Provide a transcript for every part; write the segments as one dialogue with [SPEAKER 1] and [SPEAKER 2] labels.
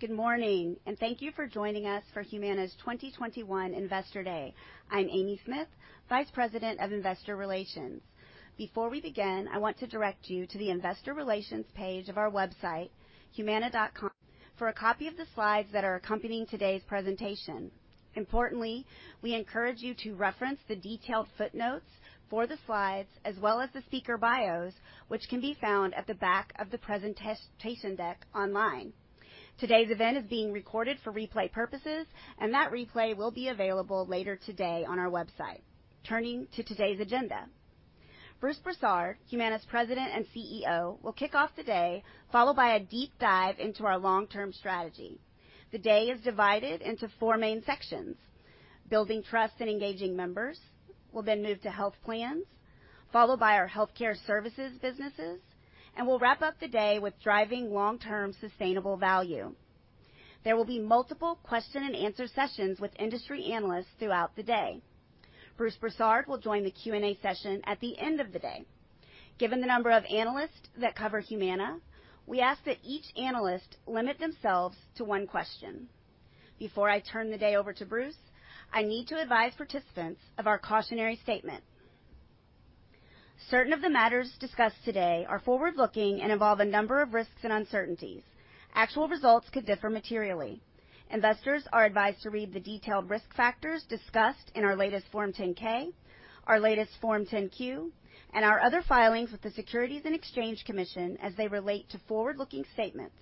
[SPEAKER 1] Good morning. Thank you for joining us for Humana's 2021 Investor Day. I'm Amy Smith, Vice President of Investor Relations. Before we begin, I want to direct you to the investor relations page of our website, humana.com, for a copy of the slides that are accompanying today's presentation. Importantly, we encourage you to reference the detailed footnotes for the slides as well as the speaker bios, which can be found at the back of the presentation deck online. Today's event is being recorded for replay purposes. That replay will be available later today on our website. Turning to today's agenda. Bruce Broussard, Humana's President and CEO, will kick off the day, followed by a deep dive into our long-term strategy. The day is divided into four main sections. Building trust and engaging members will then move to health plans, followed by our healthcare services businesses, and we'll wrap up the day with thriving long-term sustainable value. There will be multiple question and answer sessions with industry analysts throughout the day. Bruce Broussard will join the Q&A session at the end of the day. Given the number of analysts that cover Humana, we ask that each analyst limit themselves to one question. Before I turn the day over to Bruce, I need to advise participants of our cautionary statement. Certain of the matters discussed today are forward-looking and involve a number of risks and uncertainties. Actual results could differ materially. Investors are advised to read the detailed risk factors discussed in our latest Form 10-K, our latest Form 10-Q, and our other filings with the Securities and Exchange Commission as they relate to forward-looking statements,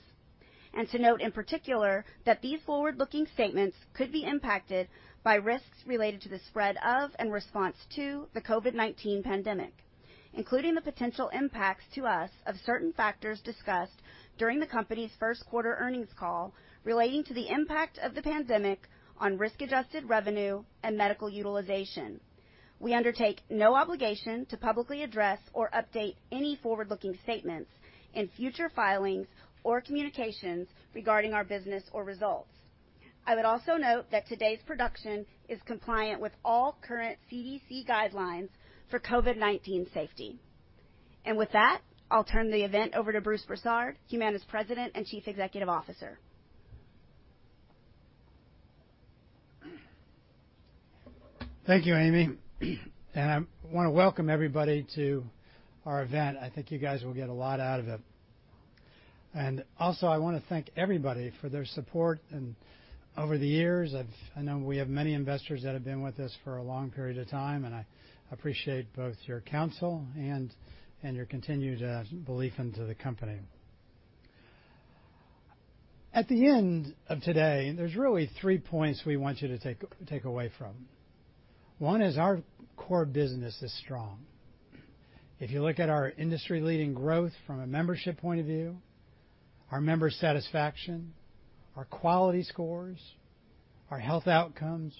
[SPEAKER 1] and to note in particular that these forward-looking statements could be impacted by risks related to the spread of and response to the COVID-19 pandemic, including the potential impacts to us of certain factors discussed during the company's first quarter earnings call relating to the impact of the pandemic on risk-adjusted revenue and medical utilization. We undertake no obligation to publicly address or update any forward-looking statements in future filings or communications regarding our business or results. I would also note that today's production is compliant with all current CDC guidelines for COVID-19 safety. With that, I'll turn the event over to Bruce Broussard, Humana's President and Chief Executive Officer.
[SPEAKER 2] Thank you, Amy. I want to welcome everybody to our event. I think you guys will get a lot out of it. Also, I want to thank everybody for their support over the years. I know we have many investors that have been with us for a long period of time, and I appreciate both your counsel and your continued belief into the company. At the end of today, there's really three points we want you to take away from. One is our core business is strong. If you look at our industry-leading growth from a membership point of view, our member satisfaction, our quality scores, our health outcomes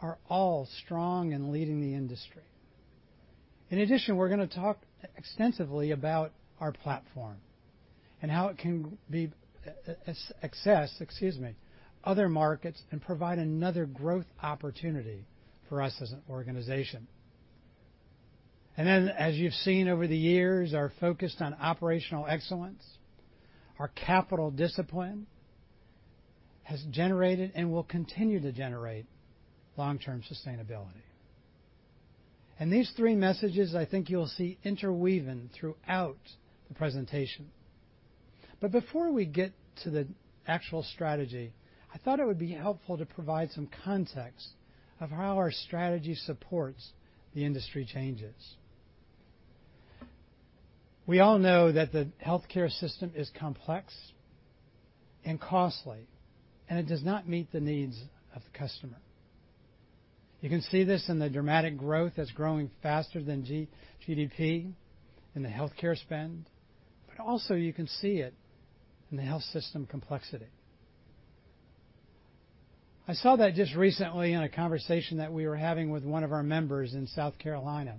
[SPEAKER 2] are all strong and leading the industry. In addition, we're going to talk extensively about our platform and how it can access other markets and provide another growth opportunity for us as an organization. As you've seen over the years, our focus on operational excellence, our capital discipline has generated and will continue to generate long-term sustainability. These three messages I think you'll see interweaven throughout the presentation. Before we get to the actual strategy, I thought it would be helpful to provide some context of how our strategy supports the industry changes. We all know that the healthcare system is complex and costly, and it does not meet the needs of the customer. You can see this in the dramatic growth that's growing faster than GDP in the healthcare spend, but also you can see it in the health system complexity. I saw that just recently in a conversation that we were having with one of our members in South Carolina.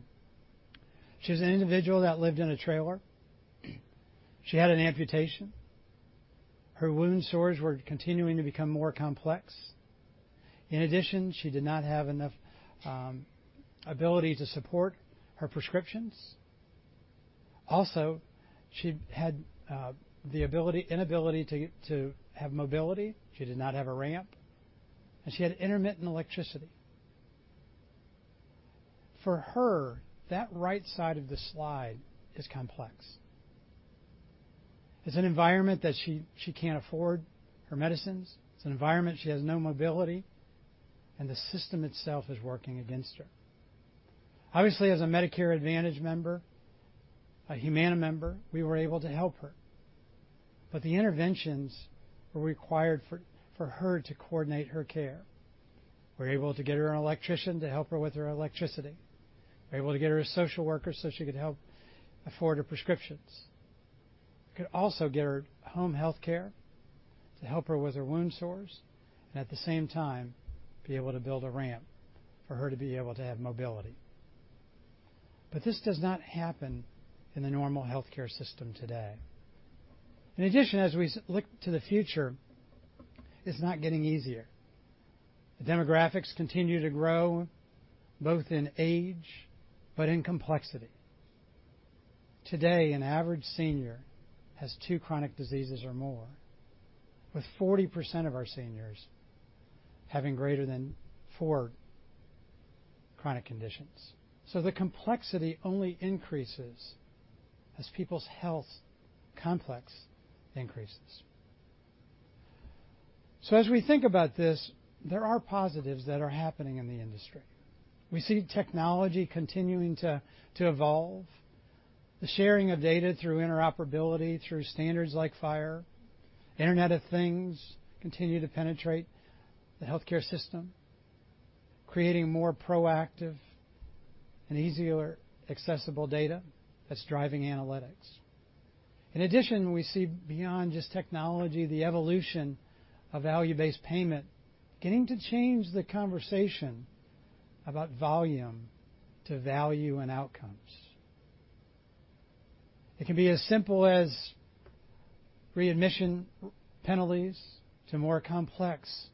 [SPEAKER 2] She's an individual that lived in a trailer. She had an amputation. Her wound sores were continuing to become more complex. In addition, she did not have enough ability to support her prescriptions. She had the inability to have mobility. She did not have a ramp, and she had intermittent electricity. For her, that right side of the slide is complex. It's an environment that she can't afford her medicines. It's an environment she has no mobility, and the system itself is working against her. Obviously, as a Medicare Advantage member, a Humana member, we were able to help her. The interventions were required for her to coordinate her care. We were able to get her an electrician to help her with her electricity. We were able to get her a social worker so she could help afford her prescriptions. We could also get her home healthcare to help her with her wound sores and at the same time be able to build a ramp for her to be able to have mobility. This does not happen in the normal healthcare system today. In addition, as we look to the future, it's not getting easier. The demographics continue to grow both in age but in complexity. Today, an average senior has two chronic diseases or more, with 40% of our seniors having greater than four chronic conditions. The complexity only increases as people's health complexity increases. As we think about this, there are positives that are happening in the industry. We see technology continuing to evolve, the sharing of data through interoperability, through standards like FHIR. Internet of Things continue to penetrate the healthcare system, creating more proactive and easier accessible data that's driving analytics. In addition, we see beyond just technology, the evolution of value-based payment beginning to change the conversation about volume to value and outcomes. It can be as simple as readmission penalties to more complex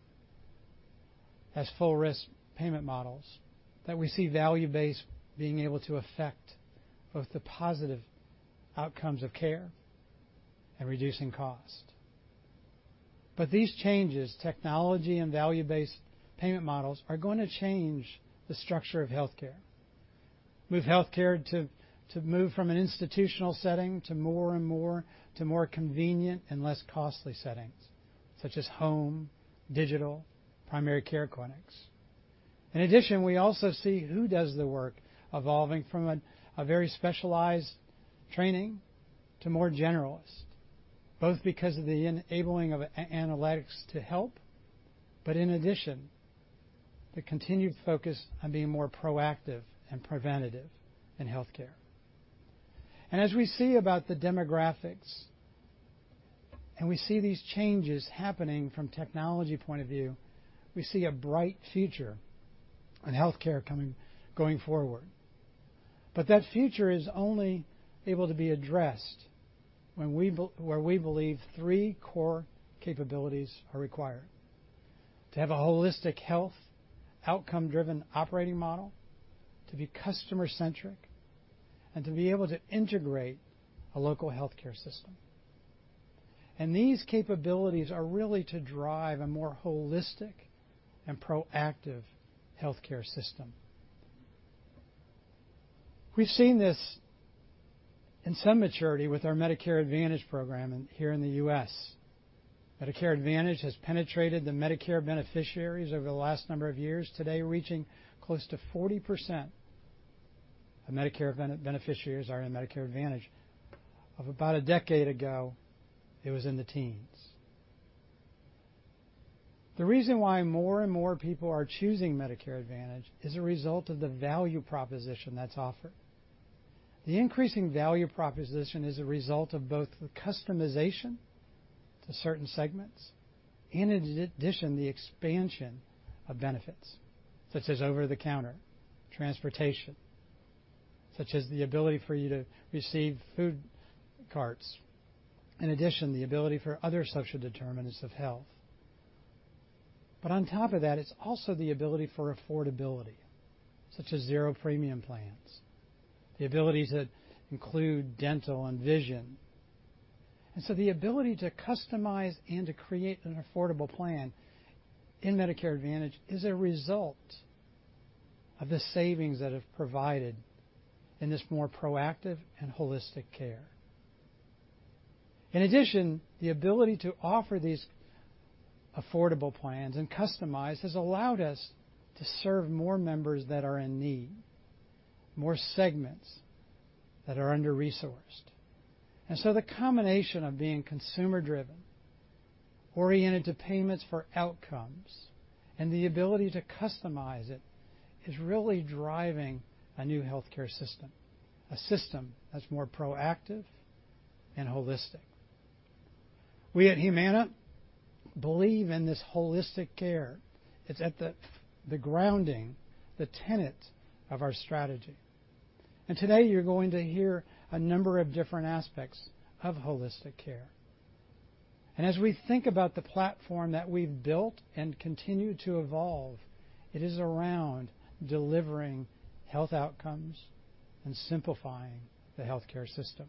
[SPEAKER 2] as full risk payment models that we see value-based being able to affect both the positive outcomes of care and reducing cost. These changes, technology and value-based payment models, are going to change the structure of healthcare. With healthcare to move from an institutional setting to more and more to more convenient and less costly settings, such as home, digital, primary care clinics. In addition, we also see who does the work evolving from a very specialized training to more generalist, both because of the enabling of analytics to help, but in addition, the continued focus on being more proactive and preventative in healthcare. As we see about the demographics, and we see these changes happening from technology point of view, we see a bright future in healthcare going forward. That future is only able to be addressed where we believe three core capabilities are required: to have a holistic health outcome-driven operating model, to be customer-centric, and to be able to integrate a local healthcare system. These capabilities are really to drive a more holistic and proactive healthcare system. We've seen this in some maturity with our Medicare Advantage program here in the U.S. Medicare Advantage has penetrated the Medicare beneficiaries over the last number of years, today reaching close to 40% of Medicare beneficiaries are in Medicare Advantage. Of about a decade ago, it was in the teens. The reason why more and more people are choosing Medicare Advantage is a result of the value proposition that's offered. The increasing value proposition is a result of both the customization to certain segments, and in addition, the expansion of benefits, such as over-the-counter transportation, such as the ability for you to receive Healthy Foods Card. The ability for other social determinants of health. On top of that, it's also the ability for affordability, such as zero premium plans, the ability to include dental and vision. The ability to customize and to create an affordable plan in Medicare Advantage is a result of the savings that have provided in this more proactive and holistic care. The ability to offer these affordable plans and customize has allowed us to serve more members that are in need, more segments that are under-resourced. The combination of being consumer-driven, oriented to payments for outcomes, and the ability to customize it is really driving a new healthcare system, a system that's more proactive and holistic. We at Humana believe in this holistic care. It's at the grounding, the tenet of our strategy. Today you're going to hear a number of different aspects of holistic care. As we think about the platform that we've built and continue to evolve, it is around delivering health outcomes and simplifying the healthcare system.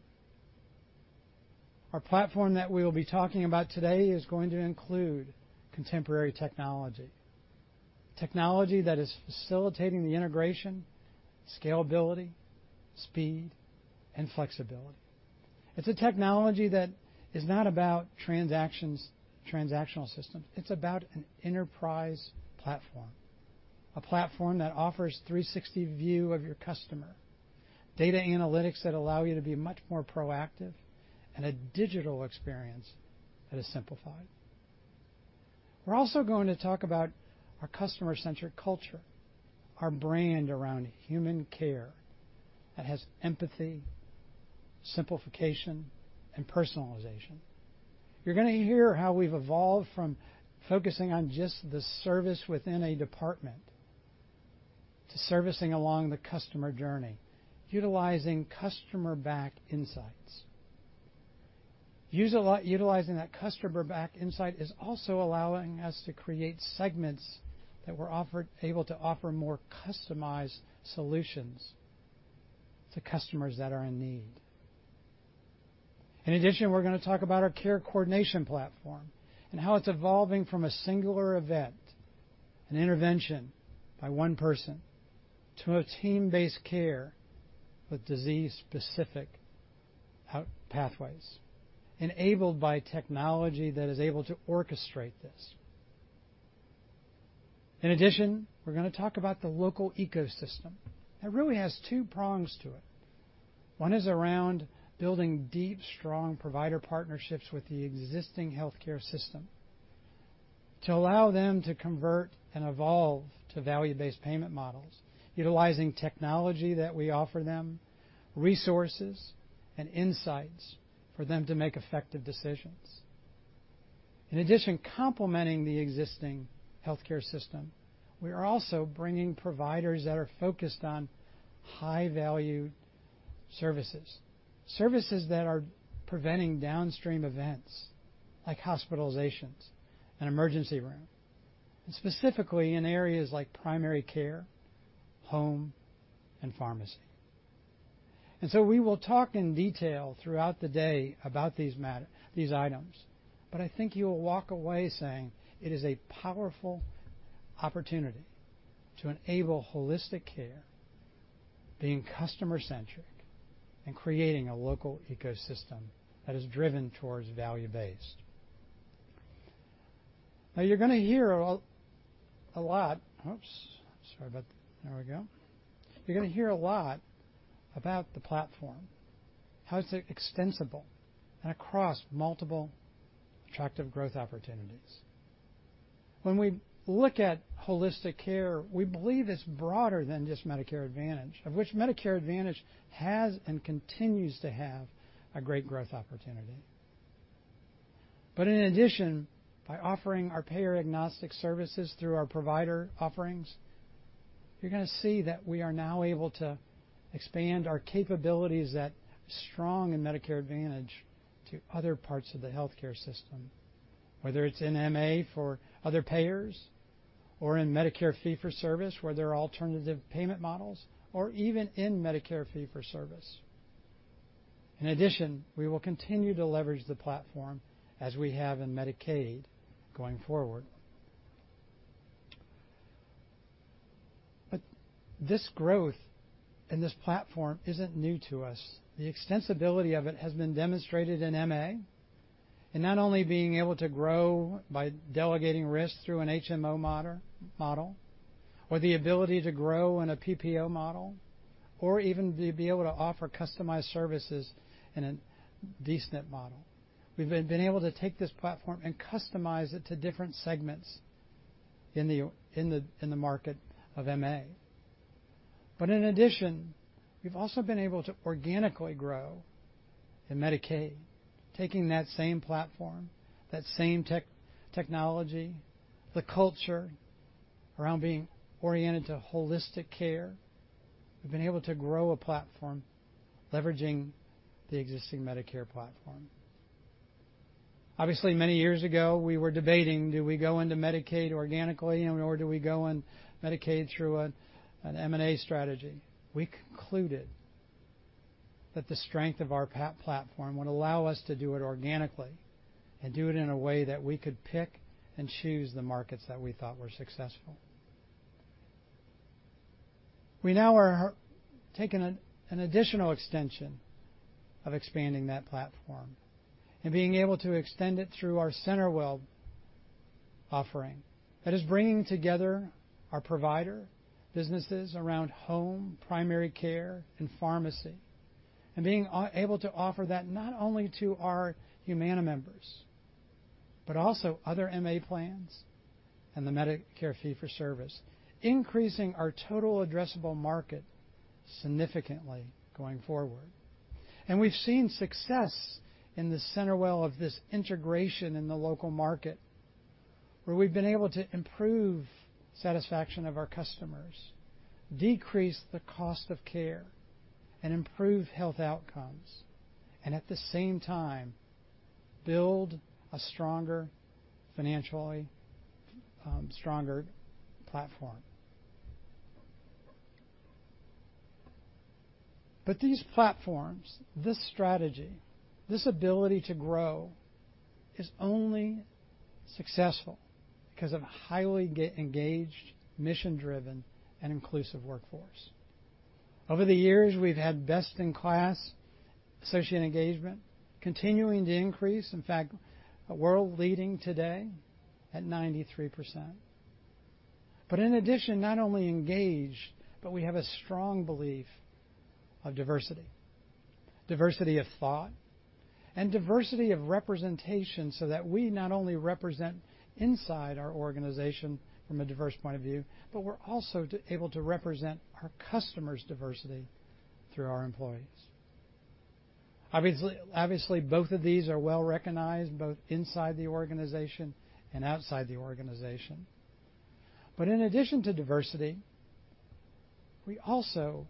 [SPEAKER 2] Our platform that we'll be talking about today is going to include contemporary technology that is facilitating integration, scalability, speed, and flexibility. It's a technology that is not about transactional systems. It's about an enterprise platform, a platform that offers 360 view of your customer, data analytics that allow you to be much more proactive, and a digital experience that is simplified. We are also going to talk about our customer-centric culture, our brand around human care that has empathy, simplification, and personalization. You are going to hear how we have evolved from focusing on just the service within a department to servicing along the customer journey, utilizing customer-backed insights. Utilizing that customer-backed insight is also allowing us to create segments that we are able to offer more customized solutions to customers that are in need. In addition, we are going to talk about our care coordination platform and how it is evolving from a singular event, an intervention by one person, to a team-based care with disease-specific pathways enabled by technology that is able to orchestrate this. We're going to talk about the local ecosystem that really has two prongs to it. One is around building deep, strong provider partnerships with the existing healthcare system to allow them to convert and evolve to value-based payment models, utilizing technology that we offer them, resources, and insights for them to make effective decisions. Complementing the existing healthcare system, we are also bringing providers that are focused on high-value services that are preventing downstream events like hospitalizations and emergency room, and specifically in areas like primary care, home, and pharmacy. We will talk in detail throughout the day about these items, but I think you will walk away saying it is a powerful opportunity to enable holistic care, being customer-centric, and creating a local ecosystem that is driven towards value-based. You're going to hear a lot. There we go. You're going to hear a lot about the platform, how it's extensible and across multiple attractive growth opportunities. When we look at holistic care, we believe it's broader than just Medicare Advantage, of which Medicare Advantage has and continues to have a great growth opportunity. In addition, by offering our payer agnostic services through our provider offerings, you're going to see that we are now able to expand our capabilities that are strong in Medicare Advantage to other parts of the healthcare system, whether it's in MA for other payers or in Medicare fee-for-service, where there are alternative payment models or even in Medicare fee-for-service. In addition, we will continue to leverage the platform as we have in Medicaid going forward. This growth and this platform isn't new to us. The extensibility of it has been demonstrated in MA, not only being able to grow by delegating risk through an HMO model or the ability to grow in a PPO model, or even to be able to offer customized services in a D-SNP model. We've been able to take this platform and customize it to different segments in the market of MA. In addition, we've also been able to organically grow in Medicaid, taking that same platform, that same technology, the culture around being oriented to holistic care. We've been able to grow a platform leveraging the existing Medicare platform. Obviously, many years ago, we were debating, do we go into Medicaid organically, or do we go in Medicaid through an M&A strategy? We concluded that the strength of our platform would allow us to do it organically and do it in a way that we could pick and choose the markets that we thought were successful. We now are taking an additional extension of expanding that platform and being able to extend it through our CenterWell offering that is bringing together our provider businesses around home, primary care, and pharmacy, and being able to offer that not only to our Humana members but also other MA plans and the Medicare fee-for-service, increasing our total addressable market significantly going forward. We've seen success in the CenterWell of this integration in the local market, where we've been able to improve satisfaction of our customers, decrease the cost of care, and improve health outcomes, and at the same time build a financially stronger platform. These platforms, this strategy, this ability to grow is only successful because of a highly engaged, mission-driven, and inclusive workforce. Over the years, we've had best-in-class associate engagement continuing to increase, in fact, world-leading today at 93%. In addition, not only engaged, but we have a strong belief of diversity of thought, and diversity of representation, so that we not only represent inside our organization from a diverse point of view, but we're also able to represent our customers' diversity through our employees. Obviously, both of these are well-recognized both inside the organization and outside the organization. In addition to diversity, we also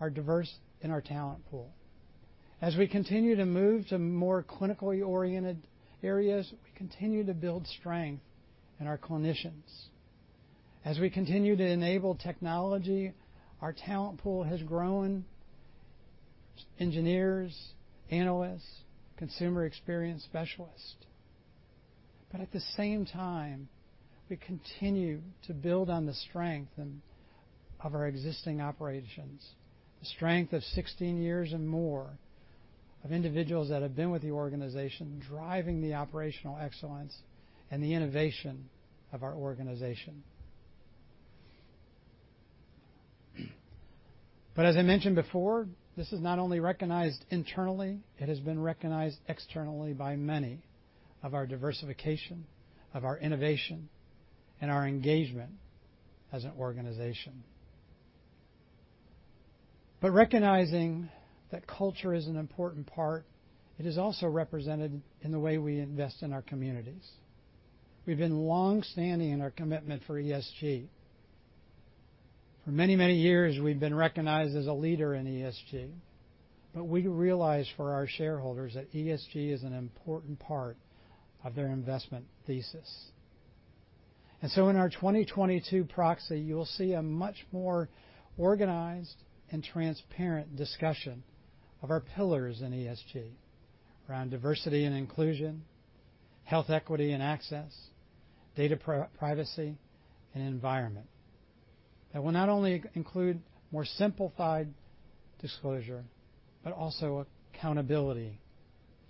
[SPEAKER 2] are diverse in our talent pool. As we continue to move to more clinically oriented areas, we continue to build strength in our clinicians. As we continue to enable technology, our talent pool has grown, engineers, analysts, consumer experience specialists. At the same time, we continue to build on the strength of our existing operations, the strength of 16 years and more of individuals that have been with the organization driving the operational excellence and the innovation of our organization. As I mentioned before, this is not only recognized internally, it has been recognized externally by many of our diversification, of our innovation, and our engagement as an organization. Recognizing that culture is an important part, it is also represented in the way we invest in our communities. We've been longstanding in our commitment for ESG. For many, many years, we've been recognized as a leader in ESG, but we realize for our shareholders that ESG is an important part of their investment thesis. In our 2022 proxy, you'll see a much more organized and transparent discussion of our pillars in ESG around diversity and inclusion, health equity and access, data privacy, and environment. That will not only include more simplified disclosure, but also accountability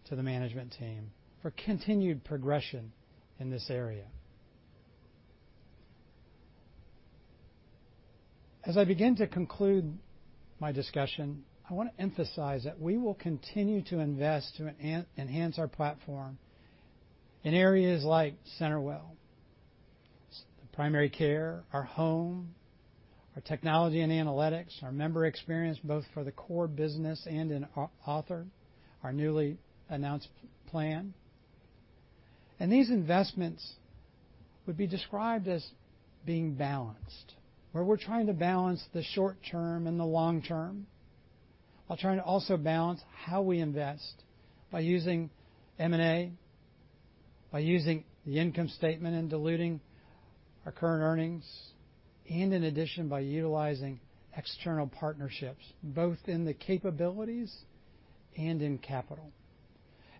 [SPEAKER 2] to the management team for continued progression in this area. As I begin to conclude my discussion, I want to emphasize that we will continue to invest to enhance our platform in areas like CenterWell, primary care, our home, our technology and analytics, our member experience both for the core business and in Author, our newly announced plan. These investments would be described as being balanced, where we're trying to balance the short term and the long term while trying to also balance how we invest by using M&A, by using the income statement and diluting our current earnings, and in addition, by utilizing external partnerships, both in the capabilities and in capital.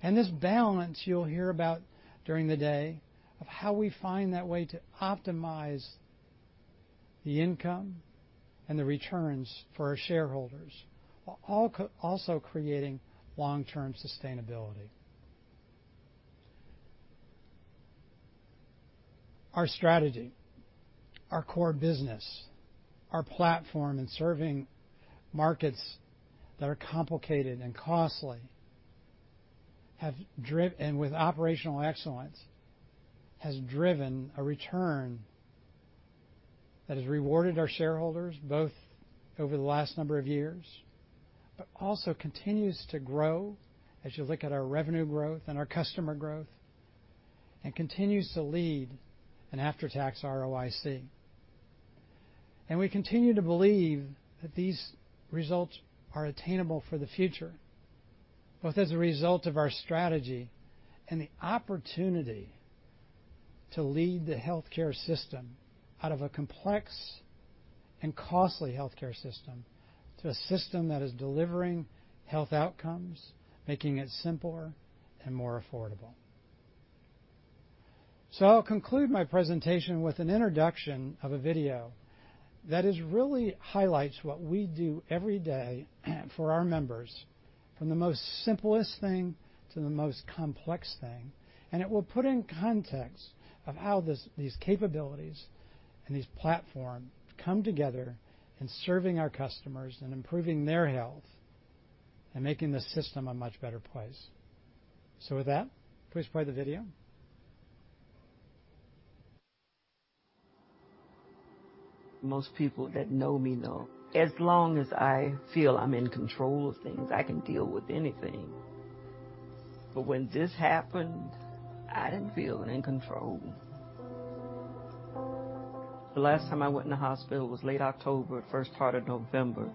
[SPEAKER 2] This balance you'll hear about during the day of how we find that way to optimize the income and the returns for our shareholders, while also creating long-term sustainability. Our strategy, our core business, our platform in serving markets that are complicated and costly, and with operational excellence, has driven a return that has rewarded our shareholders both over the last number of years but also continues to grow as you look at our revenue growth and our customer growth and continues to lead an after-tax ROIC. We continue to believe that these results are attainable for the future, both as a result of our strategy and the opportunity to lead the healthcare system out of a complex and costly healthcare system to a system that is delivering health outcomes, making it simpler and more affordable. I'll conclude my presentation with an introduction of a video that really highlights what we do every day for our members, from the most simplest thing to the most complex thing. It will put in context of how these capabilities and these platform come together in serving our customers and improving their health and making the system a much better place. With that, please play the video.
[SPEAKER 3] Most people that know me know, as long as I feel I'm in control of things, I can deal with anything. When this happened, I didn't feel in control. The last time I went in the hospital was late October, first part of November.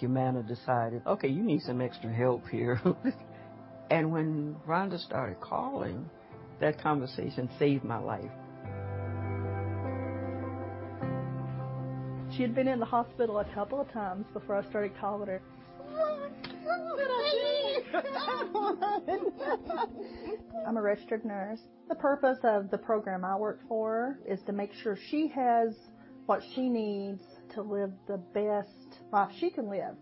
[SPEAKER 3] Humana decided, "Okay, you need some extra help here." When Rhonda started calling, that conversation saved my life. She'd been in the hospital a couple of times before I started calling her. Oh my God, Jenny. I'm a registered nurse. The purpose of the program I work for is to make sure she has what she needs to live the best life she can live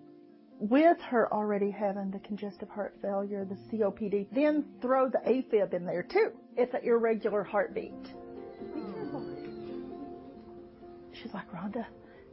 [SPEAKER 3] with her already having the congestive heart failure, the COPD, then throw the AFib in there, too. It's that irregular heartbeat. She's like, "Rhonda,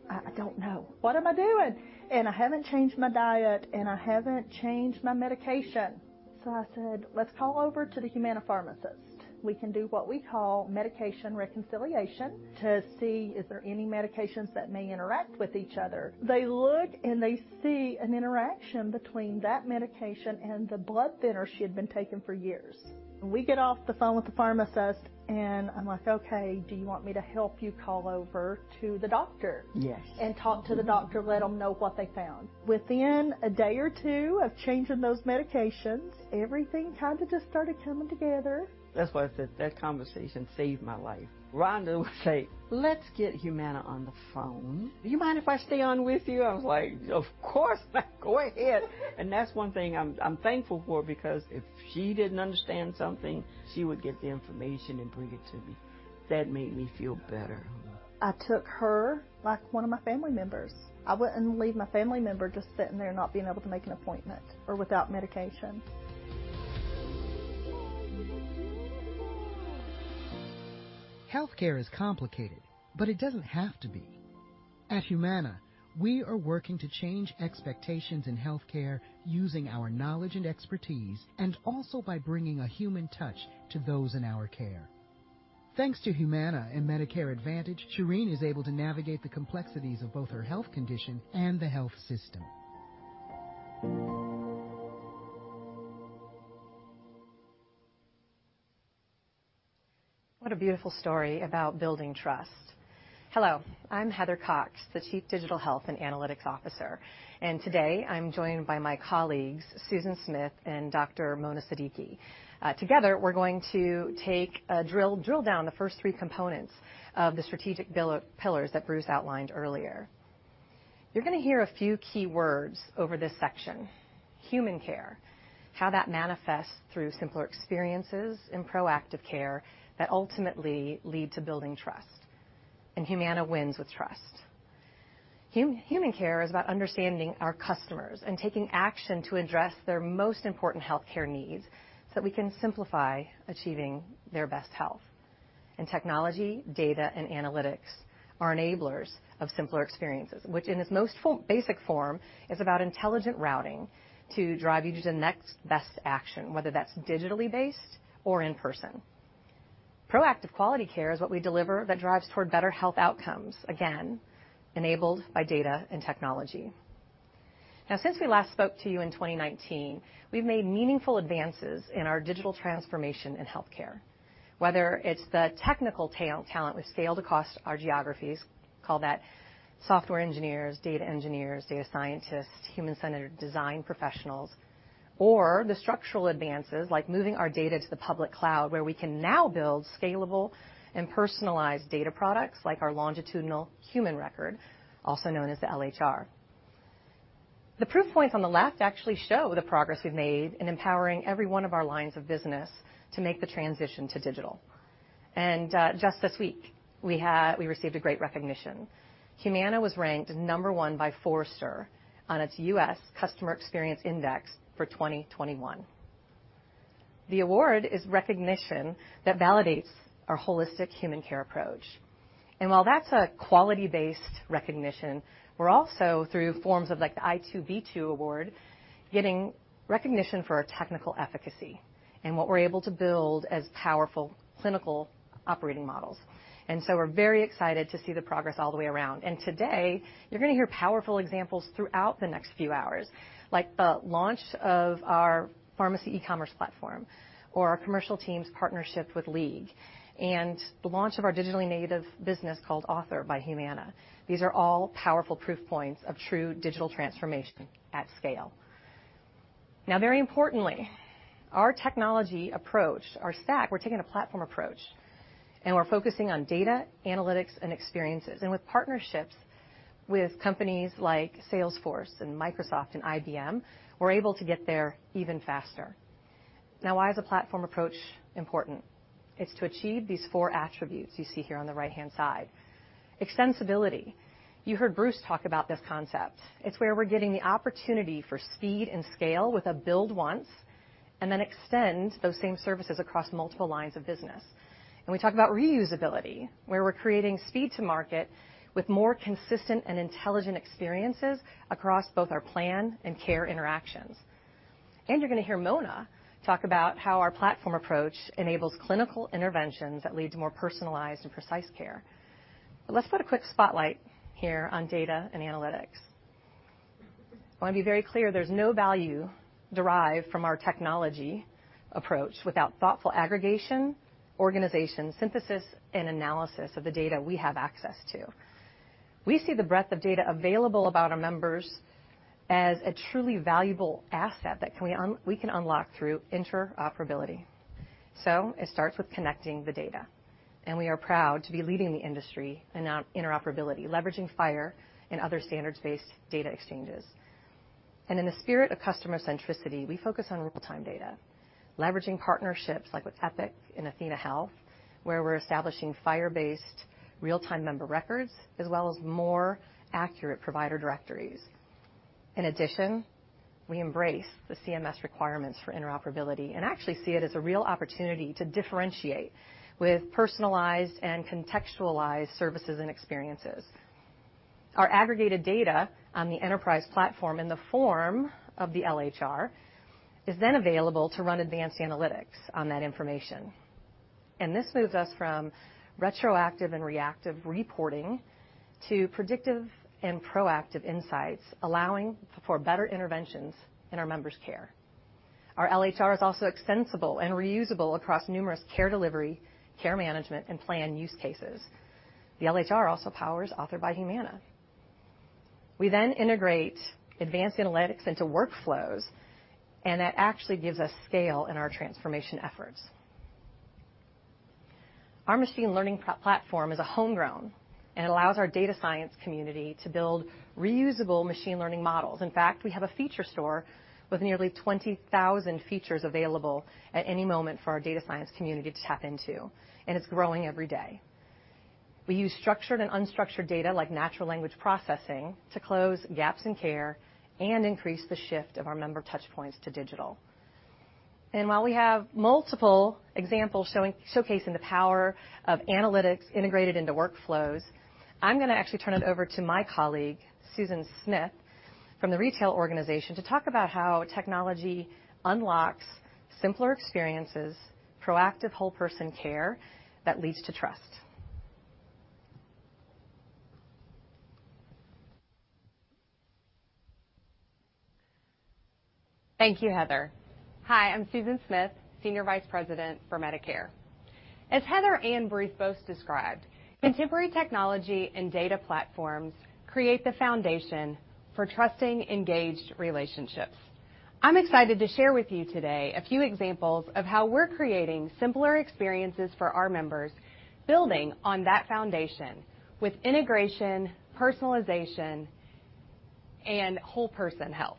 [SPEAKER 3] I don't know. What am I doing? I haven't changed my diet, and I haven't changed my medication."I said, "Let's call over to the Humana pharmacist. We can do what we call medication reconciliation to see if there are any medications that may interact with each other." They look, and they see an interaction between that medication and the blood thinner she had been taking for years. We get off the phone with the pharmacist, and I'm like, "Okay, do you want me to help you call over to the doctor? Yes. Talk to the doctor, let them know what they found. Within a day or two of changing those medications, everything kind of just started coming together. That's why I said that conversation saved my life. Rhonda would say, "Let's get Humana on the phone. Do you mind if I stay on with you?" I was like, "Of course not. Go ahead." That's one thing I'm thankful for because if she didn't understand something, she would get the information and bring it to me. That made me feel better. I took her like one of my family members. I wouldn't leave my family member just sitting there not being able to make an appointment or without medication. Healthcare is complicated, but it doesn't have to be. At Humana, we are working to change expectations in healthcare using our knowledge and expertise, and also by bringing a human touch to those in our care. Thanks to Humana and Medicare Advantage, Shireen is able to navigate the complexities of both her health condition and the health system.
[SPEAKER 4] What a beautiful story about building trust. Hello, I'm Heather Cox, the Chief Digital Health and Analytics Officer. Today I'm joined by my colleagues, Susan Smith and Dr. Mona Siddiqui. Together, we're going to drill down the first three components of the strategic pillars that Bruce outlined earlier. You're going to hear a few key words over this section. Human care, how that manifests through simpler experiences and proactive care that ultimately lead to building trust. Humana wins with trust. Human care is about understanding our customers and taking action to address their most important healthcare needs so we can simplify achieving their best health. Technology, data, and analytics are enablers of simpler experiences, which in its most basic form is about intelligent routing to drive you to the next best action, whether that's digitally based or in person. Proactive quality care is what we deliver that drives toward better health outcomes, again, enabled by data and technology. Since we last spoke to you in 2019, we've made meaningful advances in our digital transformation in healthcare, whether it's the technical talent we scale across our geographies, call that software engineers, data engineers, data scientists, human-centered design professionals, or the structural advances like moving our data to the public cloud where we can now build scalable and personalized data products like our longitudinal health record, also known as the LHR. The proof points on the left actually show the progress we've made in empowering every one of our lines of business to make the transition to digital. Just this week, we received a great recognition. Humana was ranked number one by Forrester on its U.S. Customer Experience Index for 2021. The award is recognition that validates our holistic human care approach. While that's a quality-based recognition, we're also through forms of i2b2 award, getting recognition for our technical efficacy and what we're able to build as powerful clinical operating models. We're very excited to see the progress all the way around. Today, you're going to hear powerful examples throughout the next few hours, like the launch of our pharmacy e-commerce platform, or our commercial teams partnership with League, and the launch of our digitally native business called Author by Humana. These are all powerful proof points of true digital transformation at scale. Now, very importantly, our technology approach, our stack, we're taking a platform approach, and we're focusing on data, analytics, and experiences. With partnerships with companies like Salesforce and Microsoft and IBM, we're able to get there even faster. Why is a platform approach important? It's to achieve these four attributes you see here on the right-hand side. Extensibility. You heard Bruce talk about this concept. It's where we're getting the opportunity for speed and scale with a build once and then extend those same services across multiple lines of business. We talk about reusability, where we're creating speed to market with more consistent and intelligent experiences across both our plan and care interactions. You're going to hear Mona talk about how our platform approach enables clinical interventions that lead to more personalized and precise care. Let's put a quick spotlight here on data and analytics. I want to be very clear, there's no value derived from our technology approach without thoughtful aggregation, organization, synthesis, and analysis of the data we have access to. We see the breadth of data available about our members as a truly valuable asset that we can unlock through interoperability. It starts with connecting the data, and we are proud to be leading the industry in our interoperability, leveraging FHIR and other standards-based data exchanges. In the spirit of customer centricity, we focus on real-time data, leveraging partnerships like with Epic and athenahealth, where we're establishing FHIR-based real-time member records as well as more accurate provider directories. In addition, we embrace the CMS requirements for interoperability and actually see it as a real opportunity to differentiate with personalized and contextualized services and experiences. Our aggregated data on the enterprise platform in the form of the LHR is then available to run advanced analytics on that information. This moves us from retroactive and reactive reporting to predictive and proactive insights, allowing for better interventions in our members' care. Our LHR is also extensible and reusable across numerous care delivery, care management, and plan use cases. The LHR also powers Author by Humana. We integrate advanced analytics into workflows, and it actually gives us scale in our transformation efforts. Our machine learning platform is homegrown and allows our data science community to build reusable machine learning models. In fact, we have a feature store with nearly 20,000 features available at any moment for our data science community to tap into, and it's growing every day. We use structured and unstructured data like natural language processing to close gaps in care and increase the shift of our member touchpoints to digital. While we have multiple examples showcasing the power of analytics integrated into workflows, I'm going to actually turn it over to my colleague, Susan Smith, from the retail organization to talk about how technology unlocks simpler experiences, proactive whole-person care that leads to trust.
[SPEAKER 5] Thank you, Heather. Hi, I'm Susan Smith, Senior Vice President for Medicare. As Heather and Bruce both described, contemporary technology and data platforms create the foundation for trusting, engaged relationships. I'm excited to share with you today a few examples of how we're creating simpler experiences for our members, building on that foundation with integration, personalization, and whole-person health.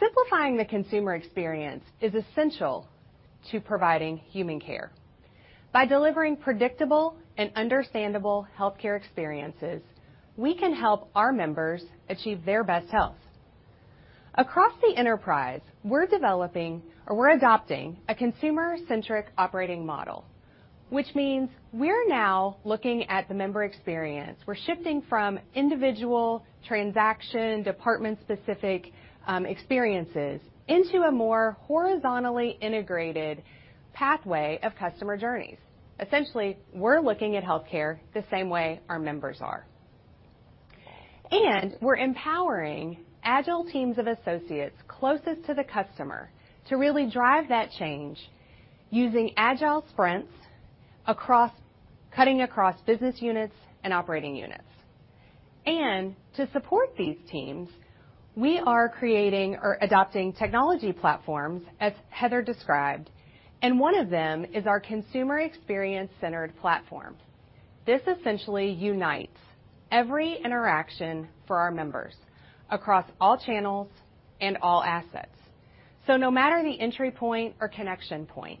[SPEAKER 5] Simplifying the consumer experience is essential to providing human care. By delivering predictable and understandable healthcare experiences, we can help our members achieve their best health. Across the enterprise, we're adopting a consumer-centric operating model, which means we're now looking at the member experience. We're shifting from individual transaction, department-specific experiences into a more horizontally integrated pathway of customer journeys. Essentially, we're looking at healthcare the same way our members are. We're empowering agile teams of associates closest to the customer to really drive that change using agile sprints, cutting across business units and operating units. To support these teams, we are creating or adopting technology platforms, as Heather described, and one of them is our consumer experience-centered platform. This essentially unites every interaction for our members across all channels and all assets. No matter the entry point or connection point,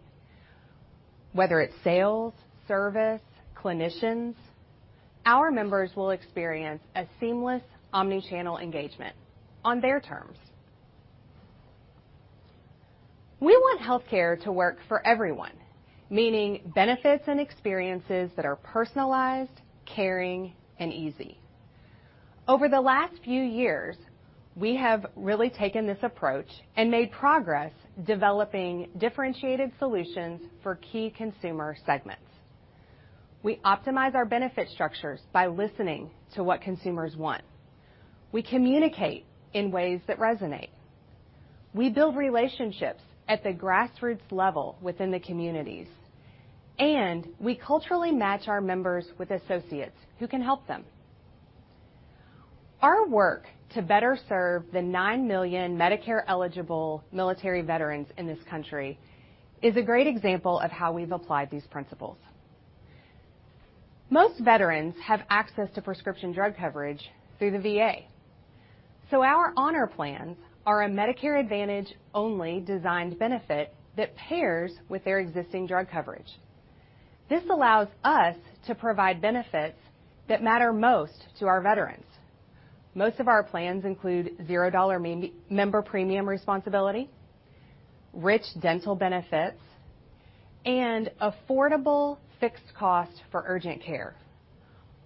[SPEAKER 5] whether it's sales, service, clinicians, our members will experience a seamless omni-channel engagement on their terms. We want healthcare to work for everyone, meaning benefits and experiences that are personalized, caring, and easy. Over the last few years, we have really taken this approach and made progress developing differentiated solutions for key consumer segments. We optimize our benefit structures by listening to what consumers want. We communicate in ways that resonate. We build relationships at the grassroots level within the communities, and we culturally match our members with associates who can help them. Our work to better serve the 9 million Medicare-eligible military veterans in this country is a great example of how we've applied these principles. Most veterans have access to prescription drug coverage through the VA. Our Honor Plans are a Medicare Advantage-only design benefit that pairs with their existing drug coverage. This allows us to provide benefits that matter most to our veterans. Most of our plans include $0 member premium responsibility, rich dental benefits, and affordable fixed costs for urgent care.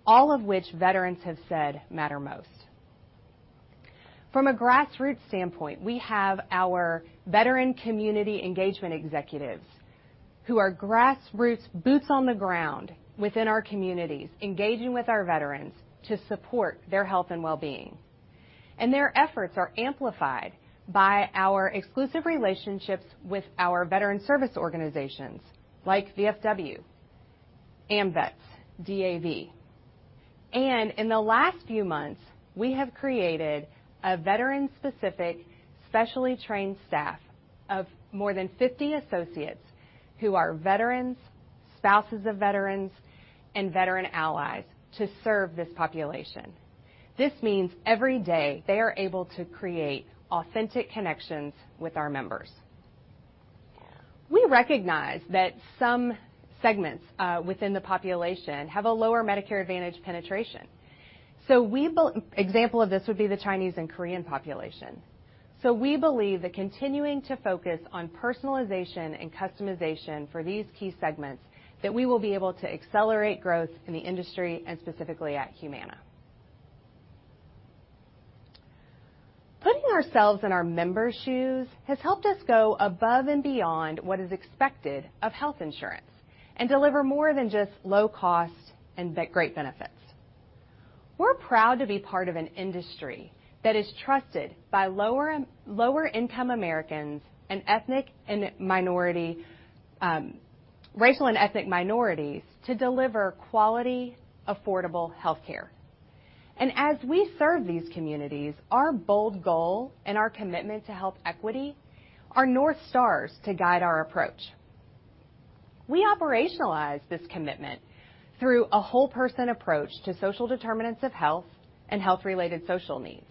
[SPEAKER 5] All of which veterans have said matter most. From a grassroots standpoint, we have our veteran community engagement executives who are grassroots boots on the ground within our communities, engaging with our veterans to support their health and well-being. Their efforts are amplified by our exclusive relationships with our veteran service organizations like VFW, AMVETS, DAV. In the last few months, we have created a veteran-specific, specially trained staff of more than 50 associates who are veterans, spouses of veterans, and veteran allies to serve this population. This means every day they are able to create authentic connections with our members. We recognize that some segments within the population have a lower Medicare Advantage penetration. An example of this would be the Chinese and Korean population. We believe that continuing to focus on personalization and customization for these key segments, that we will be able to accelerate growth in the industry and specifically at Humana. Putting ourselves in our members' shoes has helped us go above and beyond what is expected of health insurance and deliver more than just low cost and great benefits. We're proud to be part of an industry that is trusted by lower-income Americans and racial and ethnic minorities to deliver quality, affordable healthcare. As we serve these communities, our bold goal and our commitment to health equity are north stars to guide our approach. We operationalize this commitment through a whole-person approach to social determinants of health and health-related social needs.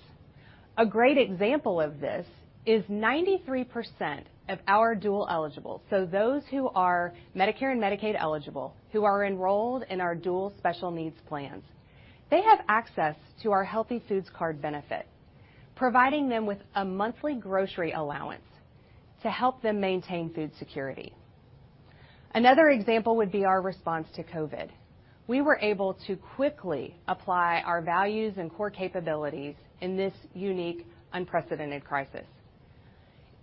[SPEAKER 5] A great example of this is 93% of our dual-eligibles, so those who are Medicare and Medicaid eligible, who are enrolled in our Dual Special Needs Plans. They have access to our Healthy Foods Card benefit, providing them with a monthly grocery allowance to help them maintain food security. Another example would be our response to COVID. We were able to quickly apply our values and core capabilities in this unique, unprecedented crisis.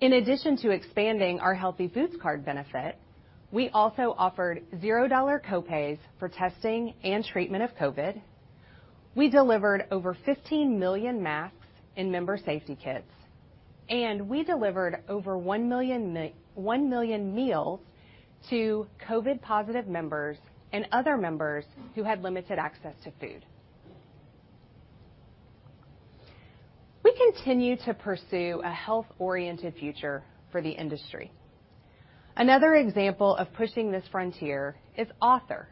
[SPEAKER 5] In addition to expanding our Healthy Foods Card benefit, we also offered $0 co-pays for testing and treatment of COVID. We delivered over 15 million masks and member safety kits, and we delivered over 1 million meals to COVID-positive members and other members who had limited access to food. We continue to pursue a health-oriented future for the industry. Another example of pushing this frontier is Author,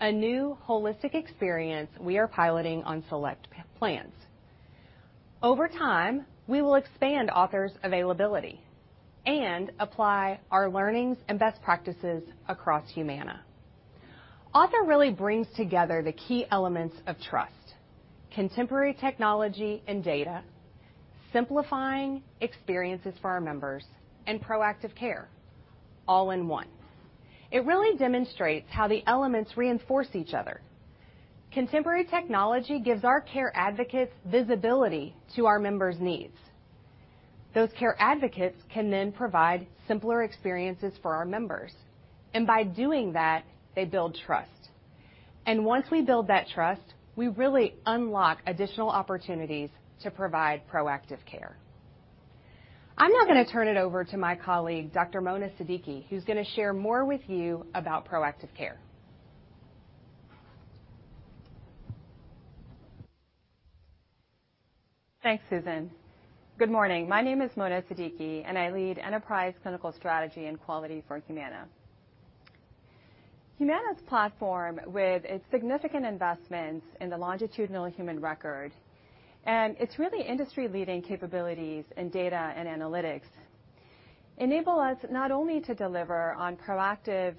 [SPEAKER 5] a new holistic experience we are piloting on select plans. Over time, we will expand Author's availability and apply our learnings and best practices across Humana. Author really brings together the key elements of trust, contemporary technology and data, simplifying experiences for our members, and proactive care all in one. It really demonstrates how the elements reinforce each other. Contemporary technology gives our care advocates visibility to our members' needs. Those care advocates can then provide simpler experiences for our members, and by doing that, they build trust. Once we build that trust, we really unlock additional opportunities to provide proactive care. I am now going to turn it over to my colleague, Dr. Mona Siddiqui, who is going to share more with you about proactive care.
[SPEAKER 6] Thanks, Susan. Good morning. My name is Mona Siddiqui, and I lead Enterprise Clinical Strategy and Quality for Humana. Humana's platform with its significant investments in the longitudinal health record, and its really industry-leading capabilities in data and analytics enable us not only to deliver on proactive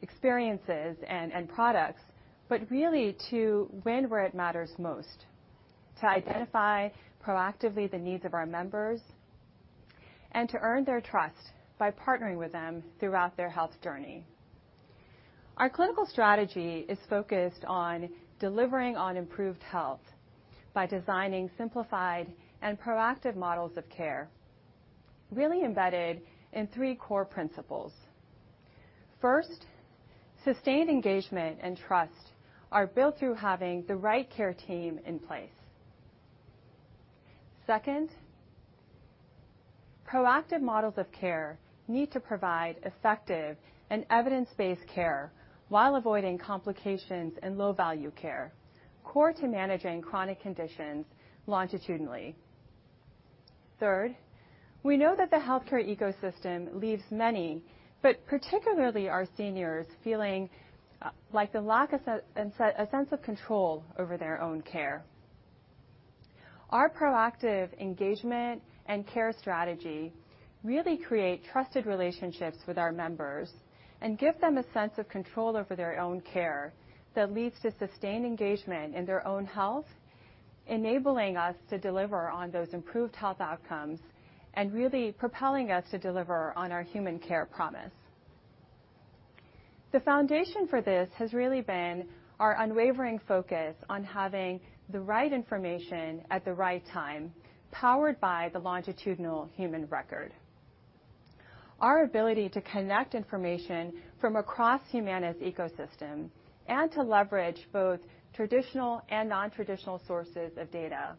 [SPEAKER 6] experiences and products, but really to win where it matters most, to identify proactively the needs of our members and to earn their trust by partnering with them throughout their health journey. Our clinical strategy is focused on delivering on improved health by designing simplified and proactive models of care, really embedded in three core principles. First, sustained engagement and trust are built through having the right care team in place. Second, proactive models of care need to provide effective and evidence-based care while avoiding complications and low-value care core to managing chronic conditions longitudinally. Third, we know that the healthcare ecosystem leaves many, but particularly our seniors, feeling like a lack of a sense of control over their own care. Our proactive engagement and care strategy really create trusted relationships with our members and give them a sense of control over their own care that leads to sustained engagement in their own health, enabling us to deliver on those improved health outcomes and really propelling us to deliver on our Humana Care Promise. The foundation for this has really been our unwavering focus on having the right information at the right time, powered by the longitudinal health record. Our ability to connect information from across Humana's ecosystem and to leverage both traditional and non-traditional sources of data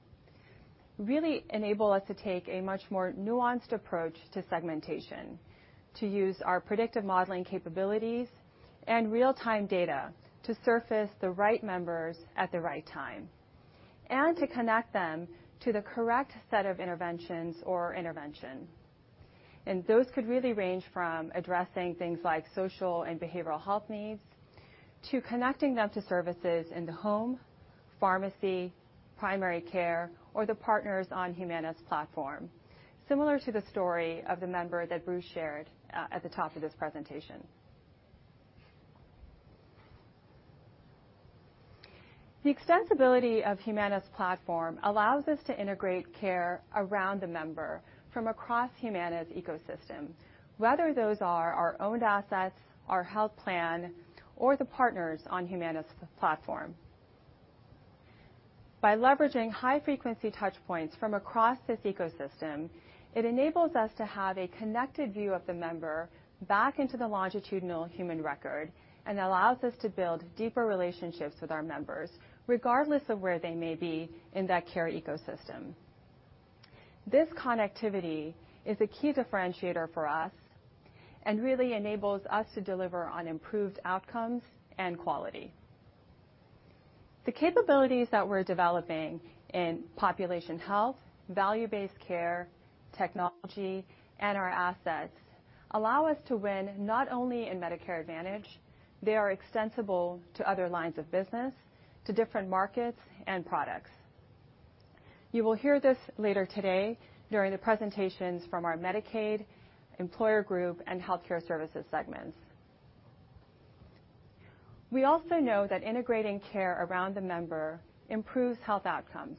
[SPEAKER 6] really enable us to take a much more nuanced approach to segmentation, to use our predictive modeling capabilities and real-time data to surface the right members at the right time, and to connect them to the correct set of interventions or intervention. And those could really range from addressing things like social and behavioral health needs to connecting them to services in the home, pharmacy, primary care, or the partners on Humana's platform. Similar to the story of the member that Bruce shared at the top of this presentation. The accessibility of Humana's platform allows us to integrate care around a member from across Humana's ecosystem, whether those are our own assets, our health plan, or the partners on Humana's platform. By leveraging high-frequency touchpoints from across this ecosystem, it enables us to have a connected view of the member back into the longitudinal health record and allows us to build deeper relationships with our members regardless of where they may be in that care ecosystem. This connectivity is a key differentiator for us and really enables us to deliver on improved outcomes and quality. The capabilities that we're developing in population health, value-based care, technology, and our assets allow us to win not only in Medicare Advantage, they are extensible to other lines of business, to different markets, and products. You will hear this later today during the presentations from our Medicaid, employer group, and healthcare services segments. We also know that integrating care around a member improves health outcomes.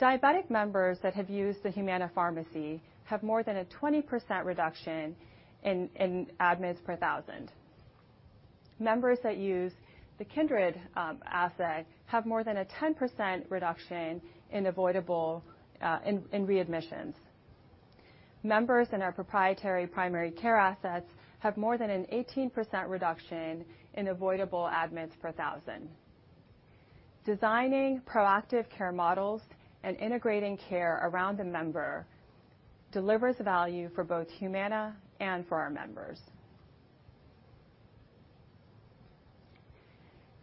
[SPEAKER 6] Diabetic members that have used the Humana Pharmacy have more than a 20% reduction in admits per thousand. Members that use the Kindred asset have more than a 10% reduction in readmissions. Members in our proprietary primary care assets have more than an 18% reduction in avoidable admits per 1,000. Designing proactive care models and integrating care around a member delivers value for both Humana and for our members.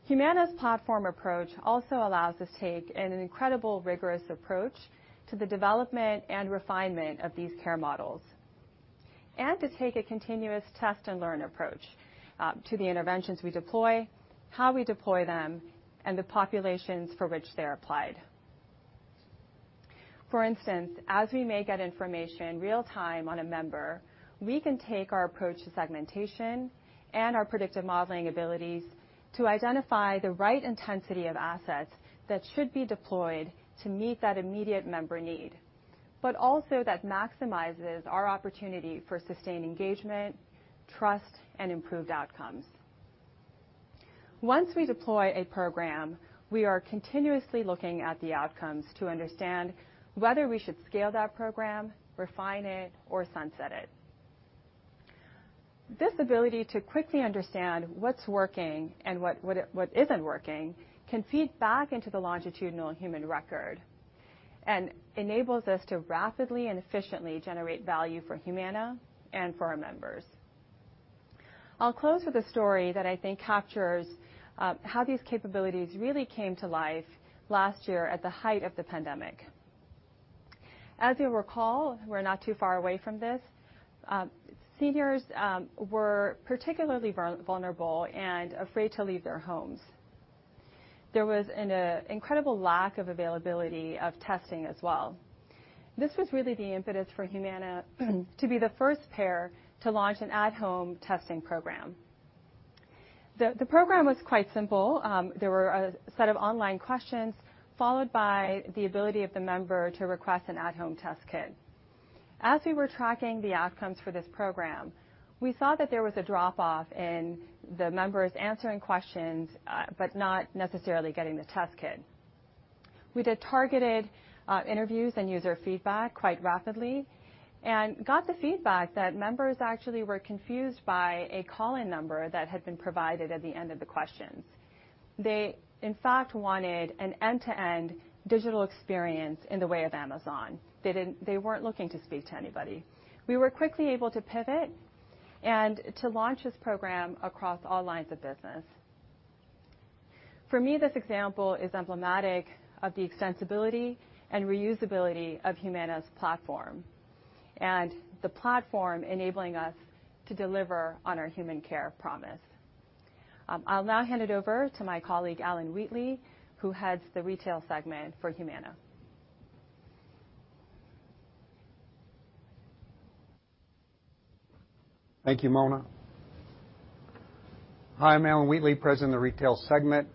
[SPEAKER 6] Humana's platform approach also allows us to take an incredibly rigorous approach to the development and refinement of these care models and to take a continuous test-and-learn approach to the interventions we deploy, how we deploy them, and the populations for which they're applied. For instance, as we may get information in real-time on a member, we can take our approach to segmentation and our predictive modeling abilities to identify the right intensity of assets that should be deployed to meet that immediate member need, but also that maximizes our opportunity for sustained engagement, trust, and improved outcomes. Once we deploy a program, we are continuously looking at the outcomes to understand whether we should scale that program, refine it, or sunset it. This ability to quickly understand what's working and what isn't working can feed back into the longitudinal health record and enables us to rapidly and efficiently generate value for Humana and for our members. I'll close with a story that I think captures how these capabilities really came to life last year at the height of the pandemic. As you recall, we're not too far away from this, seniors were particularly vulnerable and afraid to leave their homes. There was an incredible lack of availability of testing as well. This was really the impetus for Humana to be the first payer to launch an at-home testing program. The program was quite simple. There were a set of online questions followed by the ability of the member to request an at-home test kit. As we were tracking the outcomes for this program, we saw that there was a drop-off in the members answering questions but not necessarily getting the test kit. We did targeted interviews and user feedback quite rapidly and got the feedback that members actually were confused by a calling number that had been provided at the end of the questions. They, in fact, wanted an end-to-end digital experience in the way of Amazon. They weren't looking to speak to anybody. We were quickly able to pivot and to launch this program across all lines of business. For me, this example is emblematic of the extensibility and reusability of Humana's platform and the platform enabling us to deliver on our human care promise. I'll now hand it over to my colleague, Alan Wheatley, who heads the Retail Segment for Humana.
[SPEAKER 7] Thank you, Mona. Hi, I'm Alan Wheatley, President of the Retail Segment.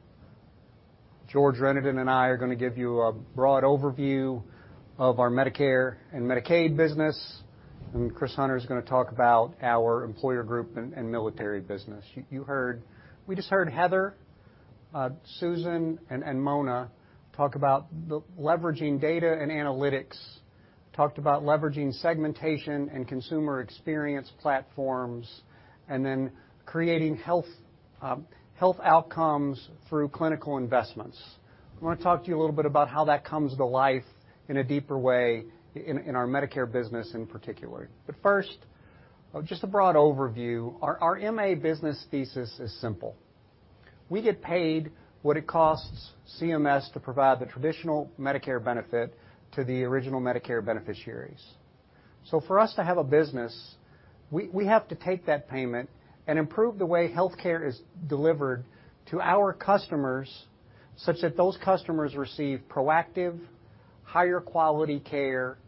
[SPEAKER 7] George Renaudin and I are going to give you a broad overview of our Medicare and Medicaid business, and Chris Hunter is going to talk about our employer group and military business. We just heard Heather, Susan, and Mona talk about leveraging data and analytics, talked about leveraging segmentation and consumer experience platforms, and then creating health outcomes through clinical investments. I want to talk to you a little bit about how that comes to life in a deeper way in our Medicare business in particular. But first, just a broad overview. Our MA business thesis is simple. We get paid what it costs CMS to provide the traditional Medicare benefit to the original Medicare beneficiaries. For us to have a business, we have to take that payment and improve the way healthcare is delivered to our customers, such that those customers receive proactive, higher-quality care.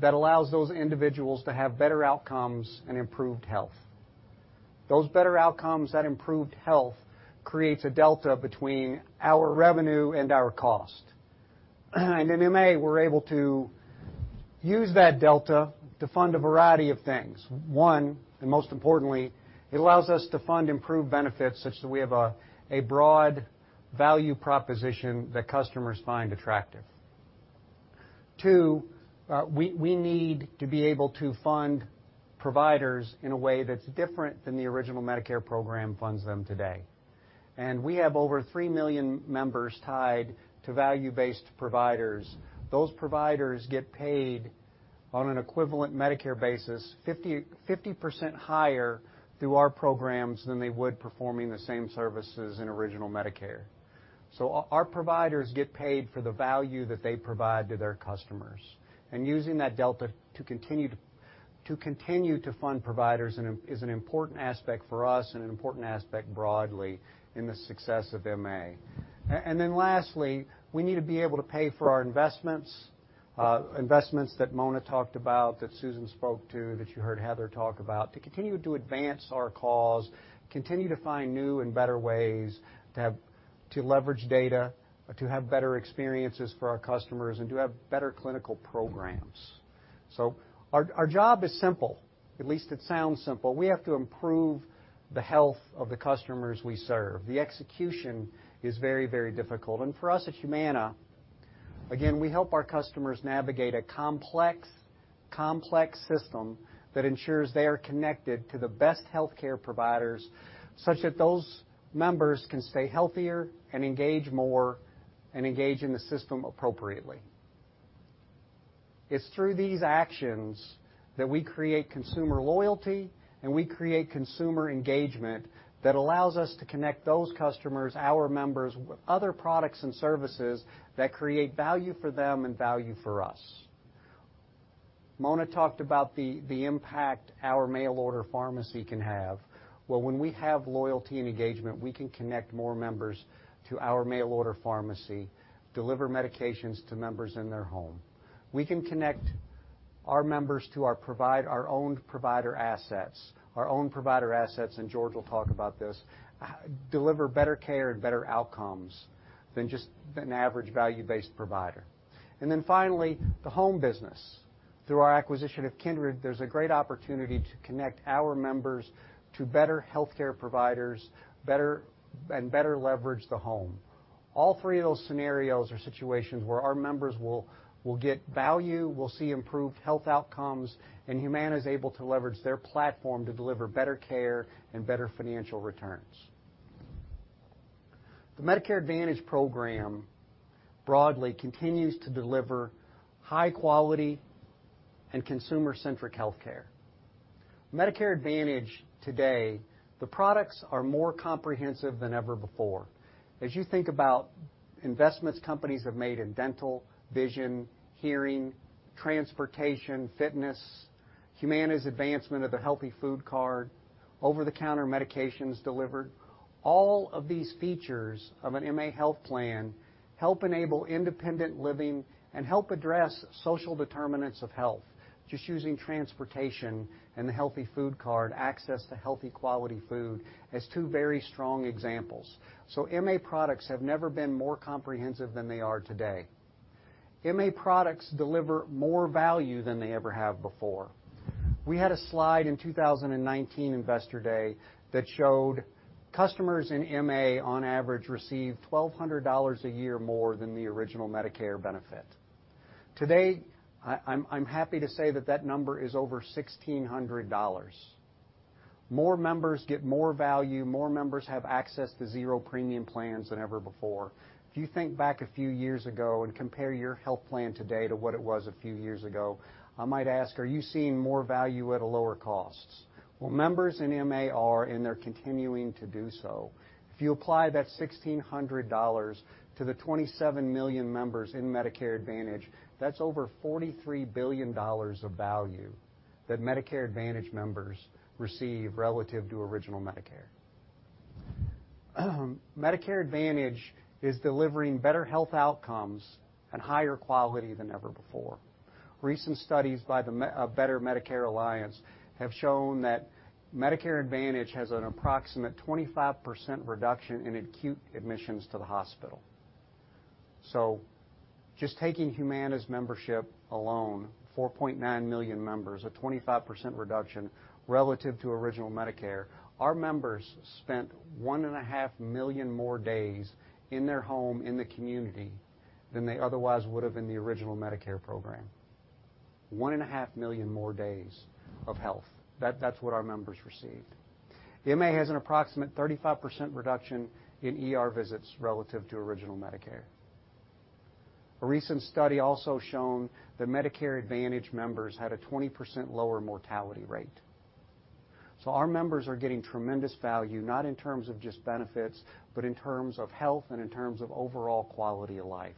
[SPEAKER 7] That allows those individuals to have better outcomes and improved health. Those better outcomes, that improved health, creates a delta between our revenue and our cost. In MA, we're able to use that delta to fund a variety of things. One, and most importantly, it allows us to fund improved benefits such that we have a broad value proposition that customers find attractive. Two, we need to be able to fund providers in a way that's different than the original Medicare program funds them today. We have over 3 million members tied to value-based providers. Those providers get paid on an equivalent Medicare basis 50% higher through our programs than they would performing the same services in original Medicare. Our providers get paid for the value that they provide to their customers. Using that delta to continue to fund providers is an important aspect for us and an important aspect broadly in the success of MA. Lastly, we need to be able to pay for our investments that Mona talked about, that Susan spoke to, that you heard Heather talk about, to continue to advance our cause, continue to find new and better ways to leverage data, to have better experiences for our customers, and to have better clinical programs. Our job is simple. At least it sounds simple. We have to improve the health of the customers we serve. The execution is very, very difficult. For us at Humana, again, we help our customers navigate a complex system that ensures they are connected to the best healthcare providers, such that those members can stay healthier and engage more and engage in the system appropriately. It's through these actions that we create consumer loyalty, and we create consumer engagement that allows us to connect those customers, our members, with other products and services that create value for them and value for us. Mona talked about the impact our mail order pharmacy can have. Well, when we have loyalty and engagement, we can connect more members to our mail order pharmacy, deliver medications to members in their home. We can connect our members to our own provider assets. Our own provider assets, and George will talk about this, deliver better care and better outcomes than just an average value-based provider. Then finally, the home business. Through our acquisition of Kindred, there's a great opportunity to connect our members to better healthcare providers, and better leverage the home. All three of those scenarios are situations where our members will get value, will see improved health outcomes, and Humana is able to leverage their platform to deliver better care and better financial returns. The Medicare Advantage program broadly continues to deliver high-quality and consumer-centric healthcare. Medicare Advantage today, the products are more comprehensive than ever before. As you think about investments companies have made in dental, vision, hearing, transportation, fitness, Humana's advancement of a Healthy Foods Card, over-the-counter medications delivered, all of these features of an MA health plan help enable independent living and help address social determinants of health. Just using transportation and the Healthy Foods Card access to healthy quality food as two very strong examples. MA products have never been more comprehensive than they are today. MA products deliver more value than they ever have before. We had a slide in 2019 Investor Day that showed customers in MA on average receive $1,200 a year more than the original Medicare benefit. Today, I'm happy to say that that number is over $1,600. More members get more value. More members have access to zero premium plans than ever before. If you think back a few years ago and compare your health plan today to what it was a few years ago, I might ask, are you seeing more value at a lower cost? Well, members in MA are, and they're continuing to do so. If you apply that $1,600 to the 27 million members in Medicare Advantage, that's over $43 billion of value that Medicare Advantage members receive relative to original Medicare. Medicare Advantage is delivering better health outcomes and higher quality than ever before. Recent studies by the Better Medicare Alliance have shown that Medicare Advantage has an approximate 25% reduction in acute admissions to the hospital. Just taking Humana's membership alone, 4.9 million members, a 25% reduction relative to original Medicare, our members spent one and a half million more days in their home in the community than they otherwise would have in the original Medicare program. One and a half million more days of health. That's what our members received. MA has an approximate 35% reduction in ER visits relative to original Medicare. A recent study also shown that Medicare Advantage members had a 20% lower mortality rate. Our members are getting tremendous value, not in terms of just benefits, but in terms of health and in terms of overall quality of life.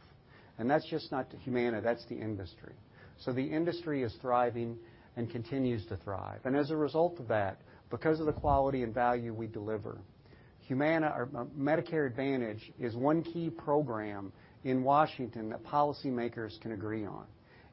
[SPEAKER 7] That's just not to Humana, that's the industry. The industry is thriving and continues to thrive. As a result of that, because of the quality and value we deliver, Humana Medicare Advantage is one key program in Washington that policymakers can agree on.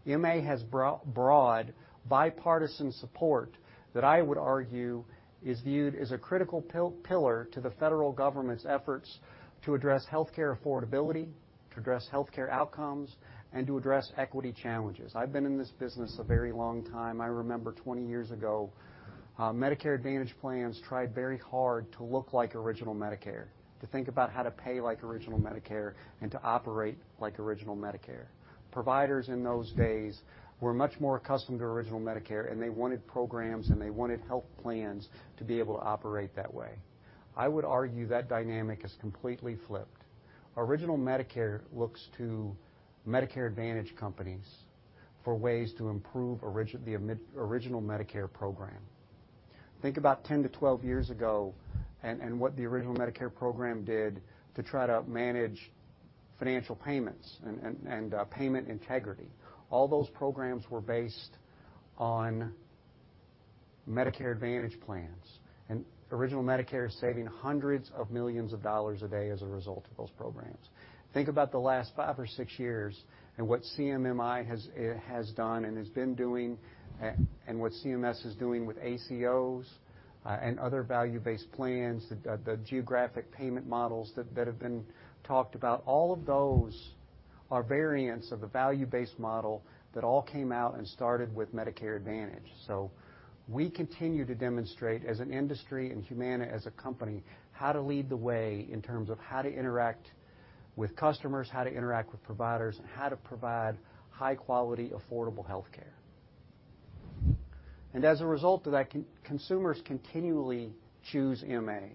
[SPEAKER 7] MA has broad bipartisan support that I would argue is viewed as a critical pillar to the federal government's efforts to address healthcare affordability, to address healthcare outcomes, and to address equity challenges. I've been in this business a very long time. I remember 20 years ago, Medicare Advantage plans tried very hard to look like original Medicare, to think about how to pay like original Medicare, and to operate like original Medicare. Providers in those days were much more accustomed to original Medicare, and they wanted programs and they wanted health plans to be able to operate that way. I would argue that dynamic has completely flipped. Original Medicare looks to Medicare Advantage companies for ways to improve the Original Medicare program. Think about 10 to 12 years ago and what the Original Medicare program did to try to manage financial payments and payment integrity. All those programs were based on Medicare Advantage plans, and Original Medicare is saving $hundreds of millions a day as a result of those programs. Think about the last five or six years and what CMMI has done and has been doing, and what CMS is doing with ACOs and other value-based plans, the geographic payment models that have been talked about. All of those are variants of a value-based model that all came out and started with Medicare Advantage. We continue to demonstrate as an industry, and Humana as a company, how to lead the way in terms of how to interact with customers, how to interact with providers, and how to provide high-quality, affordable healthcare. As a result of that, consumers continually choose MA.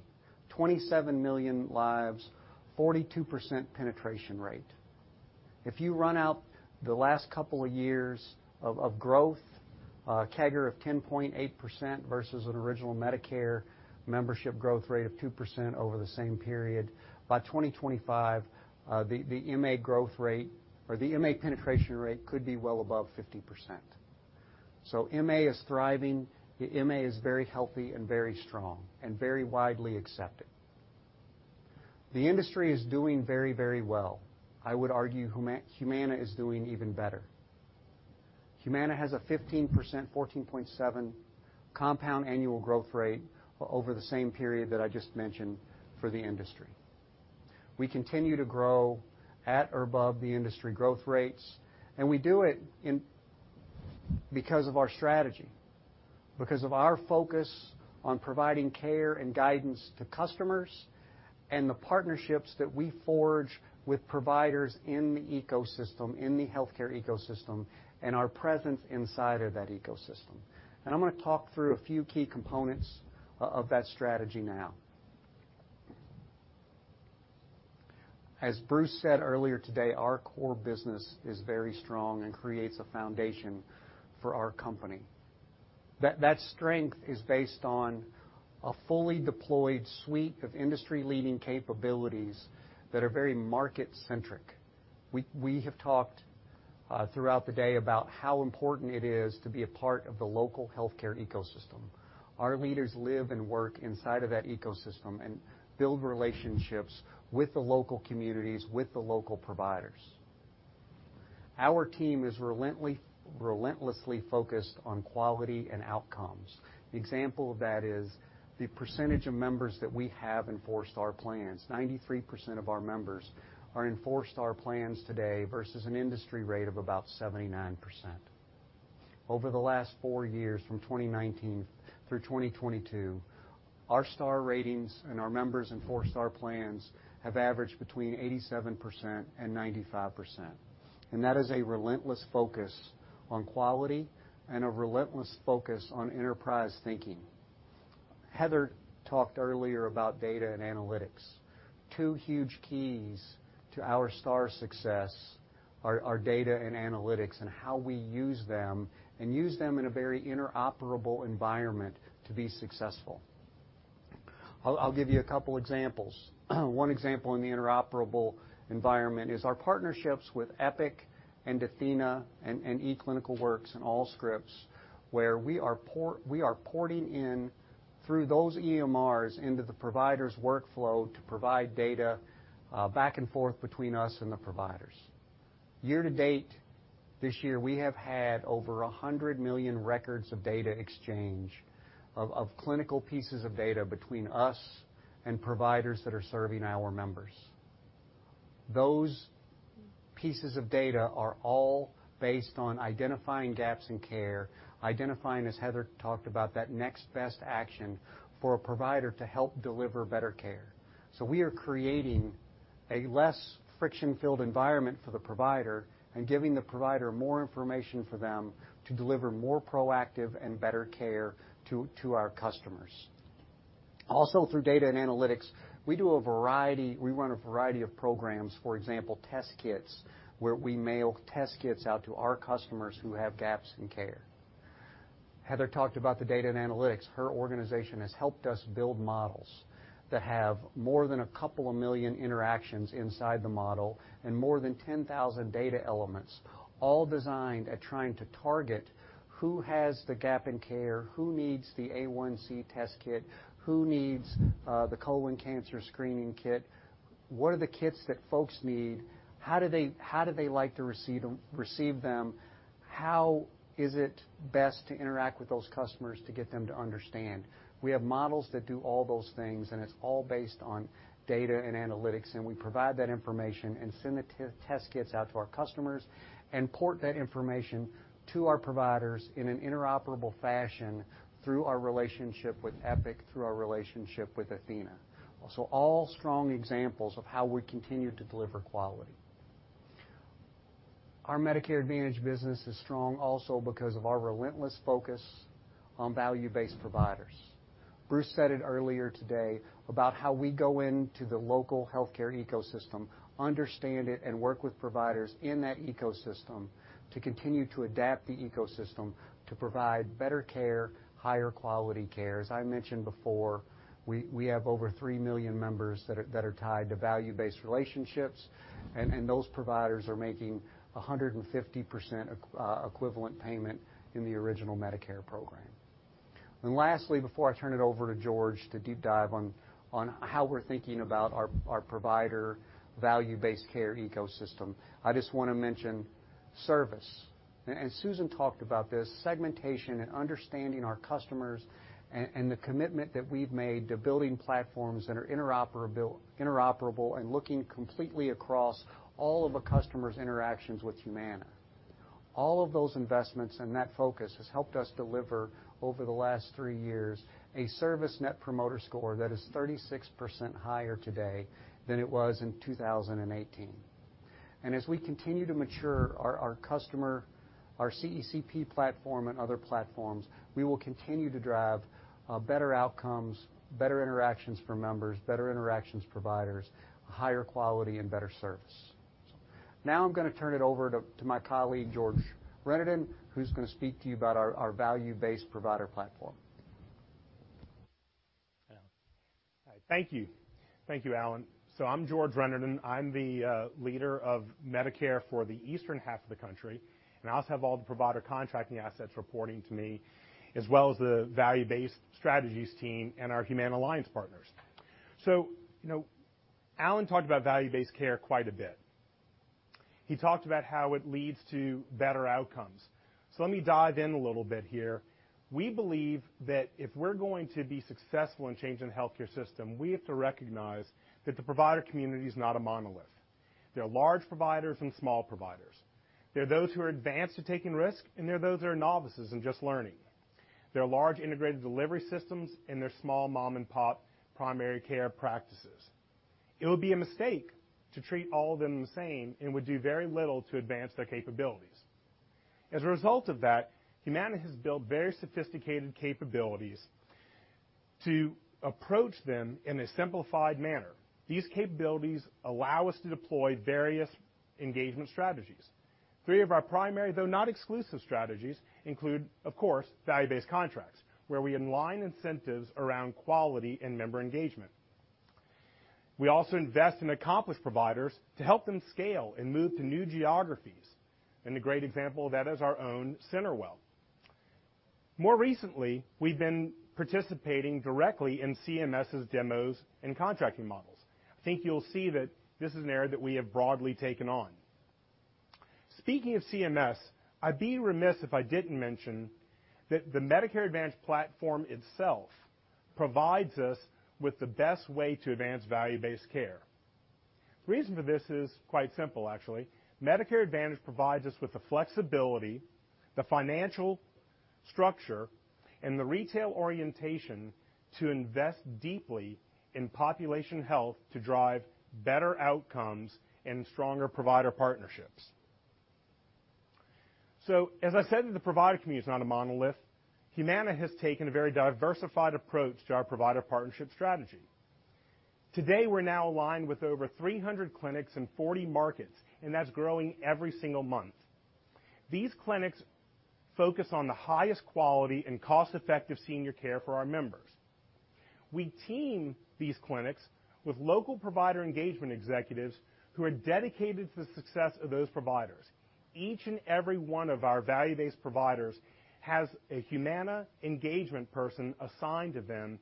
[SPEAKER 7] 27 million lives, 42% penetration rate. If you run out the last couple of years of growth, a CAGR of 10.8% versus an original Medicare membership growth rate of 2% over the same period. By 2025, the MA growth rate or the MA penetration rate could be well above 50%. MA is thriving, MA is very healthy and very strong, and very widely accepted. The industry is doing very, very well. I would argue Humana is doing even better. Humana has a 15%, 14.7 compound annual growth rate over the same period that I just mentioned for the industry. We continue to grow at or above the industry growth rates. We do it because of our strategy, because of our focus on providing care and guidance to customers, and the partnerships that we forge with providers in the healthcare ecosystem, and our presence inside of that ecosystem. I'm going to talk through a few key components of that strategy now. As Bruce said earlier today, our core business is very strong and creates a foundation for our company. That strength is based on a fully deployed suite of industry-leading capabilities that are very market-centric. We have talked throughout the day about how important it is to be a part of the local healthcare ecosystem. Our leaders live and work inside of that ecosystem and build relationships with the local communities, with the local providers. Our team is relentlessly focused on quality and outcomes. The example of that is the percentage of members that we have in four-star plans. 93% of our members are in four-star plans today versus an industry rate of about 79%. Over the last four years, from 2019 through 2022, our star ratings and our members in four-star plans have averaged between 87% and 95%. That is a relentless focus on quality and a relentless focus on enterprise thinking. Heather talked earlier about data and analytics. Two huge keys to our star success are data and analytics and how we use them, and use them in a very interoperable environment to be successful. I'll give you a couple of examples. One example in the interoperable environment is our partnerships with Epic, athenahealth, eClinicalWorks, and Allscripts, where we are porting in through those EMRs into the provider's workflow to provide data back and forth between us and the providers. Year to date this year, we have had over 100 million records of data exchange of clinical pieces of data between us and providers that are serving our members. Those pieces of data are all based on identifying gaps in care, identifying, as Heather talked about, that next best action for a provider to help deliver better care. We are creating a less friction-filled environment for the provider and giving the provider more information for them to deliver more proactive and better care to our customers. Through data and analytics, we run a variety of programs, for example, test kits, where we mail test kits out to our customers who have gaps in care. Heather talked about the data and analytics. Her organization has helped us build models that have more than 2 million interactions inside the model and more than 10,000 data elements, all designed at trying to target who has the gap in care, who needs the A1C test kit, who needs the colon cancer screening kit. What are the kits that folks need? How do they like to receive them? How is it best to interact with those customers to get them to understand? We have models that do all those things. It's all based on data and analytics. We provide that information and send the test kits out to our customers and port that information to our providers in an interoperable fashion through our relationship with Epic, through our relationship with Athena. All strong examples of how we continue to deliver quality. Our Medicare Advantage business is strong also because of our relentless focus on value-based providers. Bruce said it earlier today about how we go into the local healthcare ecosystem, understand it, and work with providers in that ecosystem to continue to adapt the ecosystem to provide better care, higher quality care. As I mentioned before, we have over 3 million members that are tied to value-based relationships. Those providers are making 150% equivalent payment in the original Medicare program. Lastly, before I turn it over to George to deep dive on how we're thinking about our provider value-based care ecosystem, I just want to mention service. Susan talked about this segmentation and understanding our customers and the commitment that we've made to building platforms that are interoperable and looking completely across all of a customer's interactions with Humana. All of those investments and that focus has helped us deliver over the last three years a service Net Promoter Score that is 36% higher today than it was in 2018. As we continue to mature our customer, our CECP platform, and other platforms, we will continue to drive better outcomes, better interactions for members, better interactions providers, higher quality, and better service. I'm going to turn it over to my colleague, George Renaudin, who's going to speak to you about our value-based provider platform.
[SPEAKER 8] Thank you. Thank you, Alan. I'm George Renaudin. I'm the leader of Medicare for the eastern half of the country, and I also have all the provider contracting assets reporting to me, as well as the value-based strategies team and our Humana alliance partners. Alan talked about value-based care quite a bit. He talked about how it leads to better outcomes. Let me dive in a little bit here. We believe that if we're going to be successful in changing the healthcare system, we have to recognize that the provider community is not a monolith. There are large providers and small providers. There are those who are advanced at taking risks, and there are those who are novices and just learning. There are large integrated delivery systems, and there are small mom-and-pop primary care practices. It would be a mistake to treat all of them the same and would do very little to advance their capabilities. As a result of that, Humana has built very sophisticated capabilities to approach them in a simplified manner. These capabilities allow us to deploy various engagement strategies. Three of our primary, though not exclusive strategies, include, of course, value-based contracts, where we align incentives around quality and member engagement. We also invest in accomplished providers to help them scale and move to new geographies, and a great example of that is our own CenterWell. More recently, we've been participating directly in CMS' demos and contracting models. I think you'll see that this is an area that we have broadly taken on. Speaking of CMS, I'd be remiss if I didn't mention that the Medicare Advantage platform itself provides us with the best way to advance value-based care. The reason for this is quite simple, actually. Medicare Advantage provides us with the flexibility, the financial structure, and the retail orientation to invest deeply in population health to drive better outcomes and stronger provider partnerships. As I said, the provider community is not a monolith. Humana has taken a very diversified approach to our provider partnership strategy. Today, we're now aligned with over 300 clinics in 40 markets, and that's growing every single month. These clinics focus on the highest quality and cost-effective senior care for our members. We team these clinics with local provider engagement executives who are dedicated to the success of those providers. Each and every one of our value-based providers has a Humana engagement person assigned to them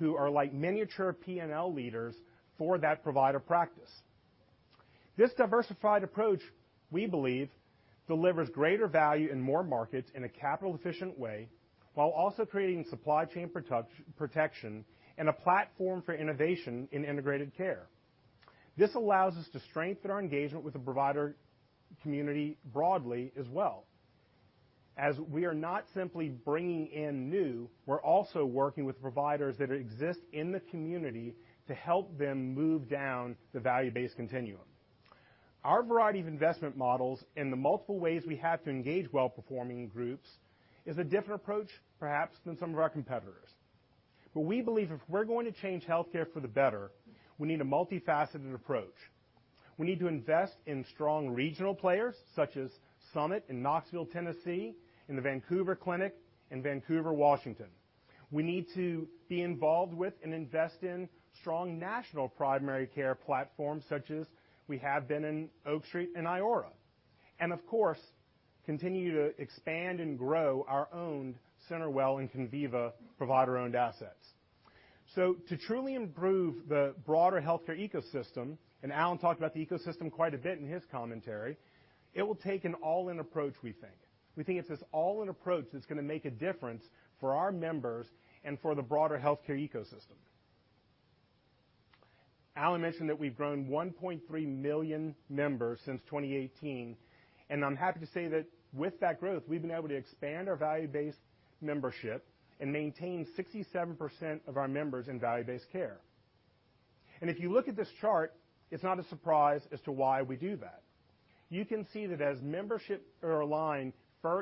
[SPEAKER 8] who are like miniature P&L leaders for that provider practice. This diversified approach, we believe, delivers greater value in more markets in a capital-efficient way while also creating supply chain protection and a platform for innovation in integrated care. This allows us to strengthen our engagement with the provider community broadly as well. As we are not simply bringing in new, we're also working with providers that exist in the community to help them move down the value-based continuum. Our variety of investment models and the multiple ways we have to engage well-performing groups is a different approach, perhaps, than some of our competitors. We believe if we're going to change healthcare for the better, we need a multifaceted approach. We need to invest in strong regional players, such as Summit in Knoxville, Tennessee, and The Vancouver Clinic in Vancouver, Washington. We need to be involved with and invest in strong national primary care platforms such as we have been in Oak Street and Iora. Of course, continue to expand and grow our own CenterWell and Conviva provider-owned assets. To truly improve the broader healthcare ecosystem, and Alan talked about the ecosystem quite a bit in his commentary, it will take an all-in approach, we think. We think it's this all-in approach that's going to make a difference for our members and for the broader healthcare ecosystem. Alan mentioned that we've grown 1.3 million members since 2018, and I'm happy to say that with that growth, we've been able to expand our value-based membership and maintain 67% of our members in value-based care. If you look at this chart, it's not a surprise as to why we do that. You can see that as membership are aligned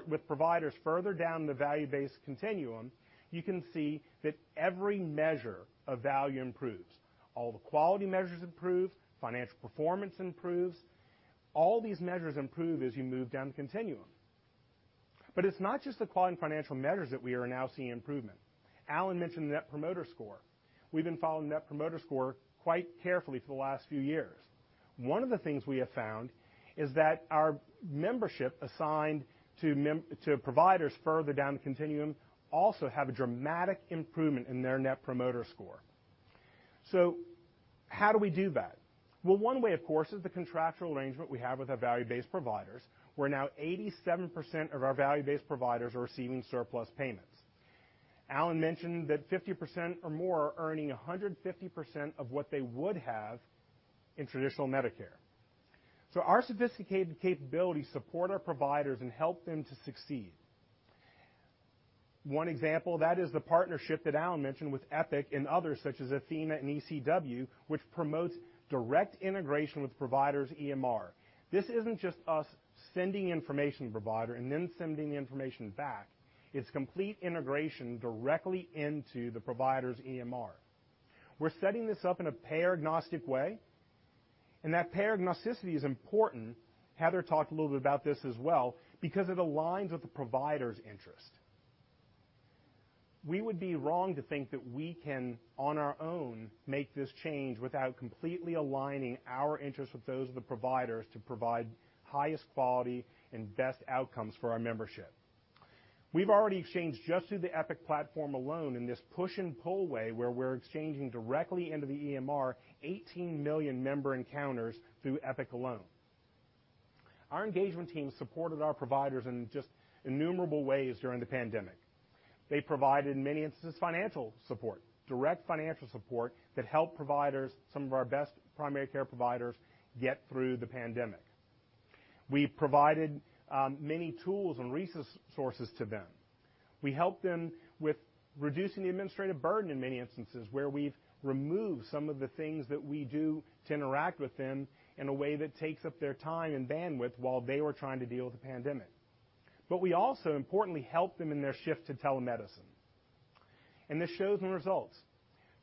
[SPEAKER 8] with providers further down the value-based continuum, you can see that every measure of value improves. All the quality measures improve, financial performance improves. All these measures improve as you move down the continuum. It's not just the quality and financial measures that we are now seeing improvement. Alan mentioned the Net Promoter Score. We've been following Net Promoter Score quite carefully for the last few years. One of the things we have found is that our membership assigned to providers further down the continuum also have a dramatic improvement in their Net Promoter Score. How do we do that? Well, one way, of course, is the contractual arrangement we have with our value-based providers, where now 87% of our value-based providers are receiving surplus payments. Alan mentioned that 50% or more are earning 150% of what they would have in traditional Medicare. Our sophisticated capabilities support our providers and help them to succeed. One example of that is the partnership that Alan mentioned with Epic and others such as Athena and ECW, which promotes direct integration with providers' EMR. This isn't just us sending information to the provider and then sending information back. It's complete integration directly into the provider's EMR. We're setting this up in a payer-agnostic way, and that payer agnosticity is important, Heather talked a little bit about this as well, because it aligns with the provider's interest. We would be wrong to think that we can, on our own, make this change without completely aligning our interests with those of the providers to provide highest quality and best outcomes for our membership. We've already exchanged just through the Epic platform alone in this push and pull way, where we're exchanging directly into the EMR 18 million member encounters through Epic alone. Our engagement team supported our providers in just innumerable ways during the pandemic. They provided, in many instances, financial support, direct financial support that helped providers, some of our best primary care providers, get through the pandemic. We provided many tools and resources to them. We helped them with reducing the administrative burden in many instances where we've removed some of the things that we do to interact with them in a way that takes up their time and bandwidth while they were trying to deal with the pandemic. We also importantly helped them in their shift to telemedicine. It shows in results.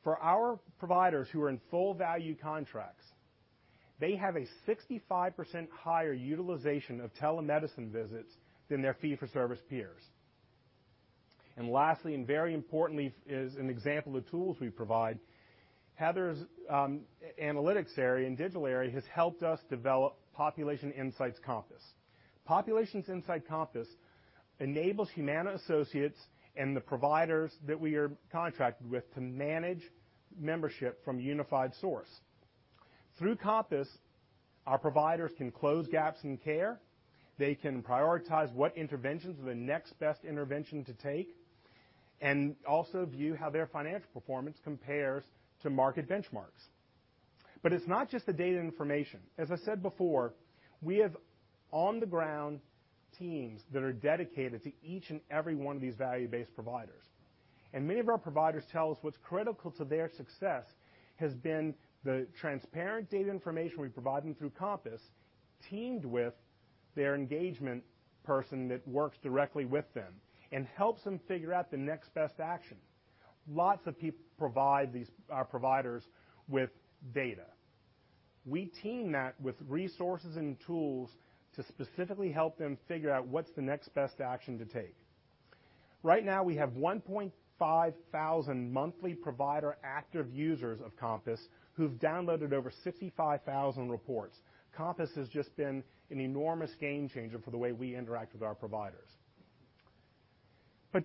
[SPEAKER 8] For our providers who are in full value contracts, they have a 65% higher utilization of telemedicine visits than their fee-for-service peers. Lastly, and very importantly, is an example of the tools we provide. Heather's analytics area and digital area has helped us develop Population Insights Compass. Population Insights Compass enables Humana associates and the providers that we are contracted with to manage membership from a unified source. Through Compass, our providers can close gaps in care, they can prioritize what interventions are the next best intervention to take, and also view how their financial performance compares to market benchmarks. It's not just the data information. As I said before, we have on-the-ground teams that are dedicated to each and every one of these value-based providers. Many of our providers tell us what's critical to their success has been the transparent data information we provide them through Compass, teamed with their engagement person that works directly with them and helps them figure out the next best action. Lots of people provide these providers with data. We team that with resources and tools to specifically help them figure out what's the next best action to take. Right now, we have 1,500 monthly provider active users of Compass who've downloaded over 65,000 reports. Compass has just been an enormous game changer for the way we interact with our providers.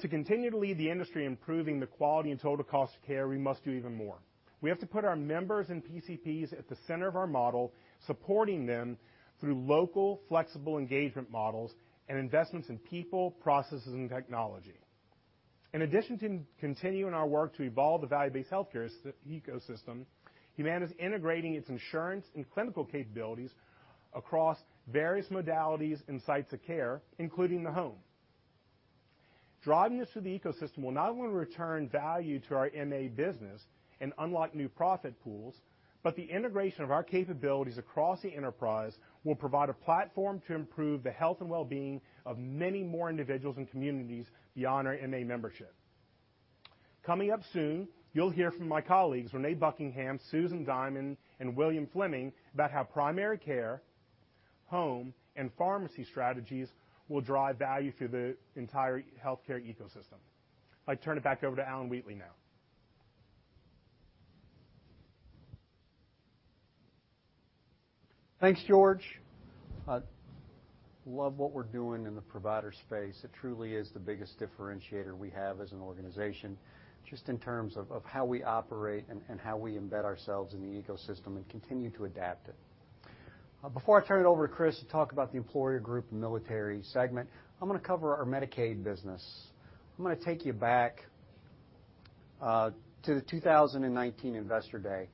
[SPEAKER 8] To continue to lead the industry in improving the quality and total cost of care, we must do even more. We have to put our members and PCPs at the center of our model, supporting them through local flexible engagement models and investments in people, processes, and technology. In addition to continuing our work to evolve the value-based healthcare ecosystem, Humana is integrating its insurance and clinical capabilities across various modalities and sites of care, including the home. Driving this through the ecosystem will not only return value to our MA business and unlock new profit pools, but the integration of our capabilities across the enterprise will provide a platform to improve the health and wellbeing of many more individuals and communities beyond our MA membership. Coming up soon, you'll hear from my colleagues Reneé Buckingham, Susan Diamond, and William Fleming about how primary care, home, and pharmacy strategies will drive value through the entire healthcare ecosystem. I turn it back over to Alan Wheatley now.
[SPEAKER 7] Thanks, George. Love what we're doing in the provider space. It truly is the biggest differentiator we have as an organization, just in terms of how we operate and how we embed ourselves in the ecosystem and continue to adapt it. Before I turn it over to Chris to talk about the employer group military segment, I'm going to cover our Medicaid business. I'm going to take you back to the 2019 Investor Day,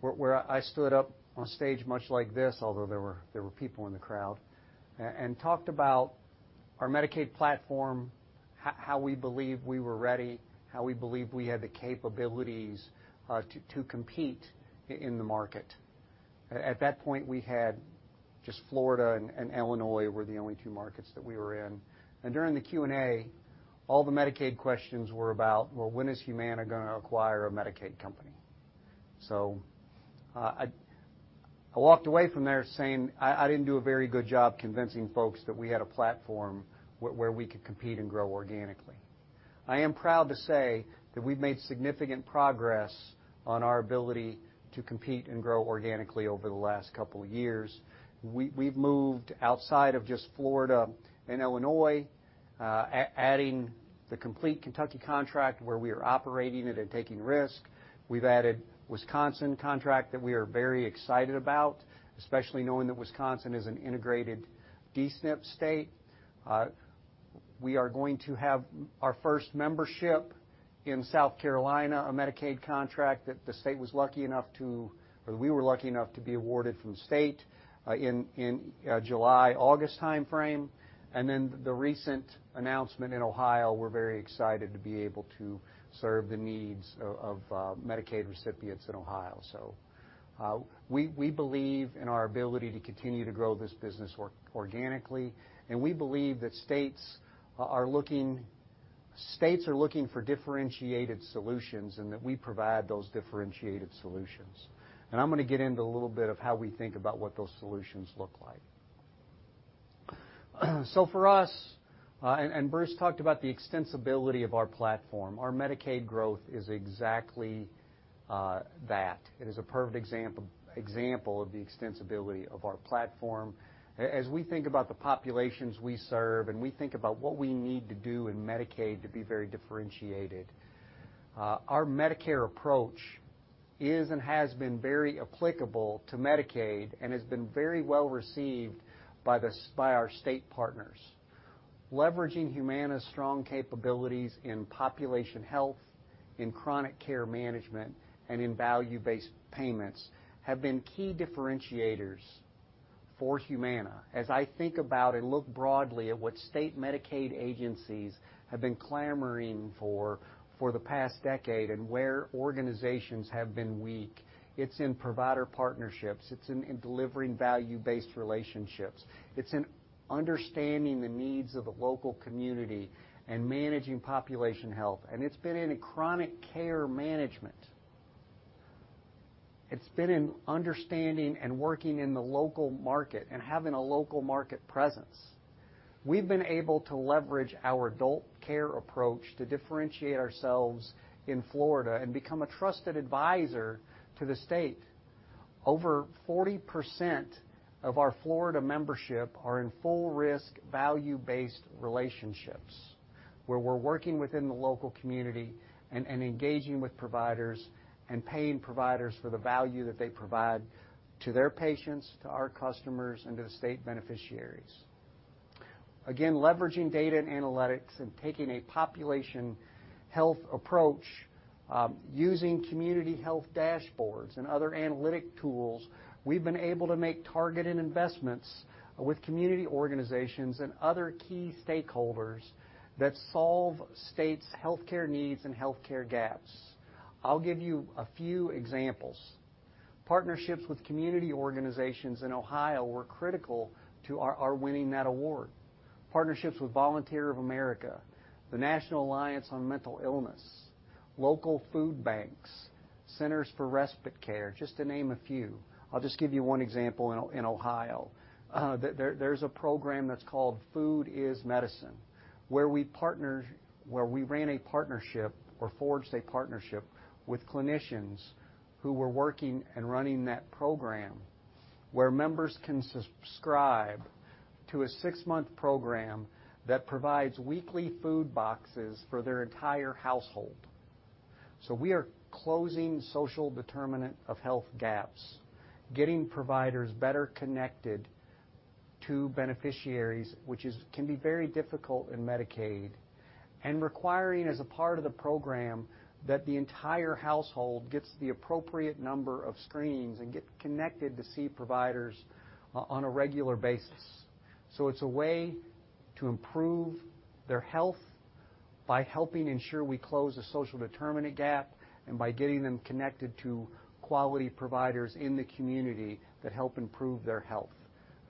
[SPEAKER 7] where I stood up on stage much like this, although there were people in the crowd, and talked about our Medicaid platform, how we believed we were ready, how we believed we had the capabilities to compete in the market. At that point, we had just Florida and Illinois were the only two markets that we were in. During the Q&A, all the Medicaid questions were about, well, when is Humana going to acquire a Medicaid company? I walked away from there saying, I didn't do a very good job convincing folks that we had a platform where we could compete and grow organically. I am proud to say that we've made significant progress on our ability to compete and grow organically over the last couple of years. We've moved outside of just Florida and Illinois, adding the complete Kentucky contract where we are operating it and taking risk. We've added Wisconsin contract that we are very excited about, especially knowing that Wisconsin is an integrated D-SNP state. We are going to have our first membership in South Carolina, a Medicaid contract that we were lucky enough to be awarded from the state in July, August timeframe. The recent announcement in Ohio, we're very excited to be able to serve the needs of Medicaid recipients in Ohio. We believe in our ability to continue to grow this business organically, and we believe that states are looking for differentiated solutions, and that we provide those differentiated solutions. I'm going to get into a little bit of how we think about what those solutions look like. For us, and Bruce talked about the extensibility of our platform. Our Medicaid growth is exactly that. It is a perfect example of the extensibility of our platform. As we think about the populations we serve, and we think about what we need to do in Medicaid to be very differentiated, our Medicare approach is and has been very applicable to Medicaid and has been very well received by our state partners. Leveraging Humana's strong capabilities in population health, in chronic care management, and in value-based payments have been key differentiators for Humana. As I think about and look broadly at what state Medicaid agencies have been clamoring for the past decade and where organizations have been weak, it's in provider partnerships. It's in delivering value-based relationships. It's in understanding the needs of the local community and managing population health, and it's been in chronic care management. It's been in understanding and working in the local market and having a local market presence. We've been able to leverage our adult care approach to differentiate ourselves in Florida and become a trusted advisor to the state. Over 40% of our Florida membership are in full risk value-based relationships, where we're working within the local community and engaging with providers and paying providers for the value that they provide to their patients, to our customers, and to the state beneficiaries. Again, leveraging data and analytics and taking a population health approach, using community health dashboards and other analytic tools, we've been able to make targeted investments with community organizations and other key stakeholders that solve states' healthcare needs and healthcare gaps. I'll give you a few examples. Partnerships with community organizations in Ohio were critical to our winning that award. Partnerships with Volunteers of America, the National Alliance on Mental Illness, local food banks, centers for respite care, just to name a few. I'll just give you one example in Ohio. There's a program that's called Food is Medicine, where we forged a partnership with clinicians who were working and running that program, where members can subscribe to a six-month program that provides weekly food boxes for their entire household. We are closing social determinant of health gaps, getting providers better connected to beneficiaries, which can be very difficult in Medicaid, and requiring as a part of the program that the entire household gets the appropriate number of screenings and get connected to see providers on a regular basis. It's a way to improve their health by helping ensure we close the social determinant gap and by getting them connected to quality providers in the community that help improve their health.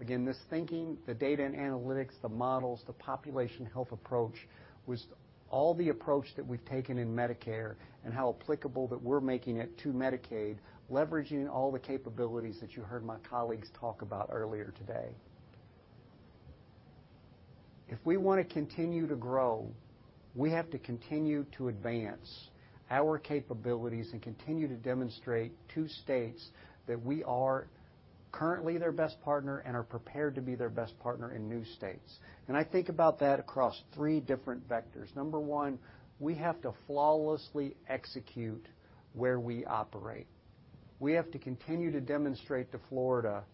[SPEAKER 7] This thinking, the data and analytics, the models, the population health approach was all the approach that we've taken in Medicare and how applicable that we're making it to Medicaid, leveraging all the capabilities that you heard my colleagues talk about earlier today. We want to continue to grow, we have to continue to advance our capabilities and continue to demonstrate to states that we are currently their best partner and are prepared to be their best partner in new states. I think about that across three different vectors. Number one, we have to flawlessly execute where we operate. We have to continue to demonstrate to Florida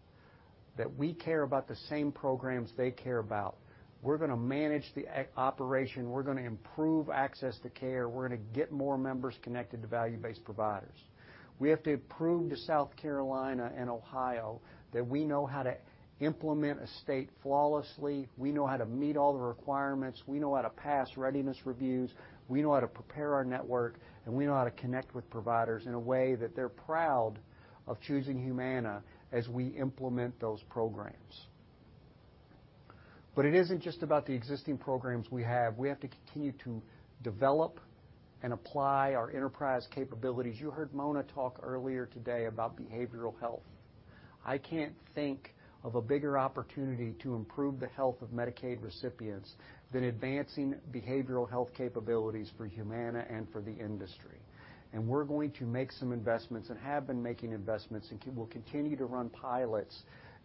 [SPEAKER 7] that we care about the same programs they care about. We're going to manage the operation. We're going to improve access to care. We're going to get more members connected to value-based providers. We have to prove to South Carolina and Ohio that we know how to implement a state flawlessly, we know how to meet all the requirements, we know how to pass readiness reviews, we know how to prepare our network, and we know how to connect with providers in a way that they're proud of choosing Humana as we implement those programs. It isn't just about the existing programs we have. We have to continue to develop and apply our enterprise capabilities. You heard Mona talk earlier today about behavioral health. I can't think of a bigger opportunity to improve the health of Medicaid recipients than advancing behavioral health capabilities for Humana and for the industry. We're going to make some investments, and have been making investments, and will continue to run pilots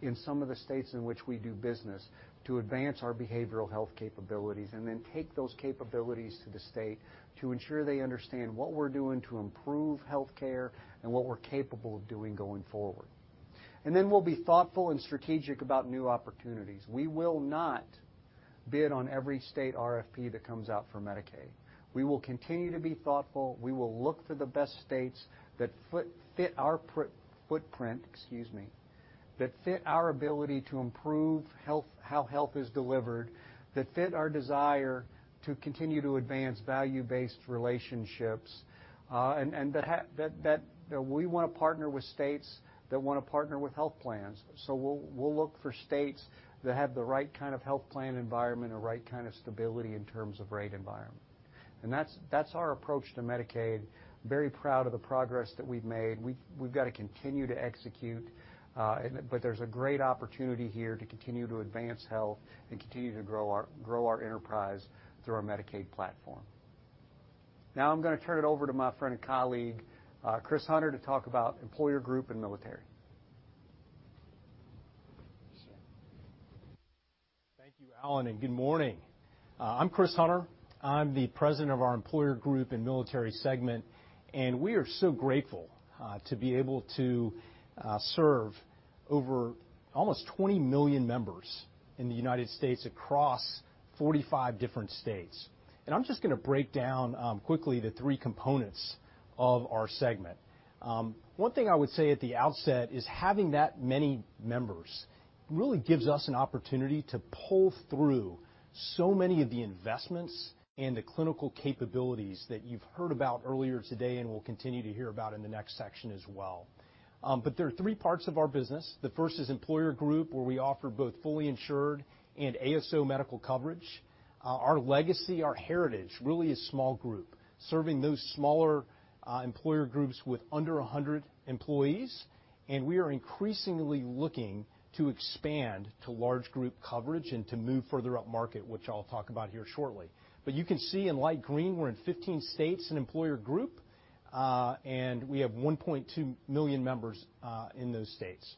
[SPEAKER 7] in some of the states in which we do business to advance our behavioral health capabilities and then take those capabilities to the state to ensure they understand what we're doing to improve healthcare and what we're capable of doing going forward. Then we'll be thoughtful and strategic about new opportunities. We will not bid on every state RFP that comes out for Medicaid. We will continue to be thoughtful. We will look for the best states that fit our footprint, excuse me, that fit our ability to improve how health is delivered, that fit our desire to continue to advance value-based relationships, and that we want to partner with states that want to partner with health plans. We'll look for states that have the right kind of health plan environment and right kind of stability in terms of rate environment. That's our approach to Medicaid. Very proud of the progress that we've made. We've got to continue to execute. There's a great opportunity here to continue to advance health and continue to grow our enterprise through our Medicaid platform. Now I'm going to turn it over to my friend and colleague, Chris Hunter, to talk about Employer Group and Military.
[SPEAKER 9] Thank you, Alan. Good morning. I'm Chris Hunter. I'm the President of our Employer Group & Military segment. We are so grateful to be able to serve over almost 20 million members in the U.S. across 45 different states. I'm just going to break down quickly the three components of our segment. One thing I would say at the outset is having that many members really gives us an opportunity to pull through so many of the investments and the clinical capabilities that you've heard about earlier today and will continue to hear about in the next section as well. There are three parts of our business. The first is Employer Group, where we offer both fully insured and ASO medical coverage. Our legacy, our heritage, really is small group, serving those smaller employer groups with under 100 employees. We are increasingly looking to expand to large group coverage and to move further up market, which I'll talk about here shortly. You can see in light green, we're in 15 states in Employer Group, and we have 1.2 million members in those states.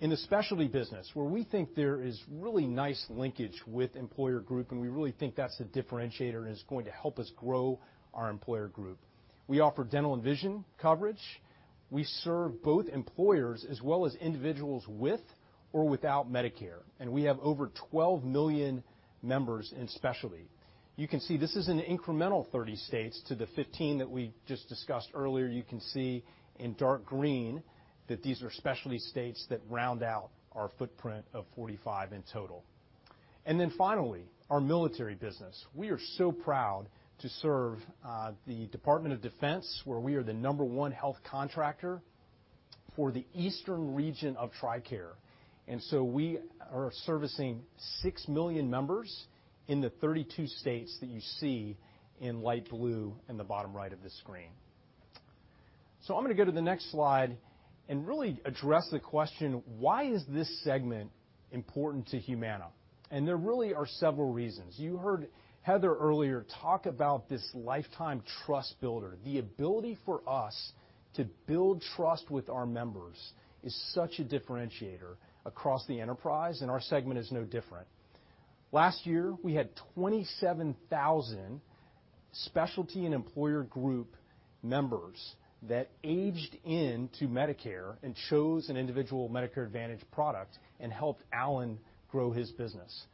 [SPEAKER 9] In the specialty business, where we think there is really nice linkage with Employer Group, and we really think that's a differentiator and is going to help us grow our Employer Group. We offer dental and vision coverage. We serve both employers as well as individuals with or without Medicare, and we have over 12 million members in specialty. You can see this is an incremental 30 states to the 15 that we just discussed earlier. You can see in dark green that these are specialty states that round out our footprint of 45 in total. Finally, our military business. We are so proud to serve the Department of Defense, where we are the number one health contractor for the eastern region of TRICARE. We are servicing 6 million members in the 32 states that you see in light blue in the bottom right of the screen. I'm going to go to the next slide and really address the question, why is this segment important to Humana? There really are several reasons. You heard Heather earlier talk about this lifetime trust builder. The ability for us to build trust with our members is such a differentiator across the enterprise, and our segment is no different. Last year, we had 27,000 specialty and employer group members that aged into Medicare and chose an individual Medicare Advantage product and helped Alan grow his business.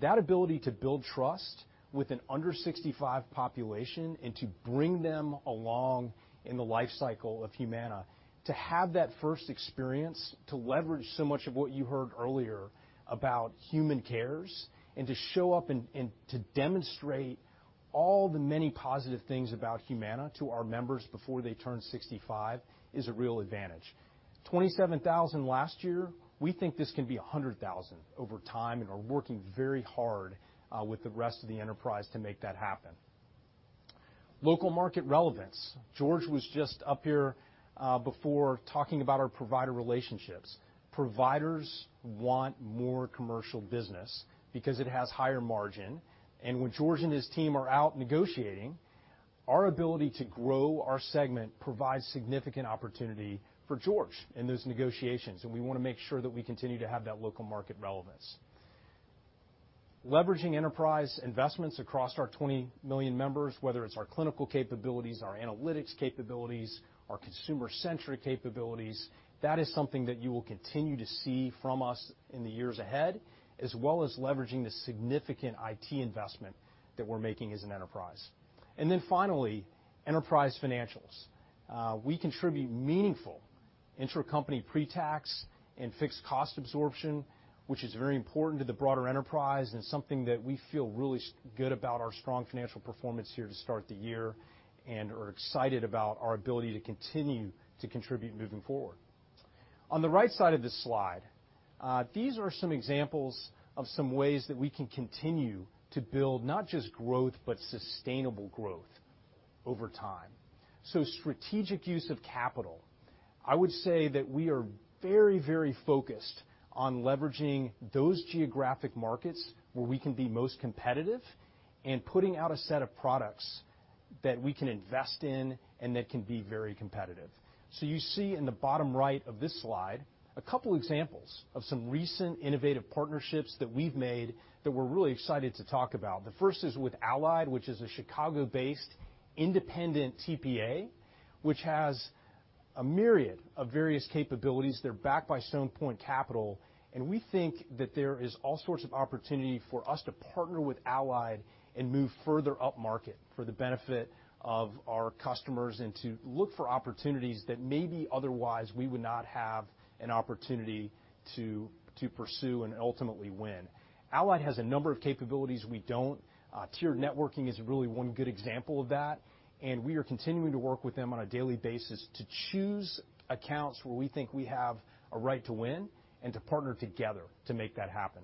[SPEAKER 9] That ability to build trust with an under 65 population and to bring them along in the life cycle of Humana, to have that first experience, to leverage so much of what you heard earlier about human cares, and to show up and to demonstrate all the many positive things about Humana to our members before they turn 65 is a real advantage. 27,000 last year, we think this can be 100,000 over time and are working very hard with the rest of the enterprise to make that happen. Local market relevance. George was just up here before talking about our provider relationships. Providers want more commercial business because it has higher margin. When George and his team are out negotiating, our ability to grow our segment provides significant opportunity for George in those negotiations, and we want to make sure that we continue to have that local market relevance. Leveraging enterprise investments across our 20 million members, whether it's our clinical capabilities, our analytics capabilities, our consumer-centric capabilities, that is something that you will continue to see from us in the years ahead, as well as leveraging the significant IT investment that we're making as an enterprise. Finally, enterprise financials. We contribute meaningful intercompany pretax and fixed cost absorption, which is very important to the broader enterprise and something that we feel really good about our strong financial performance here to start the year, and are excited about our ability to continue to contribute moving forward. On the right side of this slide, these are some examples of some ways that we can continue to build not just growth, but sustainable growth over time. Strategic use of capital. I would say that we are very focused on leveraging those geographic markets where we can be most competitive and putting out a set of products that we can invest in and that can be very competitive. You see in the bottom right of this slide a couple examples of some recent innovative partnerships that we've made that we're really excited to talk about. The first is with Allied, which is a Chicago-based independent TPA, which has a myriad of various capabilities. They're backed by Stone Point Capital, and we think that there is all sorts of opportunity for us to partner with Allied and move further upmarket for the benefit of our customers, and to look for opportunities that maybe otherwise we would not have an opportunity to pursue and ultimately win. Allied has a number of capabilities we don't. Tiered networking is really one good example of that, and we are continuing to work with them on a daily basis to choose accounts where we think we have a right to win, and to partner together to make that happen.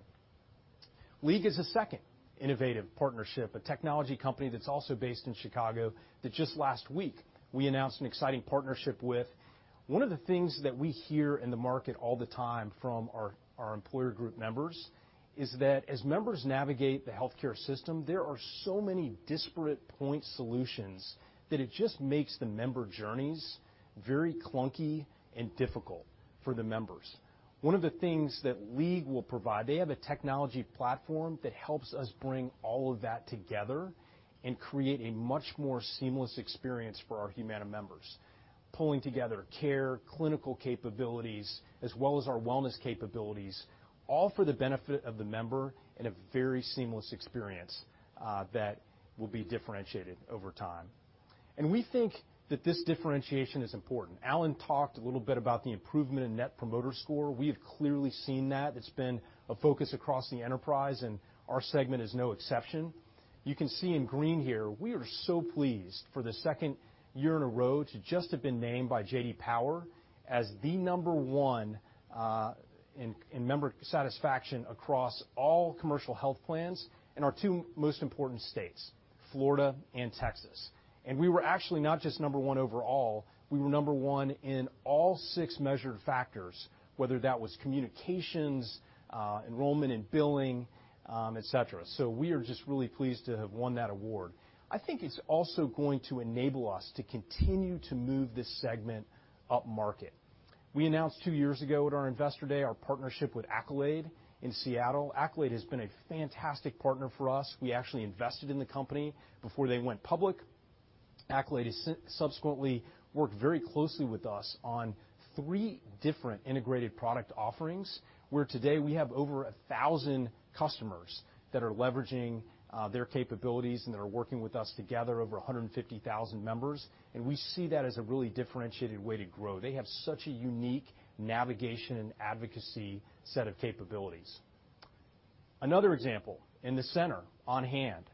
[SPEAKER 9] League is a second innovative partnership, a technology company that's also based in Chicago, that just last week we announced an exciting partnership with. One of the things that we hear in the market all the time from our Employer Group members is that as members navigate the healthcare system, there are so many disparate point solutions that it just makes the member journeys very clunky and difficult for the members. One of the things that League will provide, they have a technology platform that helps us bring all of that together and create a much more seamless experience for our Humana members. Pulling together care, clinical capabilities, as well as our wellness capabilities, all for the benefit of the member in a very seamless experience that will be differentiated over time. We think that this differentiation is important. Alan talked a little bit about the improvement in Net Promoter Score. We have clearly seen that. It's been a focus across the enterprise, and our segment is no exception. You can see in green here, we are so pleased for the second year in a row to just have been named by J.D. Power as the number 1 in member satisfaction across all commercial health plans in our two most important states, Florida and Texas. We were actually not just number one overall, we were number one in all six measured factors, whether that was communications, enrollment and billing, et cetera. We are just really pleased to have won that award. I think it's also going to enable us to continue to move this segment upmarket. We announced two years ago at our Investor Day our partnership with Accolade in Seattle. Accolade has been a fantastic partner for us. We actually invested in the company before they went public. Accolade has subsequently worked very closely with us on three different integrated product offerings, where today we have over 1,000 customers that are leveraging their capabilities and that are working with us to gather over 150,000 members. We see that as a really differentiated way to grow. They have such a unique navigation and advocacy set of capabilities. Another example in the center, OnHand.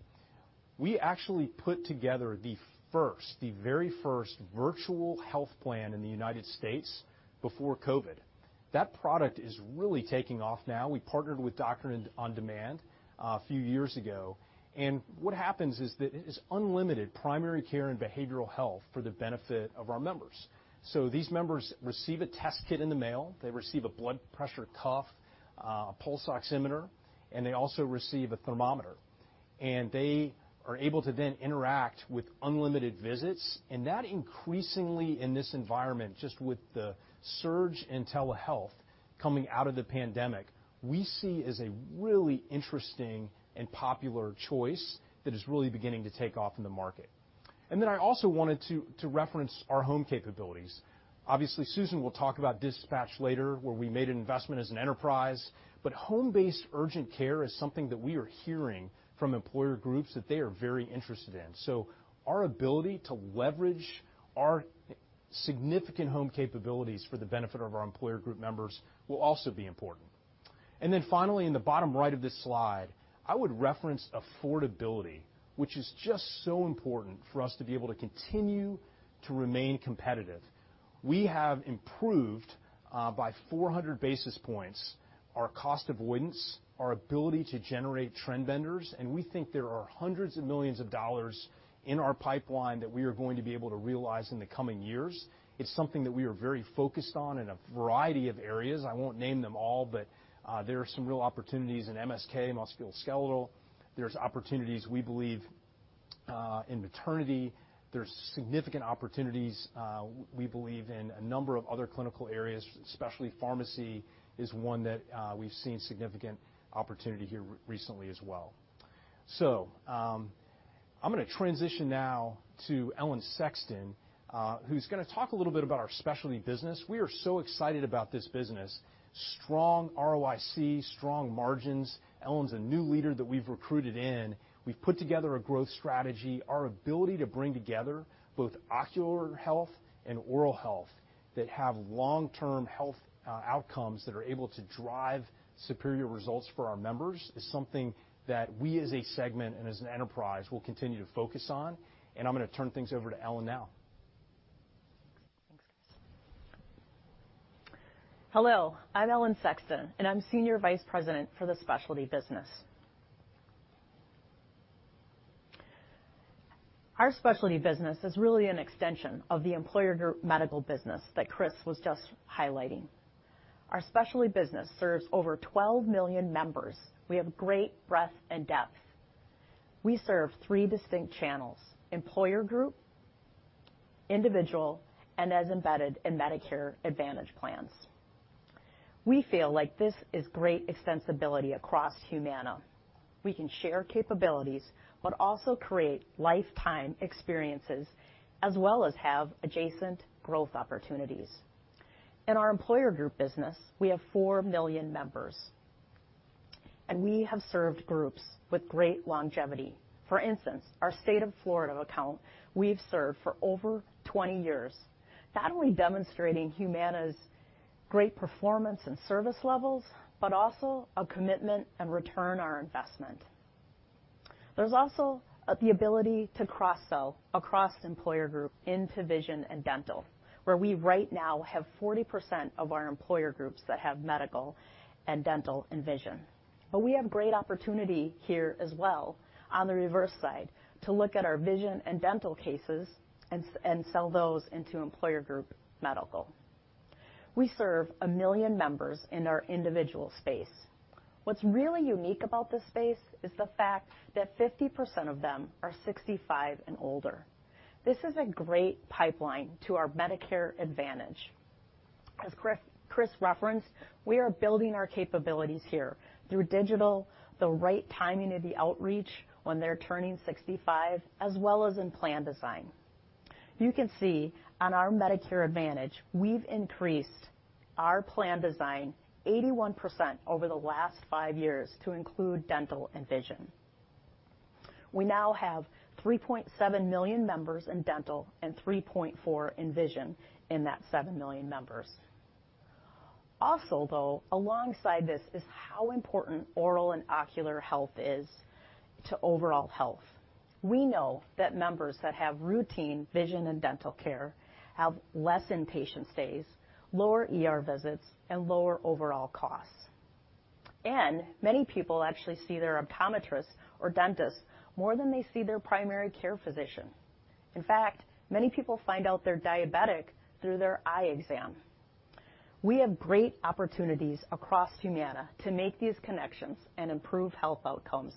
[SPEAKER 9] We actually put together the first, the very first virtual health plan in the U.S. before COVID. That product is really taking off now. We partnered with Doctor on Demand a few years ago, and what happens is that it is unlimited primary care and behavioral health for the benefit of our members. These members receive a test kit in the mail. They receive a blood pressure cuff, a pulse oximeter, and they also receive a thermometer. They are able to then interact with unlimited visits. That increasingly in this environment, just with the surge in telehealth coming out of the pandemic, we see as a really interesting and popular choice that is really beginning to take off in the market. I also wanted to reference our home capabilities. Obviously, Susan will talk about DispatchHealth later, where we made an investment as an enterprise. But home-based urgent care is something that we are hearing from employer groups that they are very interested in. So our ability to leverage our significant home capabilities for the benefit of our employer group members will also be important. Finally, in the bottom right of this slide, I would reference affordability, which is just so important for us to be able to continue to remain competitive. We have improved by 400 basis points our cost avoidance, our ability to generate trend benders, and we think there are hundreds of millions of dollars in our pipeline that we are going to be able to realize in the coming years. It's something that we are very focused on in a variety of areas. I won't name them all, there are some real opportunities in MSK, musculoskeletal. There's opportunities we believe in maternity. There's significant opportunities we believe in a number of other clinical areas, especially pharmacy is one that we've seen significant opportunity here recently as well. I'm going to transition now to Ellen Sexton, who's going to talk a little bit about our specialty business. We are so excited about this business. Strong ROIC, strong margins. Ellen's a new leader that we've recruited in. We put together a growth strategy. Our ability to bring together both ocular health and oral health that have long-term health outcomes that are able to drive superior results for our members is something that we as a segment and as an enterprise will continue to focus on. I'm going to turn things over to Ellen now.
[SPEAKER 10] Hello, I'm Ellen Sexton, and I'm Senior Vice President for the specialty business. Our specialty business is really an extension of the employer group medical business that Chris was just highlighting. Our specialty business serves over 12 million members. We have great breadth and depth. We serve three distinct channels, employer group, individual, and as embedded in Medicare Advantage plans. We feel like this is great extensibility across Humana. We can share capabilities but also create lifetime experiences, as well as have adjacent growth opportunities. In our employer group business, we have 4 million members, and we have served groups with great longevity. For instance, our state of Florida account we have served for over 20 years, not only demonstrating Humana's great performance and service levels but also a commitment and return on investment. There's also the ability to cross-sell across employer group into vision and dental, where we right now have 40% of our employer groups that have medical and dental and vision. We have great opportunity here as well on the reverse side to look at our vision and dental cases and sell those into employer group medical. We serve a million members in our individual space. What's really unique about this space is the fact that 50% of them are 65 and older. This is a great pipeline to our Medicare Advantage. As Chris referenced, we are building our capabilities here through digital, the right timing of the outreach when they're turning 65, as well as in plan design. You can see on our Medicare Advantage, we've increased our plan design 81% over the last five years to include dental and vision. We now have 3.7 million members in dental and 3.4 in vision in that 7 million members. Though, alongside this is how important oral and ocular health is to overall health. We know that members that have routine vision and dental care have less inpatient stays, lower ER visits, and lower overall costs. Many people actually see their optometrist or dentist more than they see their primary care physician. In fact, many people find out they're diabetic through their eye exam. We have great opportunities across Humana to make these connections and improve health outcomes,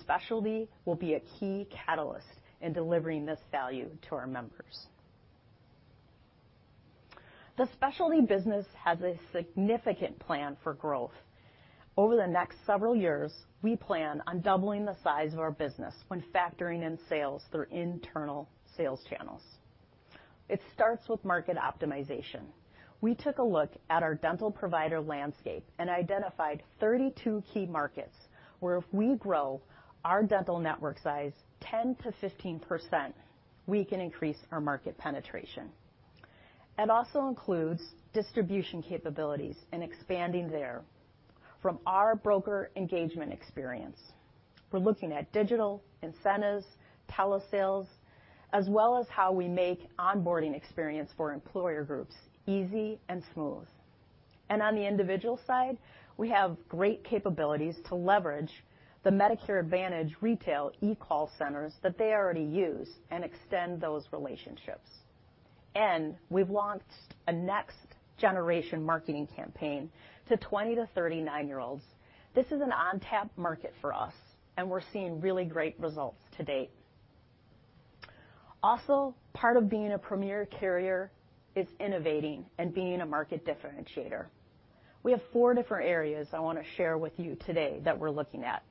[SPEAKER 10] specialty will be a key catalyst in delivering this value to our members. The specialty business has a significant plan for growth. Over the next several years, we plan on doubling the size of our business when factoring in sales through internal sales channels. It starts with market optimization. We took a look at our dental provider landscape and identified 32 key markets where if we grow our dental network size 10%-15%, we can increase our market penetration. It also includes distribution capabilities and expanding there from our broker engagement experience. We're looking at digital incentives, telesales, as well as how we make onboarding experience for employer groups easy and smooth. On the individual side, we have great capabilities to leverage the Medicare Advantage retail eCall centers that they already use and extend those relationships. We've launched a next generation marketing campaign to 20 to 39-year-olds. This is an untapped market for us, and we're seeing really great results to date. Part of being a premier carrier is innovating and being a market differentiator. We have four different areas I want to share with you today that we're looking at.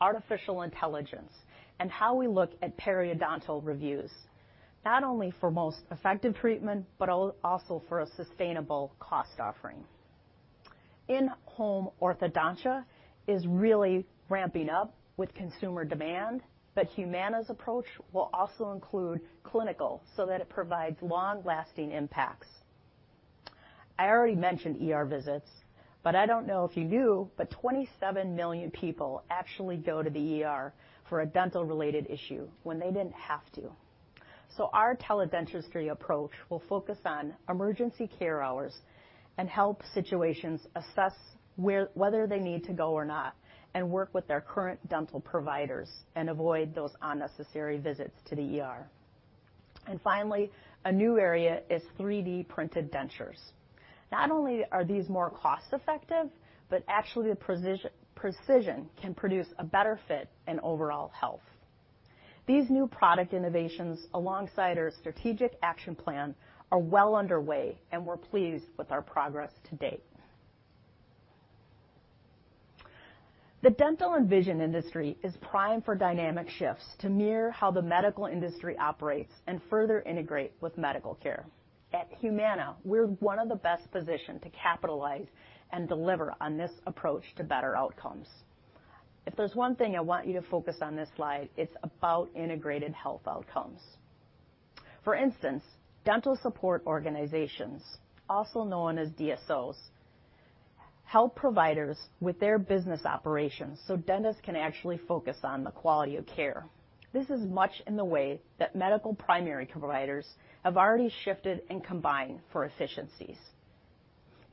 [SPEAKER 10] Artificial intelligence and how we look at periodontal reviews, not only for most effective treatment but also for a sustainable cost offering. In-home orthodontia is really ramping up with consumer demand, but Humana's approach will also include clinical so that it provides long-lasting impact. I already mentioned ER visits, but I don't know if you knew, but 27 million people actually go to the ER for a dental-related issue when they didn't have to. Our teledentistry approach will focus on emergency care hours and help situations assess whether they need to go or not, and work with their current dental providers and avoid those unnecessary visits to the ER. Finally, a new area is 3D-printed dentures. Not only are these more cost-effective, but actually the precision can produce a better fit and overall health. These new product innovations alongside our strategic action plan are well underway, and we're pleased with our progress to date. The dental and vision industry is primed for dynamic shifts to mirror how the medical industry operates and further integrate with medical care. At Humana, we're one of the best positioned to capitalize and deliver on this approach to better outcomes. If there's one thing I want you to focus on this slide, it's about integrated health outcomes. For instance, dental support organizations, also known as DSOs, help providers with their business operations so dentists can actually focus on the quality of care. This is much in the way that medical primary providers have already shifted and combined for efficiencies.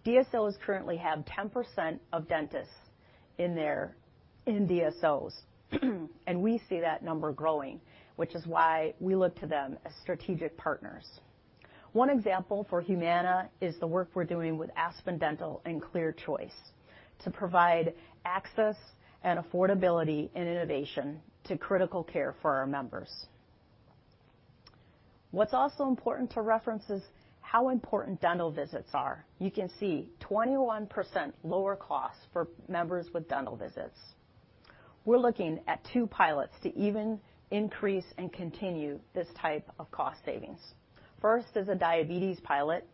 [SPEAKER 10] DSOs currently have 10% of dentists in DSOs, and we see that number growing, which is why we look to them as strategic partners. One example for Humana is the work we're doing with Aspen Dental and ClearChoice to provide access and affordability and innovation to critical care for our members. What's also important to reference is how important dental visits are. You can see 21% lower cost for members with dental visits. We're looking at two pilots to even increase and continue this type of cost savings. First is a diabetes pilot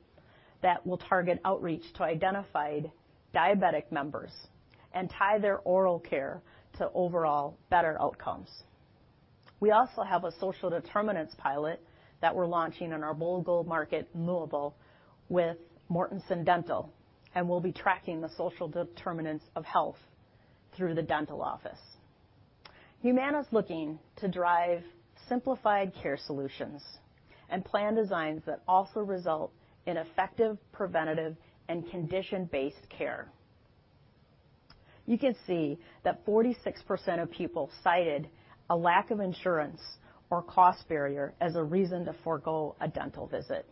[SPEAKER 10] that will target outreach to identified diabetic members and tie their oral care to overall better outcomes. We also have a social determinants pilot that we're launching in our Louisville market with Mortenson Dental, and we'll be tracking the social determinants of health through the dental office. Humana's looking to drive simplified care solutions and plan designs that also result in effective preventative and condition-based care. You can see that 46% of people cited a lack of insurance or cost barrier as a reason to forgo a dental visit.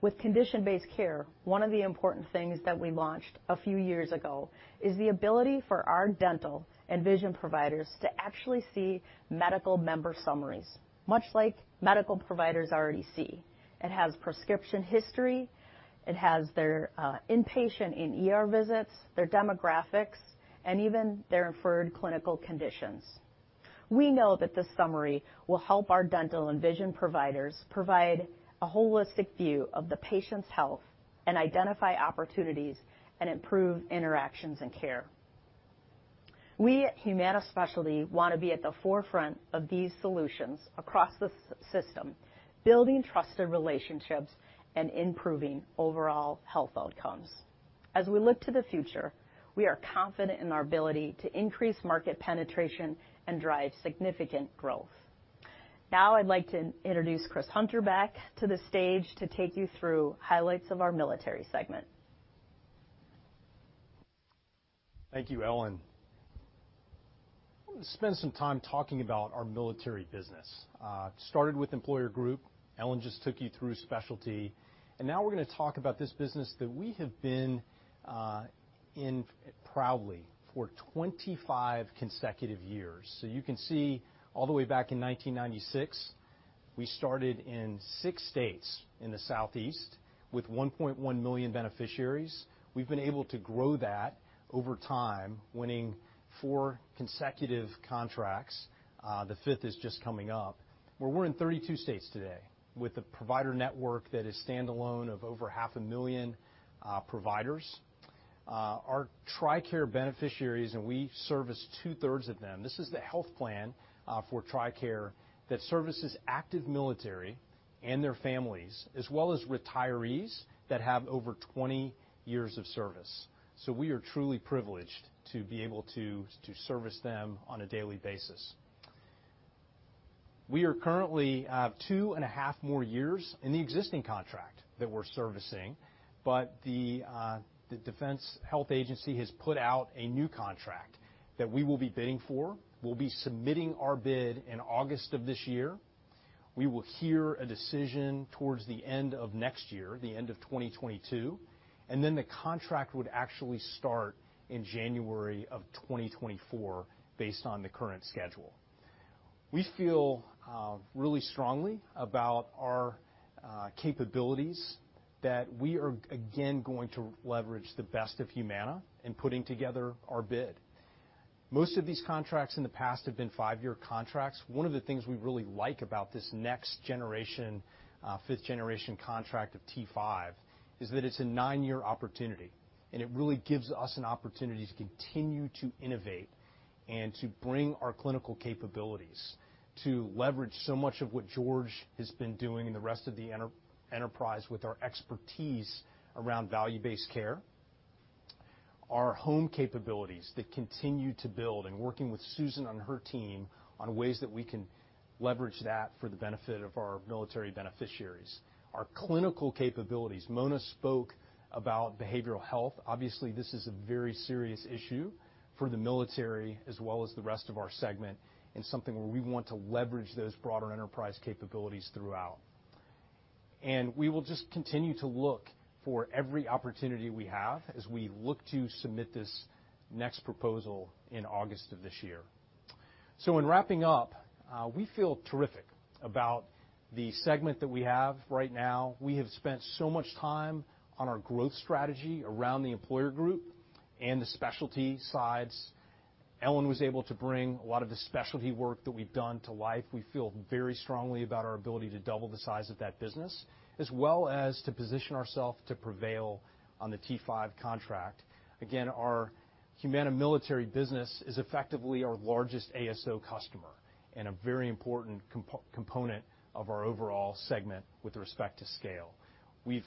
[SPEAKER 10] With condition-based care, one of the important things that we launched a few years ago is the ability for our dental and vision providers to actually see medical member summaries, much like medical providers already see. It has prescription history, it has their inpatient and ER visits, their demographics, and even their referred clinical conditions. We know that this summary will help our dental and vision providers provide a holistic view of the patient's health and identify opportunities and improve interactions and care. We at Humana Specialty want to be at the forefront of these solutions across the system, building trusted relationships and improving overall health outcomes. As we look to the future, we are confident in our ability to increase market penetration and drive significant growth. Now, I'd like to introduce Chris Hunter back to the stage to take you through highlights of our military segment.
[SPEAKER 9] Thank you, Ellen. Spend some time talking about our military business. Started with employer group. Ellen just took you through specialty. Now we're going to talk about this business that we have been in proudly for 25 consecutive years. You can see all the way back in 1996, we started in six states in the Southeast with 1.1 million beneficiaries. We've been able to grow that over time, winning four consecutive contracts. The fifth is just coming up, we're in 32 states today with a provider network that is standalone of over half a million providers. Our TRICARE beneficiaries, we service two-thirds of them. This is the health plan for TRICARE that services active military and their families, as well as retirees that have over 20 years of service. We are truly privileged to be able to service them on a daily basis. We are currently 2.5 more years in the existing contract that we're servicing, the Defense Health Agency has put out a new contract that we will be bidding for. We'll be submitting our bid in August of this year. We will hear a decision towards the end of next year, the end of 2022, the contract would actually start in January of 2024 based on the current schedule. We feel really strongly about our capabilities that we are again going to leverage the best of Humana in putting together our bid. Most of these contracts in the past have been 5-year contracts. One of the things we really like about this next generation, fifth generation contract of T-5 is that it's a 9-year opportunity. It really gives us an opportunity to continue to innovate and to bring our clinical capabilities to leverage so much of what George has been doing and the rest of the enterprise with our expertise around value-based care, our home capabilities that continue to build and working with Susan and her team on ways that we can leverage that for the benefit of our military beneficiaries. Our clinical capabilities, Mona spoke about behavioral health. Obviously, this is a very serious issue for the military as well as the rest of our segment, and something where we want to leverage those broader enterprise capabilities throughout. We will just continue to look for every opportunity we have as we look to submit this next proposal in August of this year. In wrapping up, we feel terrific about the segment that we have right now. We have spent so much time on our growth strategy around the employer group and the specialty sides. Alan was able to bring a lot of the specialty work that we've done to life. We feel very strongly about our ability to double the size of that business, as well as to position ourself to prevail on the T-5 contract. Our Humana military business is effectively our largest ASO customer and a very important component of our overall segment with respect to scale. We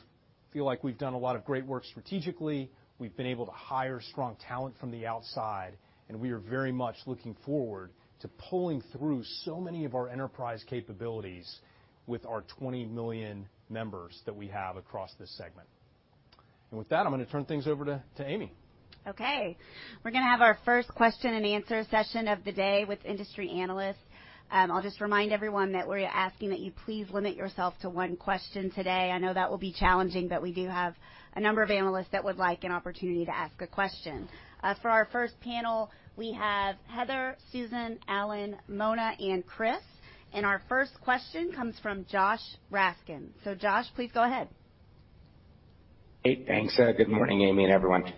[SPEAKER 9] feel like we've done a lot of great work strategically. We've been able to hire strong talent from the outside, and we are very much looking forward to pulling through so many of our enterprise capabilities with our 20 million members that we have across this segment. With that, I'm going to turn things over to Amy.
[SPEAKER 1] Okay. We're going to have our first question and answer session of the day with industry analysts. I'll just remind everyone that we're asking that you please limit yourself to one question today. I know that will be challenging, but we do have a number of analysts that would like an opportunity to ask a question. For our first panel, we have Heather, Susan, Alan, Mona, and Chris. Our first question comes from Joshua Raskin. Josh, please go ahead.
[SPEAKER 11] Hey, thanks. Good morning, Amy and everyone.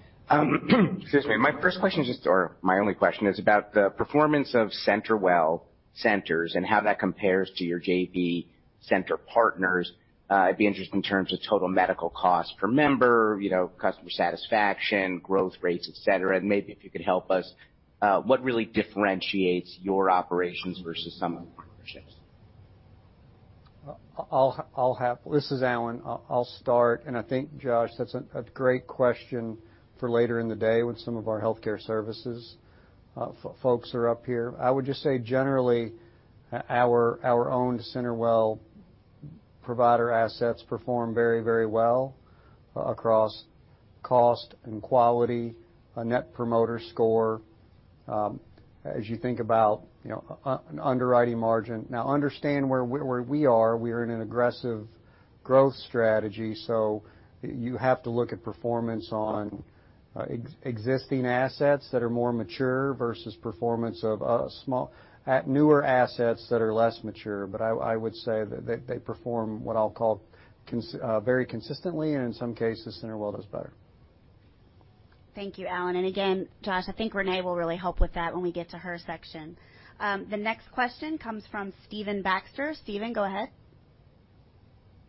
[SPEAKER 11] Excuse me. My first question, or my only question, is about the performance of CenterWell centers and how that compares to your JV center partners. It'd be interesting in terms of total medical cost per member, customer satisfaction, growth rates, et cetera. Maybe if you could help us, what really differentiates your operations versus some of the partnerships?
[SPEAKER 7] This is Alan. I'll start, I think, Josh, that's a great question for later in the day when some of our healthcare services folks are up here. I would just say, generally, our own CenterWell provider assets perform very well across cost and quality, a Net Promoter Score, as you think about an underwriting margin. Understand where we are. We are in an aggressive growth strategy, you have to look at performance on existing assets that are more mature versus performance of newer assets that are less mature. I would say that they perform what I'll call very consistently, and in some cases, CenterWell does better.
[SPEAKER 1] Thank you, Alan. Again, Josh, I think Reneé will really help with that when we get to her section. The next question comes from Stephen Baxter. Steven, go ahead.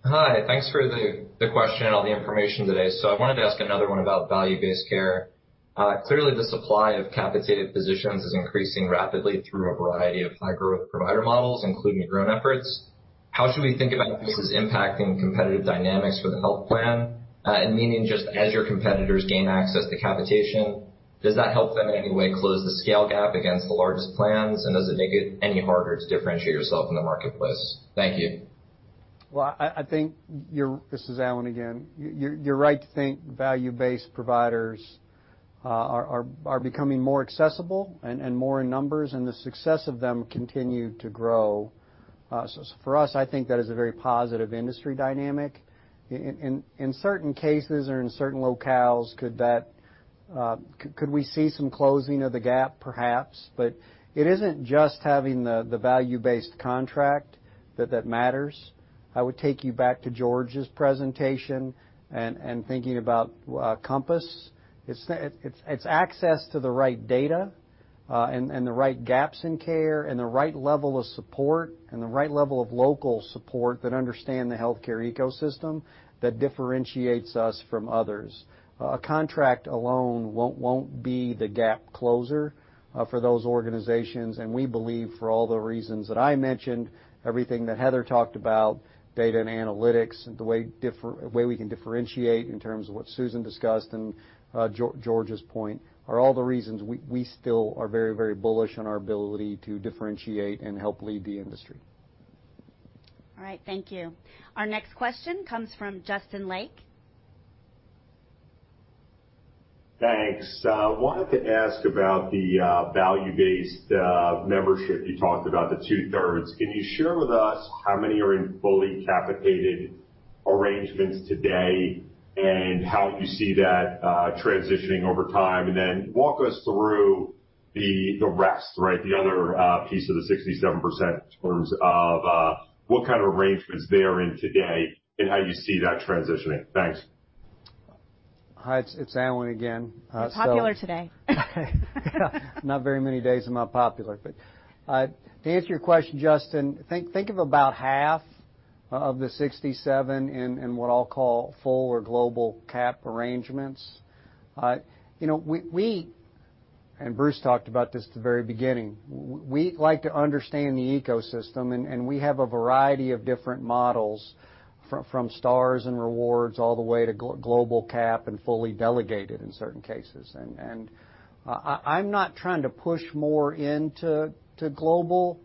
[SPEAKER 12] Hi. Thanks for the question, all the information today. I wanted to ask another one about value-based care. Clearly, the supply of capitated physicians is increasing rapidly through a variety of high-growth provider models, including your own efforts. How should we think about this as impacting competitive dynamics for the health plan? Meaning just as your competitors gain access to capitation, does that help in any way close the scale gap against the largest plans, and does it make it any harder to differentiate yourself in the marketplace? Thank you.
[SPEAKER 7] This is Alan again. You're right to think value-based providers are becoming more accessible and more in numbers, and the success of them continue to grow. For us, I think that is a very positive industry dynamic. In certain cases or in certain locales, could we see some closing of the gap perhaps? It isn't just having the value-based contract that matters. I would take you back to George's presentation and thinking about Compass. It's access to the right data, and the right gaps in care, and the right level of support, and the right level of local support that understand the healthcare ecosystem that differentiates us from others. A contract alone won't be the gap closer for those organizations. We believe for all the reasons that I mentioned, everything that Heather talked about, data and analytics, and the way we can differentiate in terms of what Susan discussed and George's point, are all the reasons we still are very bullish on our ability to differentiate and help lead the industry.
[SPEAKER 1] All right. Thank you. Our next question comes from Justin Lake.
[SPEAKER 13] Thanks. I wanted to ask about the value-based membership you talked about, the two-thirds. Can you share with us how many are in fully capitated arrangements today, and how you see that transitioning over time? Walk us through the rest, the other piece of the 67% in terms of what kind of arrangements they're in today and how you see that transitioning. Thanks.
[SPEAKER 7] Hi, it's Alan again.
[SPEAKER 1] Popular today.
[SPEAKER 7] Not very many days I'm not popular. To answer your question, Justin, think of about half Of the 67 in what I'll call full or global cap arrangements. Bruce talked about this at the very beginning. We like to understand the ecosystem. We have a variety of different models from stars and rewards all the way to global cap and fully delegated in certain cases. I'm not trying to push more into global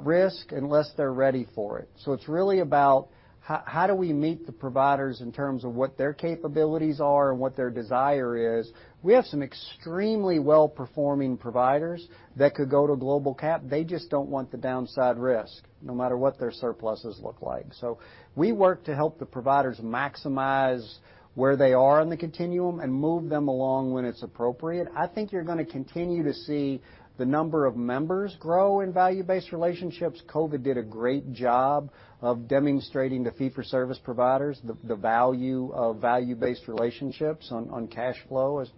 [SPEAKER 7] risk unless they're ready for it. It's really about how do we meet the providers in terms of what their capabilities are and what their desire is. We have some extremely well-performing providers that could go to global cap. They just don't want the downside risk, no matter what their surpluses look like. We work to help the providers maximize where they are in the continuum and move them along when it's appropriate. I think you're going to continue to see the number of members grow in value-based relationships. COVID did a great job of demonstrating to fee-for-service providers the value of value-based relationships on cash flow, as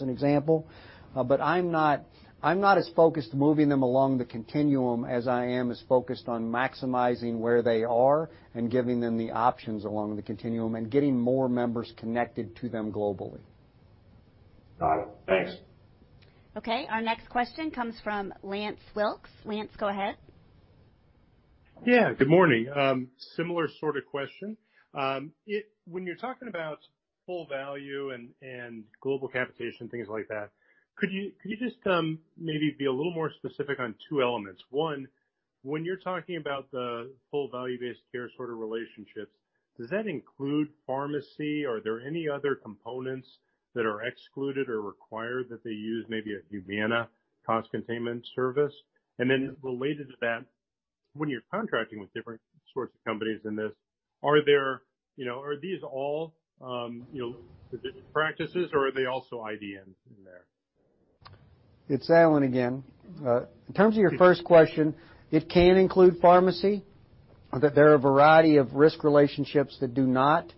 [SPEAKER 7] an example. I'm not as focused on moving them along the continuum as I am as focused on maximizing where they are and giving them the options along the continuum and getting more members connected to them globally.
[SPEAKER 13] Got it. Thanks.
[SPEAKER 1] Okay, our next question comes from Lance Wilkes. Lance, go ahead.
[SPEAKER 14] Yeah, good morning. Similar sort of question. When you're talking about full value and global capitation, things like that, could you just maybe be a little more specific on two elements? One, when you're talking about the full value-based care sort of relationships, does that include pharmacy? Are there any other components that are excluded or required that they use maybe a Humana cost containment service? Related to that, when you're contracting with different sorts of companies in this, are these all practices or are they also IDNs in there?
[SPEAKER 7] It's Alan again. In terms of your first question, it can include pharmacy. There are a variety of risk relationships that do not.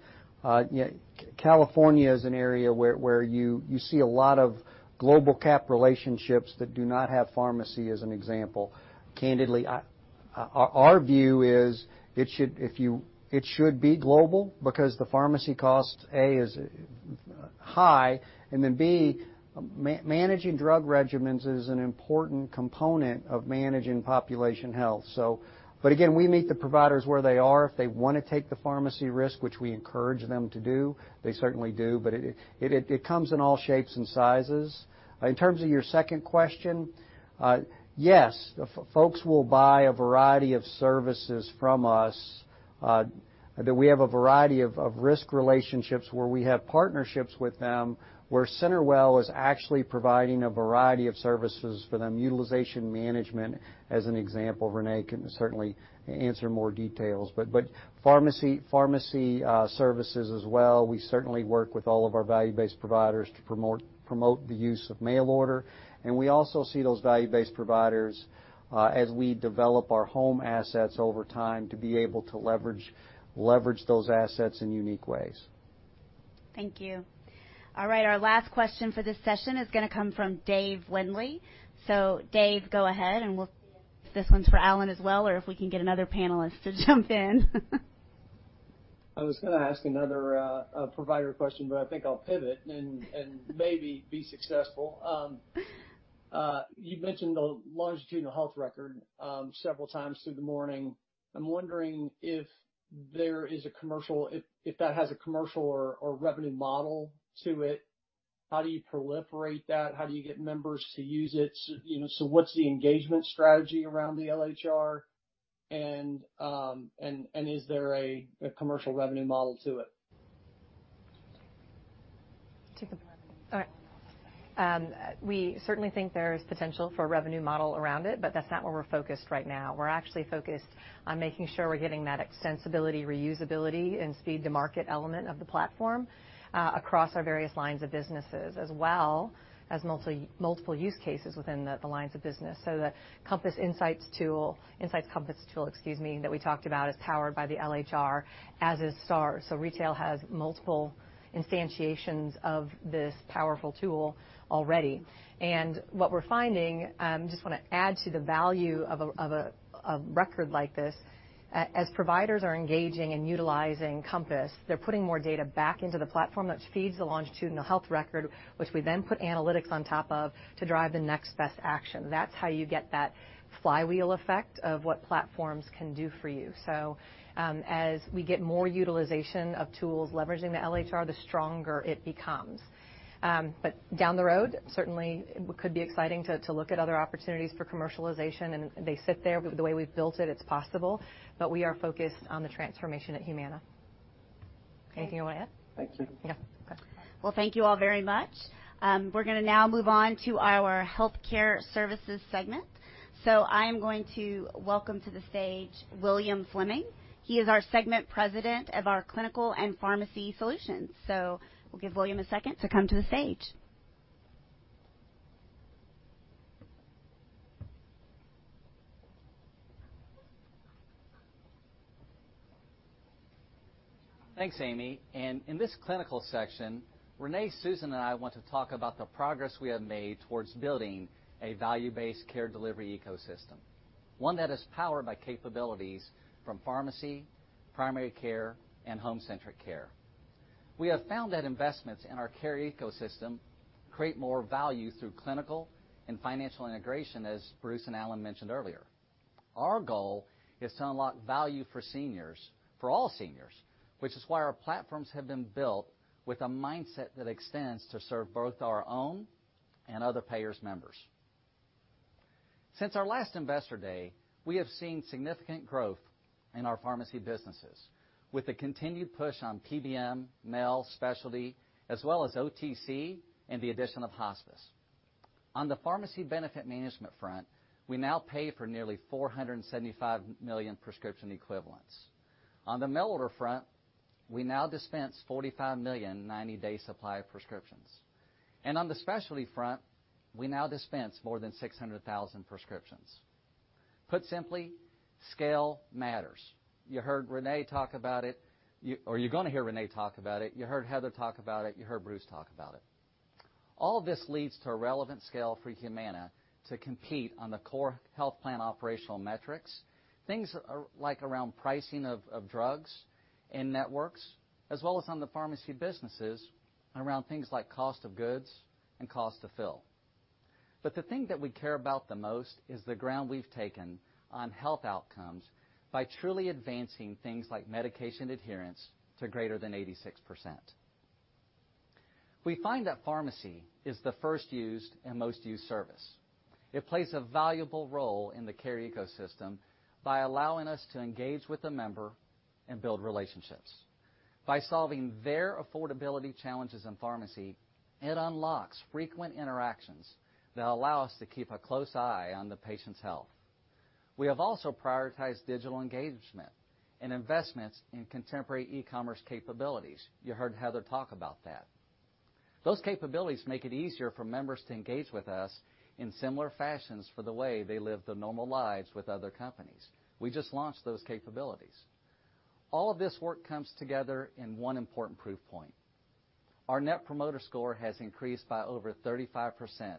[SPEAKER 7] California is an area where you see a lot of global cap relationships that do not have pharmacy as an example. Candidly, our view is it should be global because the pharmacy cost, A, is high, and then B, managing drug regimens is an important component of managing population health. Again, we meet the providers where they are. If they want to take the pharmacy risk, which we encourage them to do, they certainly do, but it comes in all shapes and sizes. In terms of your second question, yes, folks will buy a variety of services from us. We have a variety of risk relationships where we have partnerships with them, where CenterWell is actually providing a variety of services for them, utilization management, as an example. Reneé can certainly answer more details. Pharmacy services as well, we certainly work with all of our value-based providers to promote the use of mail order, and we also see those value-based providers as we develop our home assets over time to be able to leverage those assets in unique ways.
[SPEAKER 1] Thank you. All right, our last question for this session is going to come from David Windley. Dave, go ahead, and we'll see if this one's for Alan as well, or if we can get another panelist to jump in.
[SPEAKER 15] I was going to ask another provider question, but I think I'll pivot and maybe be successful. You mentioned the longitudinal health record several times through the morning. I'm wondering if that has a commercial or revenue model to it. How do you proliferate that? How do you get members to use it? What's the engagement strategy around the LHR, and is there a commercial revenue model to it?
[SPEAKER 4] We certainly think there is potential for a revenue model around it, that's not where we're focused right now. We're actually focused on making sure we're getting that extensibility, reusability, and speed to market element of the platform across our various lines of businesses, as well as multiple use cases within the lines of business. The Insight Compass tool that we talked about is powered by the LHR, as is Stars. Retail has multiple instantiations of this powerful tool already. And what we're finding, just want to add to the value of a record like this, as providers are engaging and utilizing Compass, they're putting more data back into the platform. That feeds the longitudinal health record, which we then put analytics on top of to drive the next best action. That's how you get that flywheel effect of what platforms can do for you. As we get more utilization of tools leveraging the LHR, the stronger it becomes. Down the road, certainly it could be exciting to look at other opportunities for commercialization, and they sit there, but the way we've built it's possible. We are focused on the transformation at Humana. Anything you want to add?
[SPEAKER 15] Thank you.
[SPEAKER 4] Yeah.
[SPEAKER 1] Well, thank you all very much. We're going to now move on to our healthcare services segment. I am going to welcome to the stage William Fleming. He is our Segment President of our clinical and pharmacy solutions. We'll give William a second to come to the stage.
[SPEAKER 16] Thanks, Amy. In this clinical section, Reneé, Susan, and I want to talk about the progress we have made towards building a value-based care delivery ecosystem, one that is powered by capabilities from pharmacy, primary care, and home-centric care. We have found that investments in our care ecosystem create more value through clinical and financial integration, as Bruce and Alan mentioned earlier. Our goal is to unlock value for all seniors, which is why our platforms have been built with a mindset that extends to serve both our own and other payers' members. Since our last Investor Day, we have seen significant growth in our pharmacy businesses with a continued push on PBM, mail, specialty, as well as OTC, and the addition of hospice. On the pharmacy benefit management front, we now pay for nearly $475 million prescription equivalents. On the mail order front, we now dispense 45 million 90-day supply prescriptions. On the specialty front, we now dispense more than 600,000 prescriptions. Put simply, scale matters. You heard Reneé talk about it, or you're going to hear Reneé talk about it. You heard Heather talk about it. You heard Bruce talk about it. All of this leads to a relevant scale for Humana to compete on the core health plan operational metrics, things like around pricing of drugs and networks as well as on the pharmacy businesses around things like cost of goods and cost to fill. The thing that we care about the most is the ground we've taken on health outcomes by truly advancing things like medication adherence to greater than 86%. We find that pharmacy is the first used and most used service. It plays a valuable role in the care ecosystem by allowing us to engage with the member and build relationships. By solving their affordability challenges in pharmacy, it unlocks frequent interactions that allow us to keep a close eye on the patient's health. We have also prioritized digital engagement and investments in contemporary e-commerce capabilities. You heard Heather talk about that. Those capabilities make it easier for members to engage with us in similar fashions for the way they live their normal lives with other companies. We just launched those capabilities. All of this work comes together in one important proof point. Our Net Promoter Score has increased by over 35%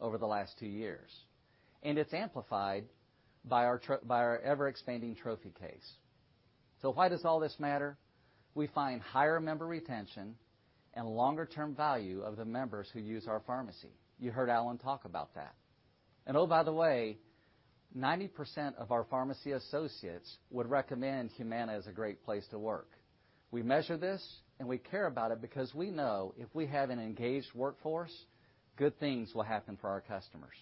[SPEAKER 16] over the last two years, and it's amplified by our ever-expanding trophy case. Why does all this matter? We find higher member retention and longer-term value of the members who use our pharmacy. You heard Alan talk about that. Oh, by the way, 90% of our pharmacy associates would recommend Humana as a great place to work. We measure this, and we care about it because we know if we have an engaged workforce, good things will happen for our customers.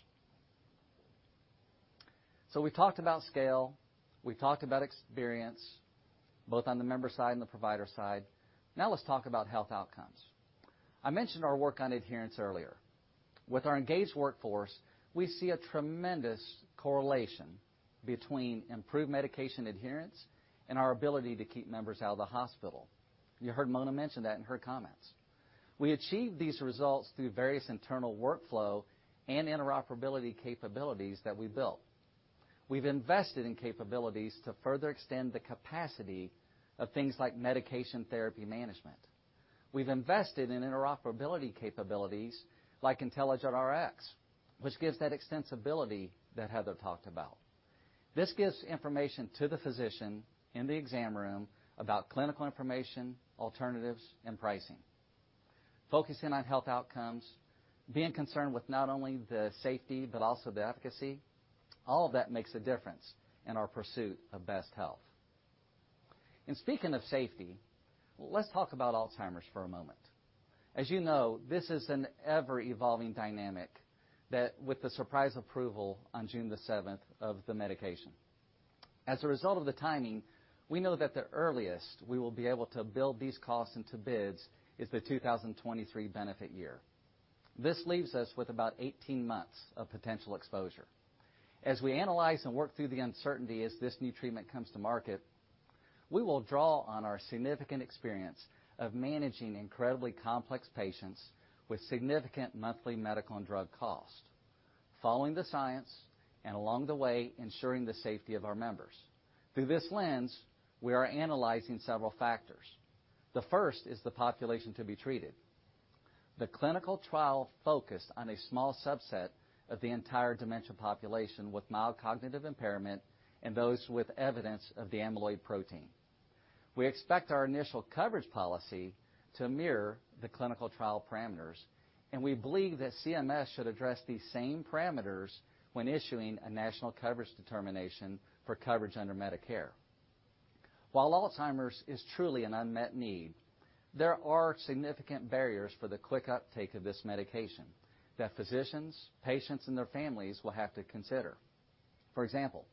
[SPEAKER 16] We talked about scale, we talked about experience, both on the member side and the provider side. Now let's talk about health outcomes. I mentioned our work on adherence earlier. With our engaged workforce, we see a tremendous correlation between improved medication adherence and our ability to keep members out of the hospital. You heard Mona mention that in her comments. We achieved these results through various internal workflow and interoperability capabilities that we built. We've invested in capabilities to further extend the capacity of things like Medication Therapy Management. We've invested in interoperability capabilities like IntelligentRx, which gives that extensibility that Heather talked about. This gives information to the physician in the exam room about clinical information, alternatives, and pricing. Focusing on health outcomes, being concerned with not only the safety but also the efficacy, all of that makes a difference in our pursuit of best health. Speaking of safety, let's talk about Alzheimer's for a moment. As you know, this is an ever-evolving dynamic that with the surprise approval on June 7th of the medication, as a result of the timing, we know that the earliest we will be able to build these costs into bids is the 2023 benefit year. This leaves us with about 18 months of potential exposure. As we analyze and work through the uncertainty as this new treatment comes to market, we will draw on our significant experience of managing incredibly complex patients with significant monthly medical and drug costs, following the science, and along the way, ensuring the safety of our members. Through this lens, we are analyzing several factors. The first is the population to be treated. The clinical trial focused on a small subset of the entire dementia population with mild cognitive impairment and those with evidence of the amyloid protein. We expect our initial coverage policy to mirror the clinical trial parameters, and we believe that CMS should address these same parameters when issuing a national coverage determination for coverage under Medicare. While Alzheimer's is truly an unmet need, there are significant barriers for the quick uptake of this medication that physicians, patients, and their families will have to consider. For example,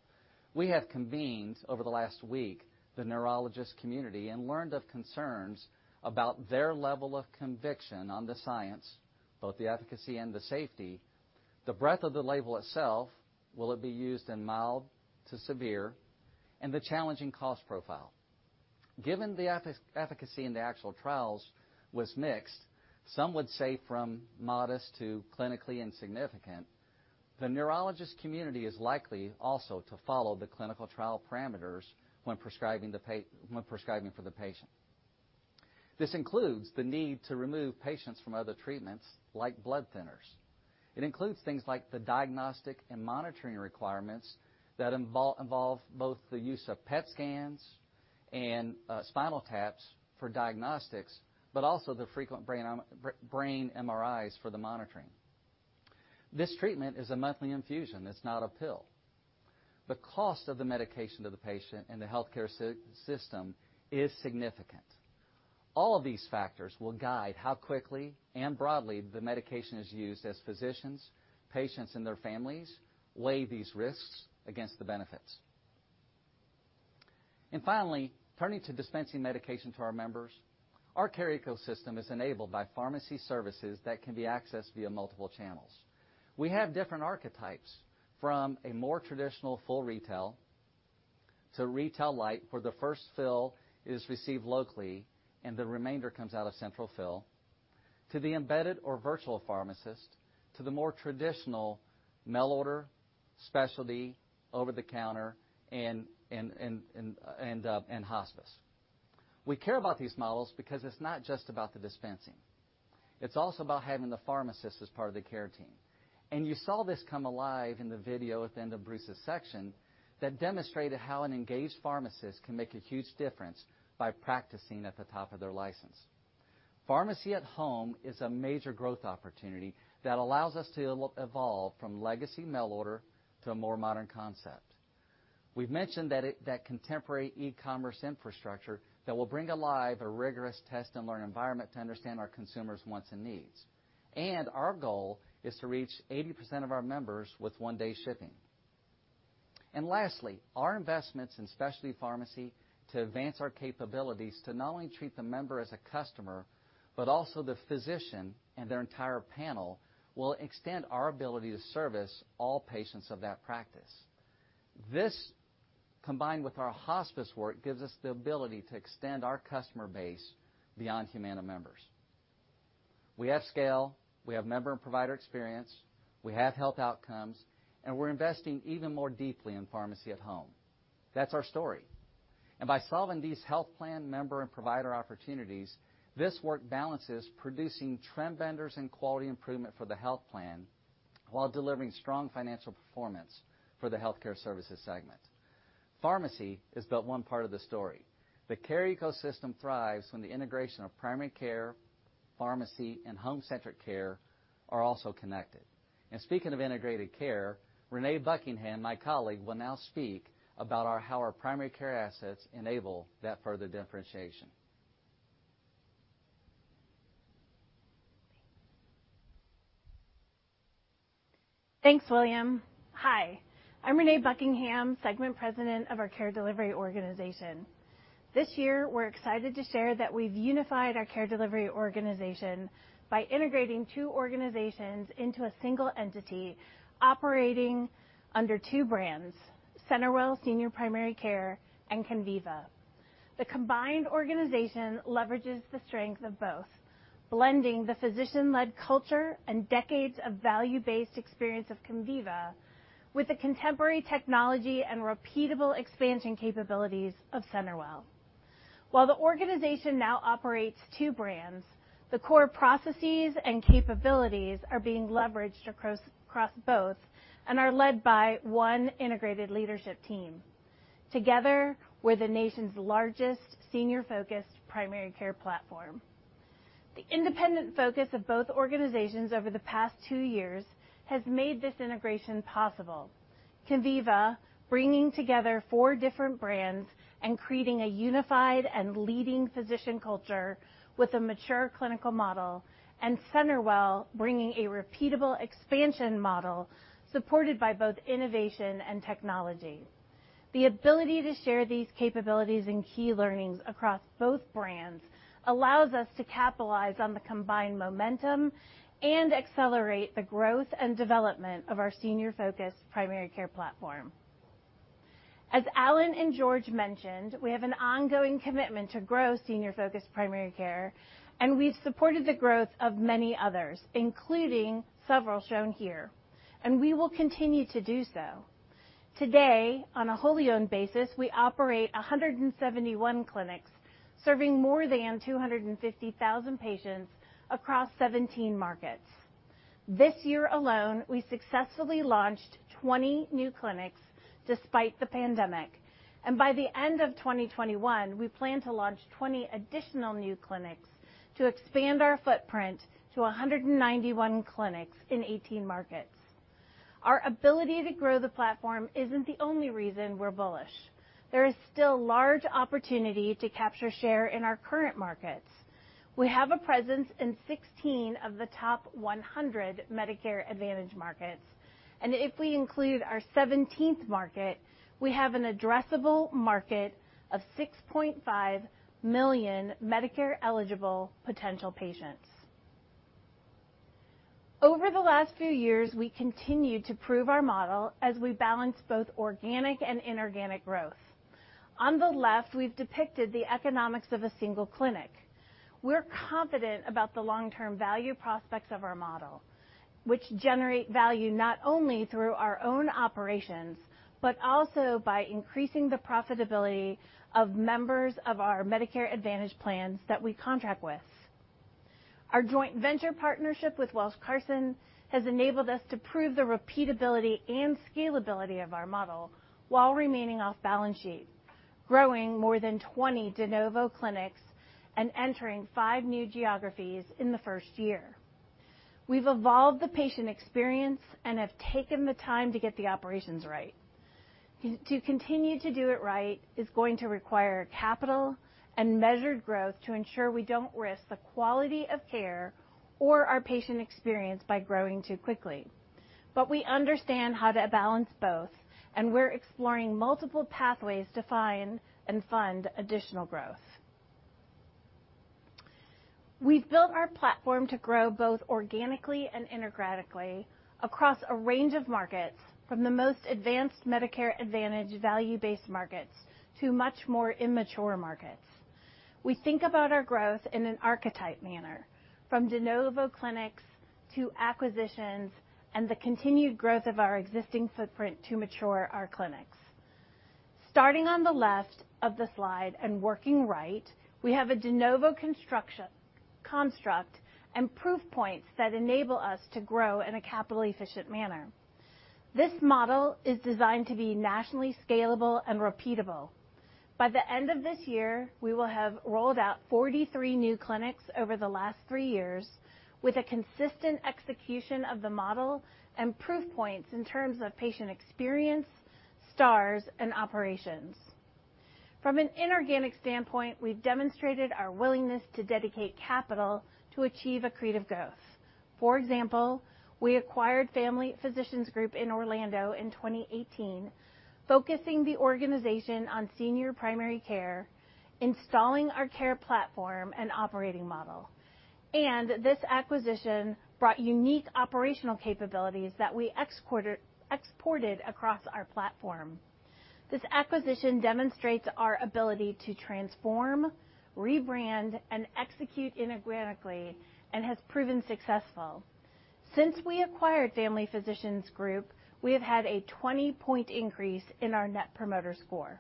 [SPEAKER 16] we have convened over the last week the neurologist community and learned of concerns about their level of conviction on the science, both the efficacy and the safety, the breadth of the label itself, will it be used in mild to severe, and the challenging cost profile. Given the efficacy in the actual trials was mixed, some would say from modest to clinically insignificant. The neurologist community is likely also to follow the clinical trial parameters when prescribing for the patient. This includes the need to remove patients from other treatments like blood thinners. It includes things like the diagnostic and monitoring requirements that involve both the use of PET scans and spinal taps for diagnostics, but also the frequent brain MRIs for the monitoring. This treatment is a monthly infusion. It's not a pill. The cost of the medication to the patient and the healthcare system is significant. All of these factors will guide how quickly and broadly the medication is used as physicians, patients, and their families weigh these risks against the benefits. Finally, turning to dispensing medication for our members, our care ecosystem is enabled by pharmacy services that can be accessed via multiple channels. We have different archetypes, from a more traditional full retail to retail light, where the first fill is received locally and the remainder comes out of central fill, to the embedded or virtual pharmacist, to the more traditional mail order, specialty, over-the-counter, and hospice. We care about these models because it's not just about the dispensing. It's also about having the pharmacist as part of the care team. You saw this come alive in the video at the end of Bruce's section that demonstrated how an engaged pharmacist can make a huge difference by practicing at the top of their license. Pharmacy at home is a major growth opportunity that allows us to evolve from legacy mail order to a more modern concept. We mentioned that contemporary e-commerce infrastructure that will bring alive a rigorous test and learn environment to understand our consumers' wants and needs. Our goal is to reach 80% of our members with one-day shipping. Lastly, our investments in specialty pharmacy to advance our capabilities to not only treat the member as a customer, but also the physician and their entire panel will extend our ability to service all patients of that practice. This, combined with our hospice work, gives us the ability to extend our customer base beyond Humana members. We have scale, we have member and provider experience, we have health outcomes, and we're investing even more deeply in pharmacy at home. That's our story. By solving these health plan member and provider opportunities, this work balances producing trend benders and quality improvement for the health plan while delivering strong financial performance for the healthcare services segment. Pharmacy is but one part of the story. The care ecosystem thrives when the integration of primary care, pharmacy, and home-centric care are also connected. Speaking of integrated care, Reneé Buckingham, my colleague, will now speak about how our primary care assets enable that further differentiation.
[SPEAKER 17] Thanks, William. Hi, I'm Reneé Buckingham, Segment President of our care delivery organization. This year, we're excited to share that we've unified our care delivery organization by integrating two organizations into a single entity operating under two brands, CenterWell Senior Primary Care and Conviva. The combined organization leverages the strengths of both, blending the physician-led culture and decades of value-based experience of Conviva with the contemporary technology and repeatable expansion capabilities of CenterWell. While the organization now operates two brands, the core processes and capabilities are being leveraged across both and are led by one integrated leadership team. Together, we're the nation's largest senior-focused primary care platform. The independent focus of both organizations over the past two years has made this integration possible. Conviva, bringing together four different brands and creating a unified and leading physician culture with a mature clinical model, and CenterWell, bringing a repeatable expansion model supported by both innovation and technology. The ability to share these capabilities and key learnings across both brands allows us to capitalize on the combined momentum and accelerate the growth and development of our senior-focused primary care platform. As Alan and George mentioned, we have an ongoing commitment to grow senior-focused primary care, and we've supported the growth of many others, including several shown here. We will continue to do so. Today, on a wholly owned basis, we operate 171 clinics serving more than 250,000 patients across 17 markets. This year alone, we successfully launched 20 new clinics despite the pandemic. By the end of 2021, we plan to launch 20 additional new clinics to expand our footprint to 191 clinics in 18 markets. Our ability to grow the platform isn't the only reason we're bullish. There is still large opportunity to capture share in our current markets. We have a presence in 16 of the top 100 Medicare Advantage markets. If we include our 17th market, we have an addressable market of 6.5 million Medicare-eligible potential patients. Over the last few years, we continued to prove our model as we balanced both organic and inorganic growth. On the left, we've depicted the economics of a single clinic. We're confident about the long-term value prospects of our model, which generate value not only through our own operations, but also by increasing the profitability of members of our Medicare Advantage plans that we contract with. Our joint venture partnership with Welsh, Carson has enabled us to prove the repeatability and scalability of our model while remaining off-balance sheet, growing more than 20 de novo clinics and entering five new geographies in the first year. We've evolved the patient experience and have taken the time to get the operations right. To continue to do it right is going to require capital and measured growth to ensure we don't risk the quality of care or our patient experience by growing too quickly. We understand how to balance both, and we're exploring multiple pathways to find and fund additional growth. We've built our platform to grow both organically and integratively across a range of markets from the most advanced Medicare Advantage value-based markets to much more immature markets. We think about our growth in an archetype manner, from de novo clinics to acquisitions and the continued growth of our existing footprint to mature our clinics. Starting on the left of the slide and working right, we have a de novo construct and proof points that enable us to grow in a capital-efficient manner. This model is designed to be nationally scalable and repeatable. By the end of this year, we will have rolled out 43 new clinics over the last three years with a consistent execution of the model and proof points in terms of patient experience, Stars, and operations. From an inorganic standpoint, we've demonstrated our willingness to dedicate capital to achieve accretive growth. For example, we acquired Family Physicians Group in Orlando in 2018, focusing the organization on senior primary care, installing our care platform and operating model. This acquisition brought unique operational capabilities that we exported across our platform. This acquisition demonstrates our ability to transform, rebrand, and execute integratively and has proven successful. Since we acquired Family Physicians Group, we have had a 20-point increase in our Net Promoter Score.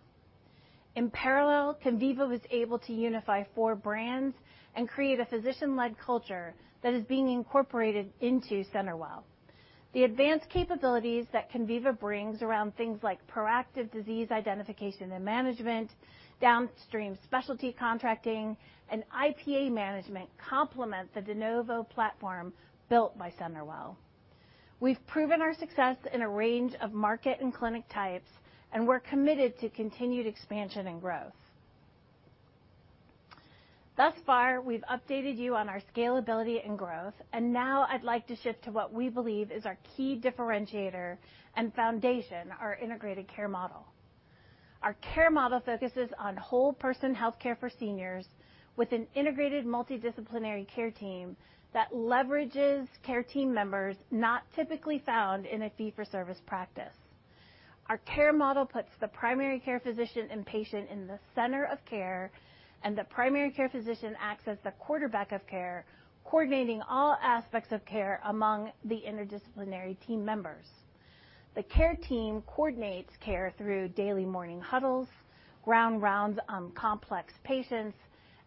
[SPEAKER 17] In parallel, Conviva was able to unify four brands and create a physician-led culture that is being incorporated into CenterWell. The advanced capabilities that Conviva brings around things like proactive disease identification and management, downstream specialty contracting, and IPA management complement the de novo platform built by CenterWell. We've proven our success in a range of market and clinic types, and we're committed to continued expansion and growth. Thus far, we've updated you on our scalability and growth, and now I'd like to shift to what we believe is our key differentiator and foundation, our integrated care model. Our care model focuses on whole-person healthcare for seniors with an integrated multidisciplinary care team that leverages care team members not typically found in a fee-for-service practice. Our care model puts the primary care physician and patient in the center of care, and the primary care physician acts as the quarterback of care, coordinating all aspects of care among the interdisciplinary team members. The care team coordinates care through daily morning huddles, grand rounds on complex patients,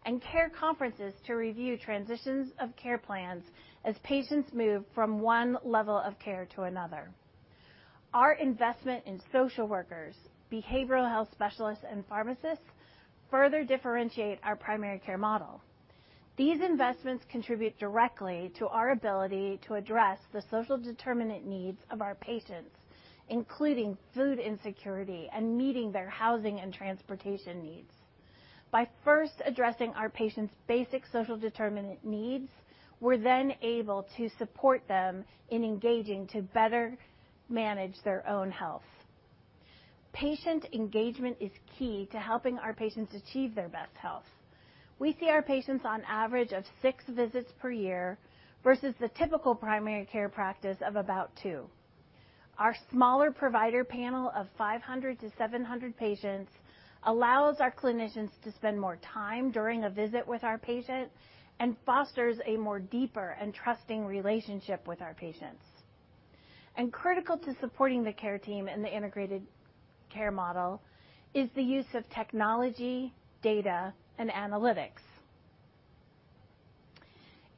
[SPEAKER 17] and care conferences to review transitions of care plans as patients move from one level of care to another. Our investment in social workers, behavioral health specialists, and pharmacists further differentiate our primary care model. These investments contribute directly to our ability to address the social determinants of health of our patients, including food insecurity and meeting their housing and transportation needs. By first addressing our patients' basic social determinant needs, we're then able to support them in engaging to better manage their own health. Patient engagement is key to helping our patients achieve their best health. We see our patients on average of six visits per year versus the typical primary care practice of about two. Our smaller provider panel of 500 to 700 patients allows our clinicians to spend more time during a visit with our patients and fosters a more deeper and trusting relationship with our patients. Critical to supporting the care team and the integrated care model is the use of technology, data, and analytics.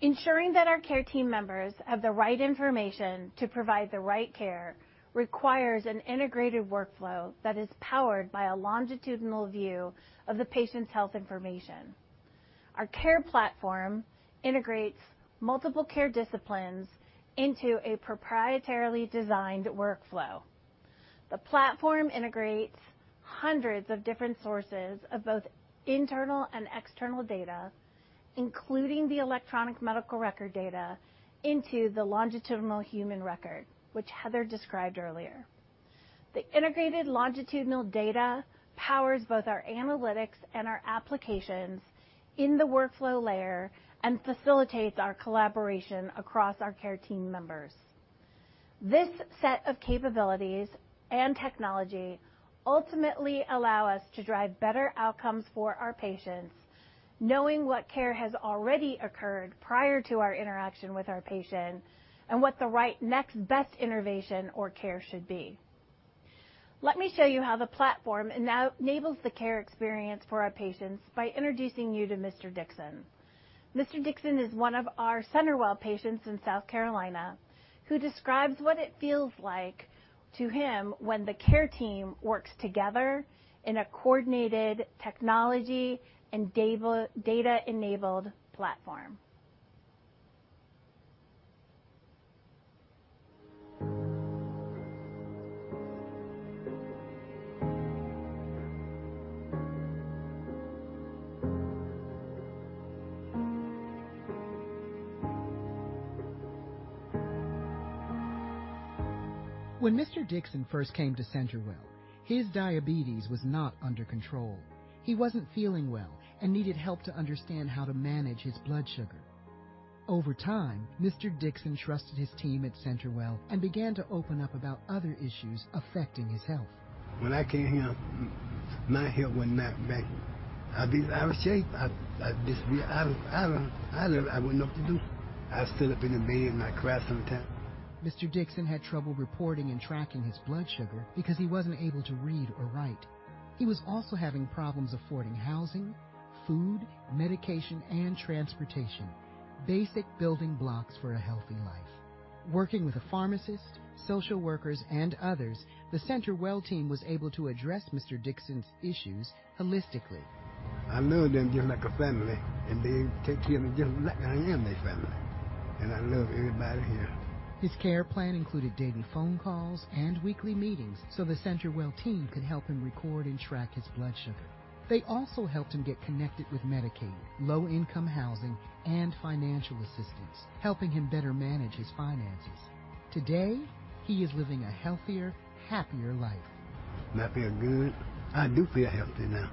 [SPEAKER 17] Ensuring that our care team members have the right information to provide the right care requires an integrated workflow that is powered by a longitudinal view of the patient's health information. Our care platform integrates multiple care disciplines into a proprietarily designed workflow. The platform integrates hundreds of different sources of both internal and external data, including the electronic medical record data, into the longitudinal health record, which Heather described earlier. The integrated longitudinal data powers both our analytics and our applications in the workflow layer and facilitates our collaboration across our care team members. This set of capabilities and technology ultimately allow us to drive better outcomes for our patients, knowing what care has already occurred prior to our interaction with our patient and what the right next best intervention or care should be. Let me show you how the platform enables the care experience for our patients by introducing you to Mr. Dixon. Mr. Dixon is 1 of our CenterWell patients in South Carolina who describes what it feels like to him when the care team works together in a coordinated technology and data-enabled platform.
[SPEAKER 3] When Mr. Dixon first came to CenterWell, his diabetes was not under control. He wasn't feeling well and needed help to understand how to manage his blood sugar. Over time, Mr. Dixon trusted his team at CenterWell and began to open up about other issues affecting his health.
[SPEAKER 18] When I came here, my health was not right. I was sick. I wouldn't know what to do. I'd still up in the bed and I'd cry sometimes.
[SPEAKER 3] Mr. Dixon had trouble reporting and tracking his blood sugar because he wasn't able to read or write. He was also having problems affording housing, food, medication, and transportation, basic building blocks for a healthy life. Working with a pharmacist, social workers, and others, the CenterWell team was able to address Mr. Dixon's issues holistically.
[SPEAKER 18] I love them just like a family, they take care of me just like I am their family. I love everybody here.
[SPEAKER 3] His care plan included daily phone calls and weekly meetings so the CenterWell team could help him record and track his blood sugar. They also helped him get connected with Medicaid, low-income housing, and financial assistance, helping him better manage his finances. Today, he is living a healthier, happier life.
[SPEAKER 18] I feel good. I do feel healthy now.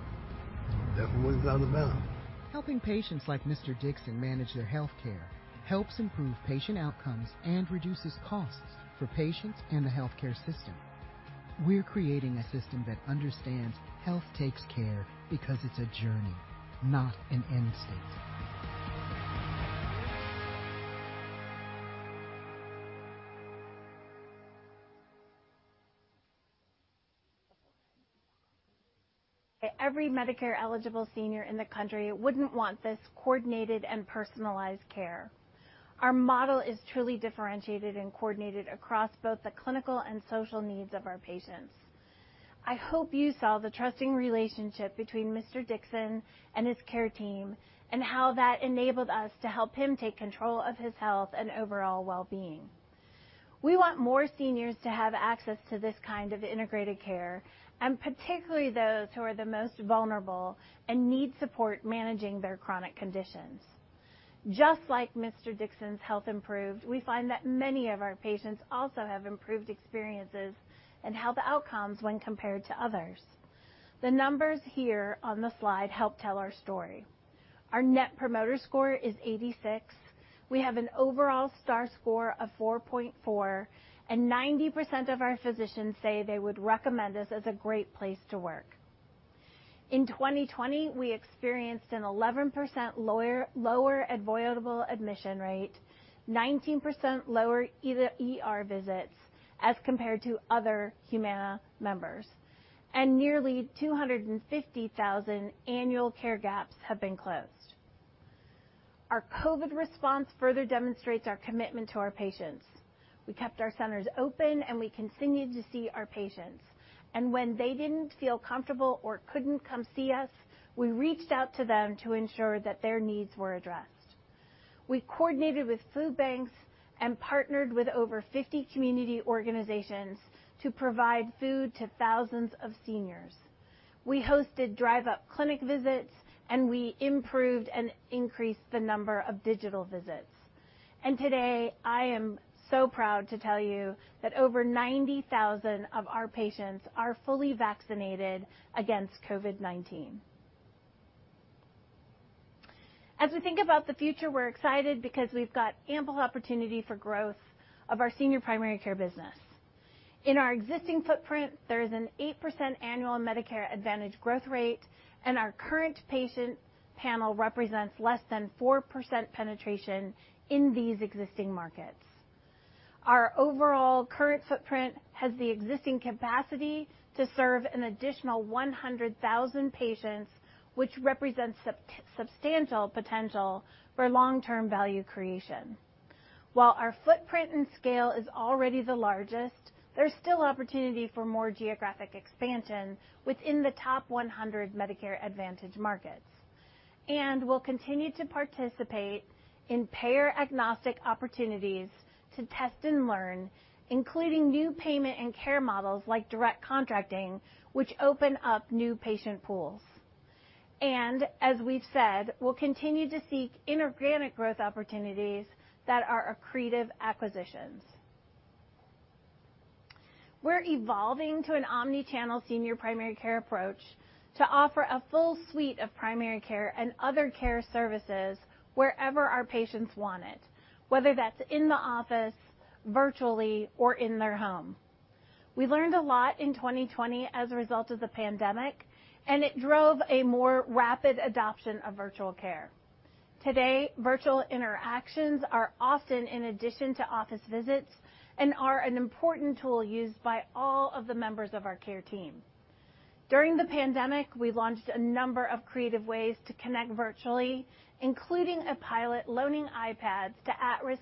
[SPEAKER 18] That's what it's all about.
[SPEAKER 3] Helping patients like Mr. Dixon manage their healthcare helps improve patient outcomes and reduces costs for patients in the healthcare system. We're creating a system that understands health takes care because it's a journey, not an end state.
[SPEAKER 17] Every Medicare-eligible senior in the country wouldn't want this coordinated and personalized care. Our model is truly differentiated and coordinated across both the clinical and social needs of our patients. I hope you saw the trusting relationship between Mr. Dixon and his care team and how that enabled us to help him take control of his health and overall wellbeing. We want more seniors to have access to this kind of integrated care, and particularly those who are the most vulnerable and need support managing their chronic conditions. Just like Mr. Dixon's health improved, we find that many of our patients also have improved experiences and health outcomes when compared to others. The numbers here on the slide help tell our story. Our Net Promoter Score is 86. We have an overall star score of 4.4. 90% of our physicians say they would recommend us as a great place to work. In 2020, we experienced an 11% lower avoidable admission rate, 19% lower ER visits as compared to other Humana members. Nearly 250,000 annual care gaps have been closed. Our COVID response further demonstrates our commitment to our patients. We kept our centers open. We continued to see our patients. When they didn't feel comfortable or couldn't come see us, we reached out to them to ensure that their needs were addressed. We coordinated with food banks and partnered with over 50 community organizations to provide food to thousands of seniors. We hosted drive-up clinic visits. We improved and increased the number of digital visits. Today, I am so proud to tell you that over 90,000 of our patients are fully vaccinated against COVID-19. As we think about the future, we're excited because we've got ample opportunity for growth of our senior primary care business. In our existing footprint, there's an 8% annual Medicare Advantage growth rate, and our current patient panel represents less than 4% penetration in these existing markets. Our overall current footprint has the existing capacity to serve an additional 100,000 patients, which represents substantial potential for long-term value creation. While our footprint and scale is already the largest, there's still opportunity for more geographic expansion within the top 100 Medicare Advantage markets. We'll continue to participate in payer-agnostic opportunities to test and learn, including new payment and care models like Direct Contracting, which open up new patient pools. As we've said, we'll continue to seek inorganic growth opportunities that are accretive acquisitions. We're evolving to an omni-channel senior primary care approach to offer a full suite of primary care and other care services wherever our patients want it, whether that's in the office, virtually, or in their home. We learned a lot in 2020 as a result of the pandemic, and it drove a more rapid adoption of virtual care. Today, virtual interactions are often in addition to office visits and are an important tool used by all of the members of our care team. During the pandemic, we launched a number of creative ways to connect virtually, including a pilot loaning iPads to at-risk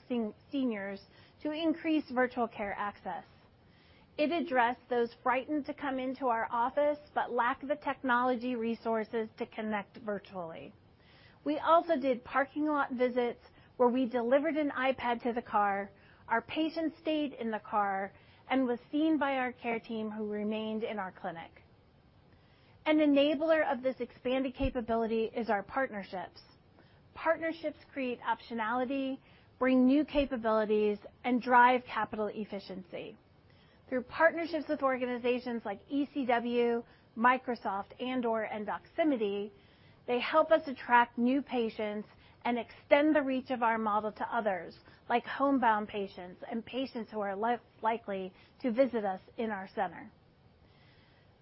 [SPEAKER 17] seniors to increase virtual care access. It addressed those frightened to come into our office but lack the technology resources to connect virtually. We also did parking lot visits where we delivered an iPad to the car, our patient stayed in the car and was seen by our care team who remained in our clinic. An enabler of this expanded capability is our partnerships. Partnerships create optionality, bring new capabilities, and drive capital efficiency. Through partnerships with organizations like ECW, Microsoft, Andor, and Doximity, they help us attract new patients and extend the reach of our model to others, like homebound patients and patients who are less likely to visit us in our center.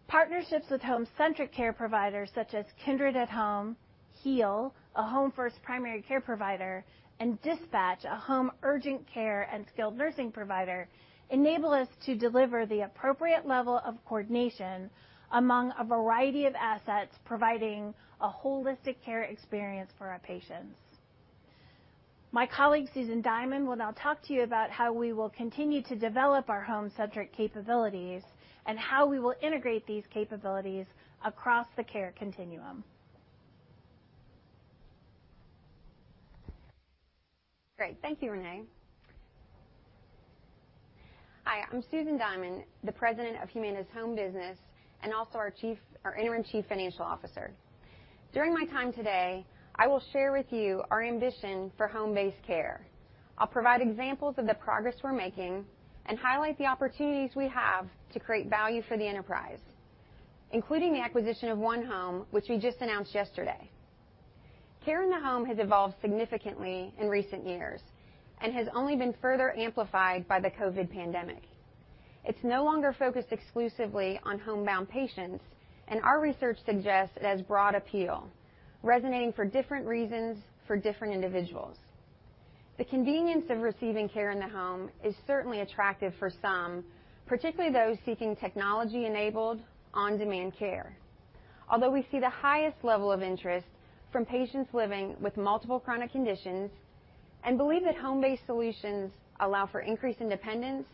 [SPEAKER 17] Partnerships with home-centric care providers such as Kindred at Home, Heal, a home first primary care provider, and Dispatch, a home urgent care and skilled nursing provider, enable us to deliver the appropriate level of coordination among a variety of assets, providing a holistic care experience for our patients. My colleague, Susan Diamond, will now talk to you about how we will continue to develop our home-centric capabilities and how we will integrate these capabilities across the care continuum.
[SPEAKER 19] Great. Thank you, Reneé. Hi, I'm Susan Diamond, the President of Humana's home business and also our interim Chief Financial Officer. During my time today, I will share with you our ambition for home-based care. I'll provide examples of the progress we're making and highlight the opportunities we have to create value for the enterprise, including the acquisition of onehome, which we just announced yesterday. Care in the home has evolved significantly in recent years and has only been further amplified by the COVID-19 pandemic. It's no longer focused exclusively on homebound patients, and our research suggests it has broad appeal, resonating for different reasons for different individuals. The convenience of receiving care in the home is certainly attractive for some, particularly those seeking technology-enabled on-demand care. Although we see the highest level of interest from patients living with multiple chronic conditions and believe that home-based solutions allow for increased independence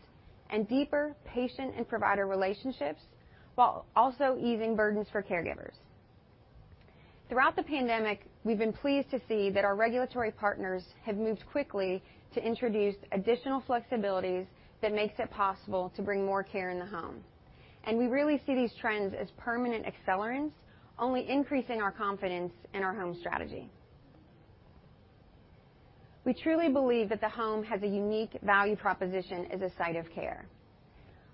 [SPEAKER 19] and deeper patient and provider relationships, while also easing burdens for caregivers. Throughout the pandemic, we've been pleased to see that our regulatory partners have moved quickly to introduce additional flexibilities that makes it possible to bring more care in the home. We really see these trends as permanent accelerants, only increasing our confidence in our home strategy. We truly believe that the home has a unique value proposition as a site of care.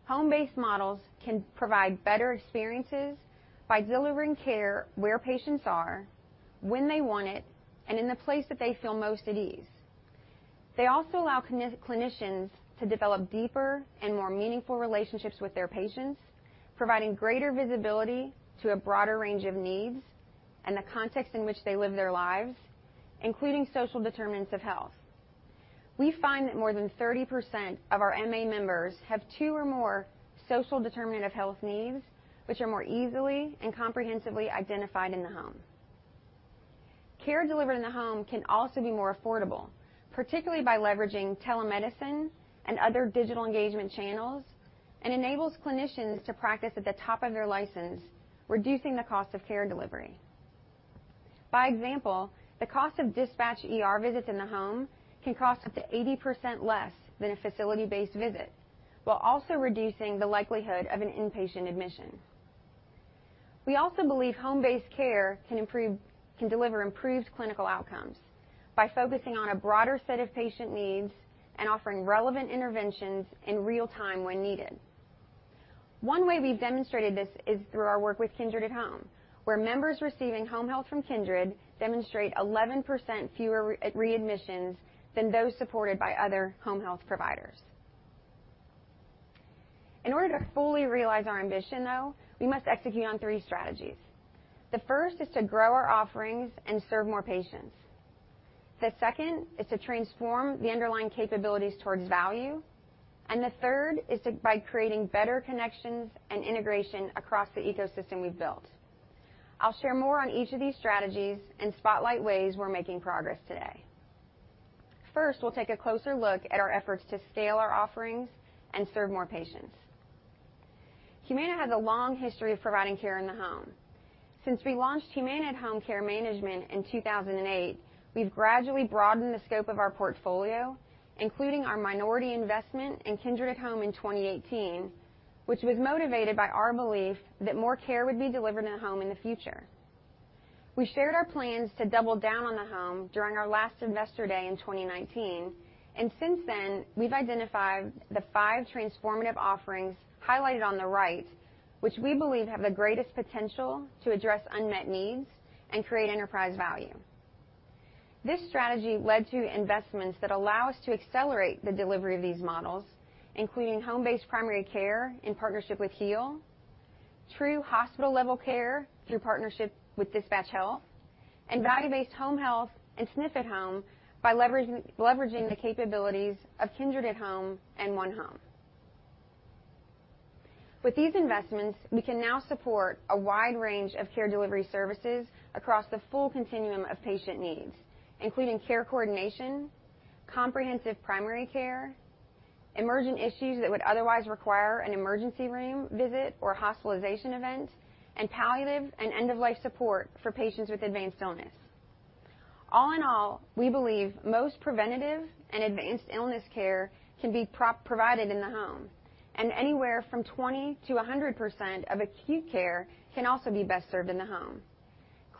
[SPEAKER 19] Home-based models can provide better experiences by delivering care where patients are, when they want it, and in the place that they feel most at ease. They also allow clinicians to develop deeper and more meaningful relationships with their patients, providing greater visibility to a broader range of needs and the context in which they live their lives, including social determinants of health. We find that more than 30% of our MA members have two or more social determinant of health needs, which are more easily and comprehensively identified in the home. Care delivered in the home can also be more affordable, particularly by leveraging telemedicine and other digital engagement channels, and enables clinicians to practice at the top of their license, reducing the cost of care delivery. By example, the cost of DispatchHealth ER visits in the home can cost up to 80% less than a facility-based visit, while also reducing the likelihood of an inpatient admission. We also believe home-based care can deliver improved clinical outcomes by focusing on a broader set of patient needs and offering relevant interventions in real time when needed. One way we've demonstrated this is through our work with Kindred at Home, where members receiving home health from Kindred demonstrate 11% fewer readmissions than those supported by other home health providers. In order to fully realize our ambition, though, we must execute on three strategies. The first is to grow our offerings and serve more patients. The second is to transform the underlying capabilities towards value, and the third is by creating better connections and integration across the ecosystem we've built. I'll share more on each of these strategies and spotlight ways we're making progress today. First, we'll take a closer look at our efforts to scale our offerings and serve more patients. Humana has a long history of providing care in the home. Since we launched Humana Home Care Management in 2008, we've gradually broadened the scope of our portfolio, including our minority investment in Kindred at Home in 2018, which was motivated by our belief that more care would be delivered in-home in the future. We shared our plans to double down on the home during our last Investor Day in 2019, and since then, we've identified the five transformative offerings highlighted on the right, which we believe have the greatest potential to address unmet needs and create enterprise value. This strategy led to investments that allow us to accelerate the delivery of these models, including home-based primary care in partnership with Heal, true hospital-level care through partnership with DispatchHealth, and value-based home health and SNF at Home by leveraging the capabilities of Kindred at Home and onehome. With these investments, we can now support a wide range of care delivery services across the full continuum of patient needs, including care coordination, comprehensive primary care, emerging issues that would otherwise require an emergency room visit or hospitalization event, and palliative and end-of-life support for patients with advanced illness. All in all, we believe most preventive and advanced illness care can be provided in the home, and anywhere from 20%-100% of acute care can also be best served in the home.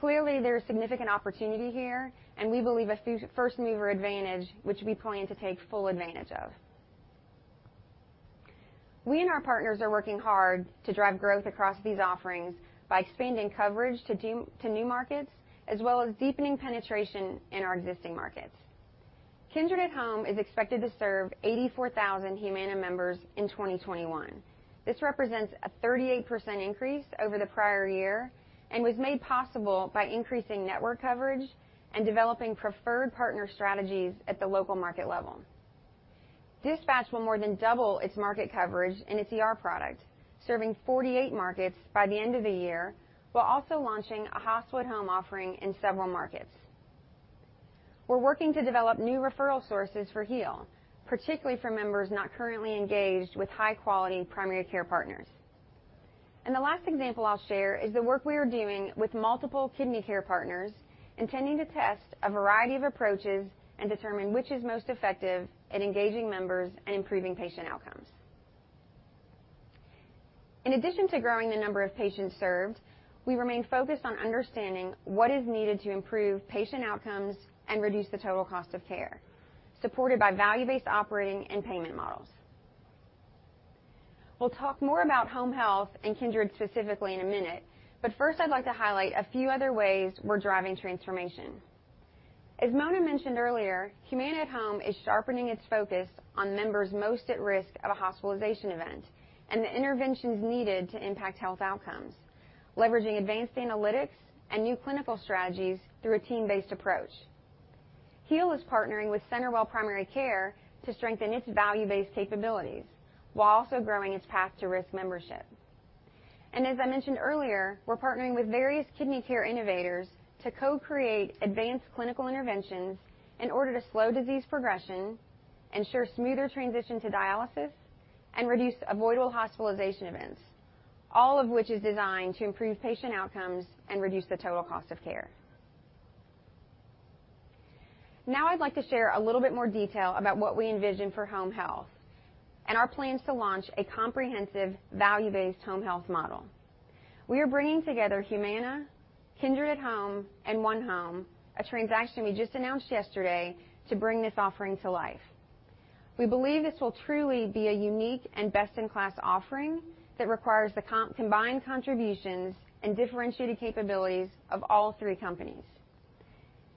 [SPEAKER 19] Clearly, there's significant opportunity here, and we believe a first-mover advantage, which we plan to take full advantage of. We and our partners are working hard to drive growth across these offerings by expanding coverage to new markets as well as deepening penetration in our existing markets. Kindred at Home is expected to serve 84,000 Humana members in 2021. This represents a 38% increase over the prior year and was made possible by increasing network coverage and developing preferred partner strategies at the local market level. DispatchHealth will more than double its market coverage in its ER product, serving 48 markets by the end of the year, while also launching a hospital-at-home offering in several markets. We're working to develop new referral sources for Heal, particularly for members not currently engaged with high-quality primary care partners. The last example I'll share is the work we are doing with multiple kidney care partners, intending to test a variety of approaches and determine which is most effective in engaging members and improving patient outcomes. In addition to growing the number of patients served, we remain focused on understanding what is needed to improve patient outcomes and reduce the total cost of care, supported by value-based operating and payment models. We'll talk more about home health and Kindred specifically in a minute. First, I'd like to highlight a few other ways we're driving transformation. As Mona mentioned earlier, Humana At Home is sharpening its focus on members most at risk of a hospitalization event and the interventions needed to impact health outcomes, leveraging advanced analytics and new clinical strategies through a team-based approach. Heal is partnering with CenterWell Primary Care to strengthen its value-based capabilities while also growing its path to risk membership. As I mentioned earlier, we're partnering with various kidney care innovators to co-create advanced clinical interventions in order to slow disease progression, ensure smoother transition to dialysis, and reduce avoidable hospitalization events, all of which is designed to improve patient outcomes and reduce the total cost of care. Now I'd like to share a little bit more detail about what we envision for home health and our plans to launch a comprehensive value-based home health model. We are bringing together Humana, Kindred at Home, and onehome, a transaction we just announced yesterday, to bring this offering to life. We believe this will truly be a unique and best-in-class offering that requires the combined contributions and differentiated capabilities of all three companies.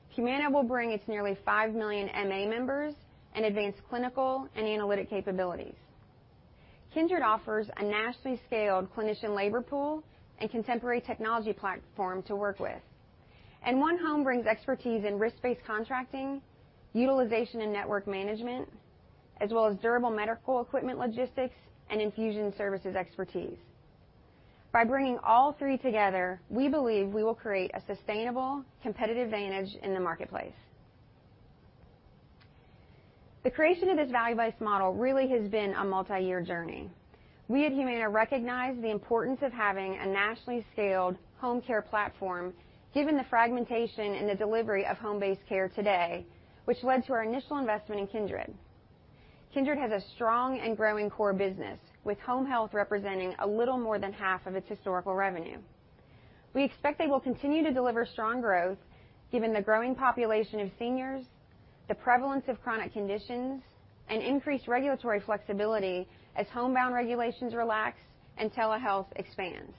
[SPEAKER 19] Humana will bring its nearly 5 million MA members and advanced clinical and analytic capabilities. Kindred offers a nationally scaled clinician labor pool and contemporary technology platform to work with. onehome brings expertise in risk-based contracting, utilization and network management, as well as durable medical equipment logistics and infusion services expertise. By bringing all three together, we believe we will create a sustainable competitive advantage in the marketplace. The creation of this value-based model really has been a multi-year journey. We at Humana recognize the importance of having a nationally scaled home care platform given the fragmentation in the delivery of home-based care today, which led to our initial investment in Kindred. Kindred has a strong and growing core business, with home health representing a little more than half of its historical revenue. We expect they will continue to deliver strong growth given the growing population of seniors, the prevalence of chronic conditions, and increased regulatory flexibility as homebound regulations relax and telehealth expands.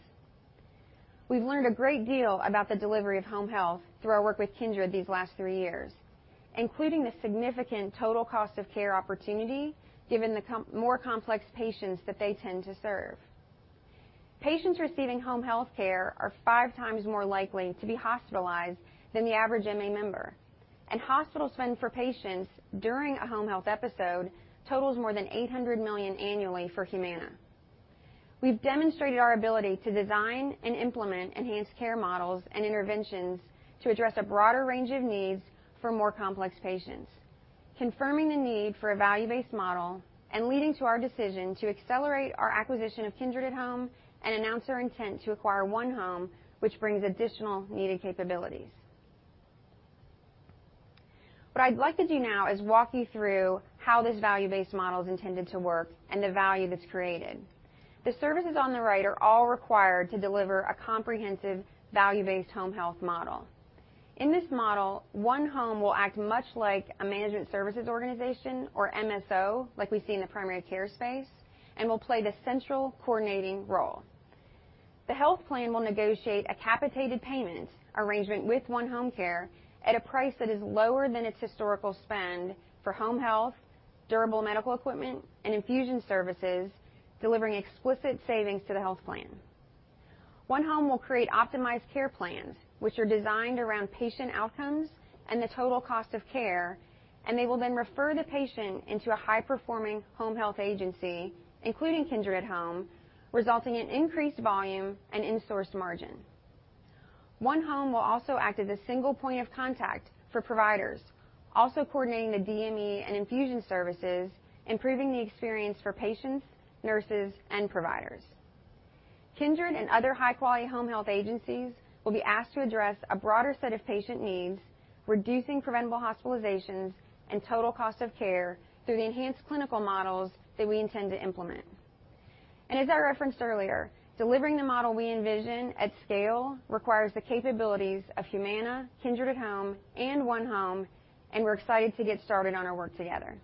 [SPEAKER 19] We've learned a great deal about the delivery of home health through our work with Kindred these last three years, including the significant total cost of care opportunity given the more complex patients that they tend to serve. Patients receiving home health care are five times more likely to be hospitalized than the average MA member. Hospital spend for patients during a home health episode totals more than $800 million annually for Humana. We've demonstrated our ability to design and implement enhanced care models and interventions to address a broader range of needs for more complex patients, confirming the need for a value-based model and leading to our decision to accelerate our acquisition of Kindred at Home and announce our intent to acquire onehome, which brings additional needed capabilities. What I'd like to do now is walk you through how this value-based model is intended to work and the value that's created. The services on the right are all required to deliver a comprehensive value-based home health model. In this model, onehome will act much like a management services organization, or MSO, like we see in the primary care space, and will play the central coordinating role. The health plan will negotiate a capitated payments arrangement with onehome at a price that is lower than its historical spend for home health, DME, and infusion services, delivering explicit savings to the health plan. Onehome will create optimized care plans, which are designed around patient outcomes and the total cost of care, and they will then refer the patient into a high-performing home health agency, including Kindred at Home, resulting in increased volume and in-source margin. Onehome will also act as a single point of contact for providers, also coordinating the DME and infusion services, improving the experience for patients, nurses, and providers. Kindred and other high-quality home health agencies will be asked to address a broader set of patient needs, reducing preventable hospitalizations and total cost of care through the enhanced clinical models that we intend to implement. As I referenced earlier, delivering the model we envision at scale requires the capabilities of Humana, Kindred at Home, and onehome, and we're excited to get started on our work together.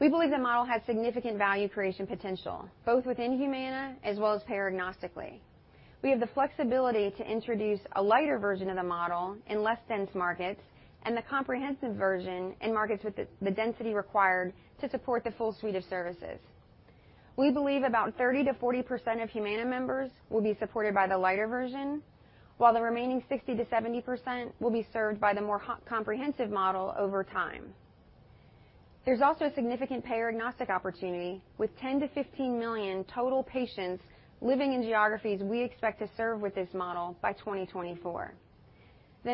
[SPEAKER 19] We believe the model has significant value creation potential, both within Humana as well as payer agnostically. We have the flexibility to introduce a lighter version of the model in less dense markets and the comprehensive version in markets with the density required to support the full suite of services. We believe about 30%-40% of Humana members will be supported by the lighter version, while the remaining 60%-70% will be served by the more comprehensive model over time. There's also significant payer agnostic opportunity, with 10 to 15 million total patients living in geographies we expect to serve with this model by 2024.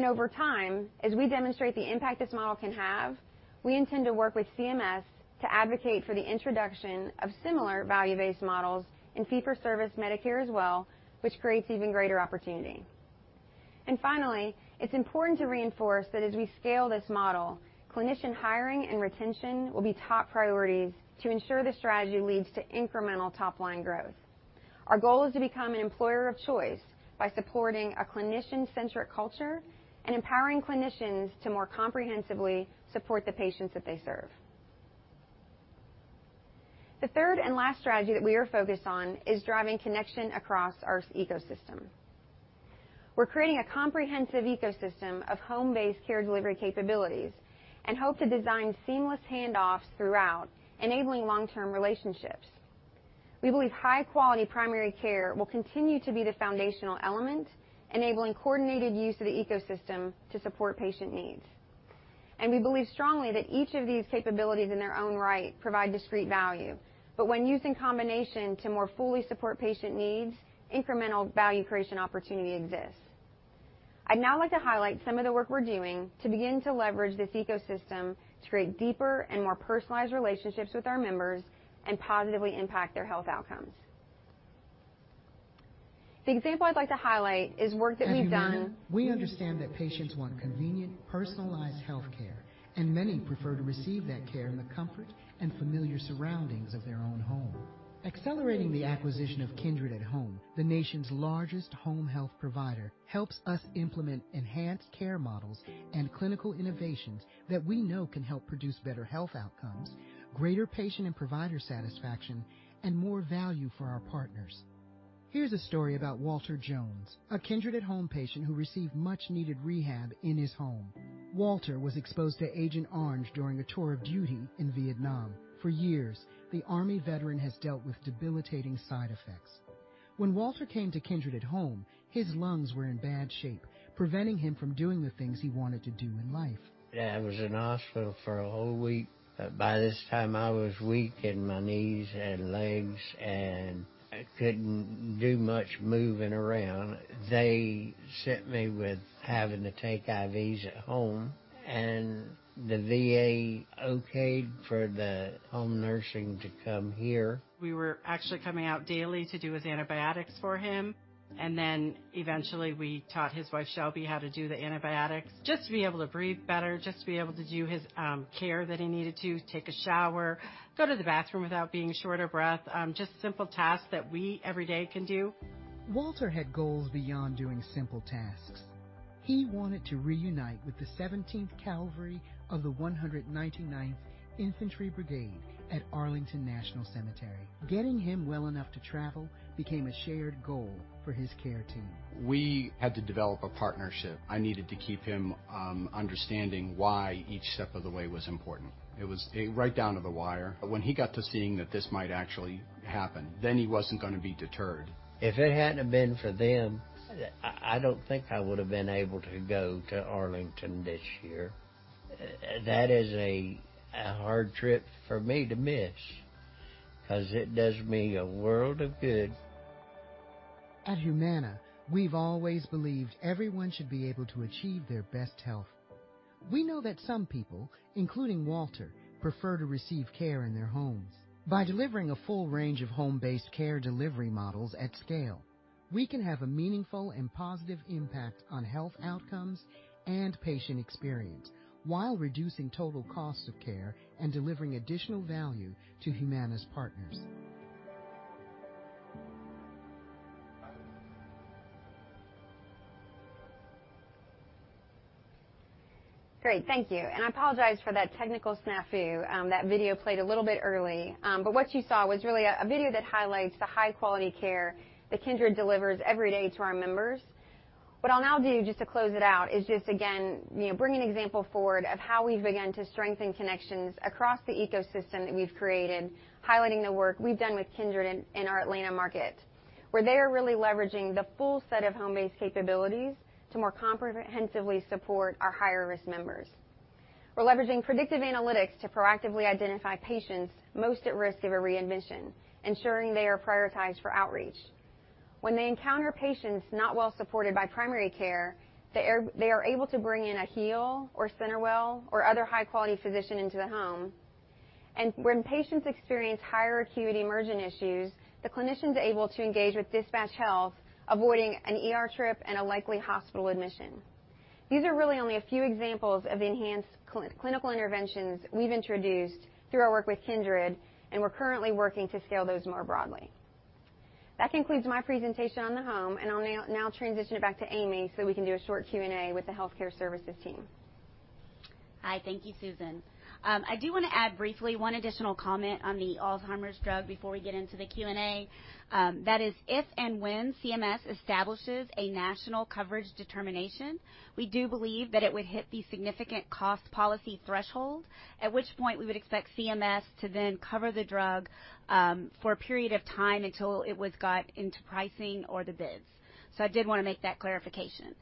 [SPEAKER 19] Over time, as we demonstrate the impact this model can have, we intend to work with CMS to advocate for the introduction of similar value-based models in fee-for-service Medicare as well, which creates even greater opportunity. Finally, it's important to reinforce that as we scale this model, clinician hiring and retention will be top priorities to ensure the strategy leads to incremental top-line growth. Our goal is to become an employer of choice by supporting a clinician-centric culture and empowering clinicians to more comprehensively support the patients that they serve. The third and last strategy that we are focused on is driving connection across our ecosystem. We're creating a comprehensive ecosystem of home-based care delivery capabilities and hope to design seamless handoffs throughout, enabling long-term relationships. We believe high-quality primary care will continue to be the foundational element, enabling coordinated use of the ecosystem to support patient needs. We believe strongly that each of these capabilities in their own right provide discrete value. When used in combination to more fully support patient needs, incremental value creation opportunity exists. I'd now like to highlight some of the work we're doing to begin to leverage this ecosystem to create deeper and more personalized relationships with our members and positively impact their health outcomes. The example I'd like to highlight is work that we've done.
[SPEAKER 3] At Humana, we understand that patients want convenient, personalized healthcare, and many prefer to receive that care in the comfort and familiar surroundings of their own home. Accelerating the acquisition of Kindred at Home, the nation's largest home health provider, helps us implement enhanced care models and clinical innovations that we know can help produce better health outcomes, greater patient and provider satisfaction, and more value for our partners. Here's a story about Walter Jones, a Kindred at Home patient who received much-needed rehab in his home. Walter was exposed to Agent Orange during a tour of duty in Vietnam. For years, the Army veteran has dealt with debilitating side effects. When Walter came to Kindred at Home, his lungs were in bad shape, preventing him from doing the things he wanted to do in life.
[SPEAKER 20] I was in the hospital for a whole week. By this time, I was weak in my knees and legs, and I couldn't do much moving around. They sent me with having to take IVs at home, and the VA okayed for the home nursing to come here.
[SPEAKER 21] We were actually coming out daily to do his antibiotics for him, and then eventually we taught his wife, Shelby, how to do the antibiotics. Just to be able to breathe better, just to be able to do his care that he needed to, take a shower, go to the bathroom without being short of breath, just simple tasks that we every day can do.
[SPEAKER 3] Walter had goals beyond doing simple tasks. He wanted to reunite with the 17th Cavalry of the 199th Infantry Brigade at Arlington National Cemetery. Getting him well enough to travel became a shared goal for his care team.
[SPEAKER 21] We had to develop a partnership. I needed to keep him understanding why each step of the way was important. It was right down to the wire. When he got to seeing that this might actually happen, then he wasn't going to be deterred.
[SPEAKER 20] If it hadn't been for them, I don't think I would have been able to go to Arlington this year. That is a hard trip for me to miss because it does me a world of good.
[SPEAKER 3] At Humana, we've always believed everyone should be able to achieve their best health. We know that some people, including Walter, prefer to receive care in their homes. By delivering a full range of home-based care delivery models at scale, we can have a meaningful and positive impact on health outcomes and patient experience while reducing total costs of care and delivering additional value to Humana's partners.
[SPEAKER 19] Great. Thank you. I apologize for that technical snafu. That video played a little bit early. What you saw was really a video that highlights the high-quality care that Kindred delivers every day to our members. What I'll now do, just to close it out, is just again bring an example forward of how we begin to strengthen connections across the ecosystem that we've created, highlighting the work we've done with Kindred in our Atlanta market, where they are really leveraging the full set of home-based capabilities to more comprehensively support our higher-risk members. We're leveraging predictive analytics to proactively identify patients most at risk of a readmission, ensuring they are prioritized for outreach. When they encounter patients not well supported by primary care, they are able to bring in a Heal or CenterWell or other high-quality physician into the home. When patients experience higher acuity emergent issues, the clinician's able to engage with DispatchHealth, avoiding an ER trip and a likely hospital admission. These are really only a few examples of enhanced clinical interventions we've introduced through our work with Kindred, and we're currently working to scale those more broadly. That concludes my presentation on the home, and I'll now transition back to Amy so we can do a short Q&A with the healthcare services team.
[SPEAKER 1] Hi. Thank you, Susan. I do want to add briefly one additional comment on the Alzheimer's drug before we get into the Q&A. That is, if and when CMS establishes a national coverage determination, we do believe that it would hit the significant cost policy threshold, at which point we would expect CMS to then cover the drug for a period of time until it was got into pricing or the bids. I did want to make that clarification.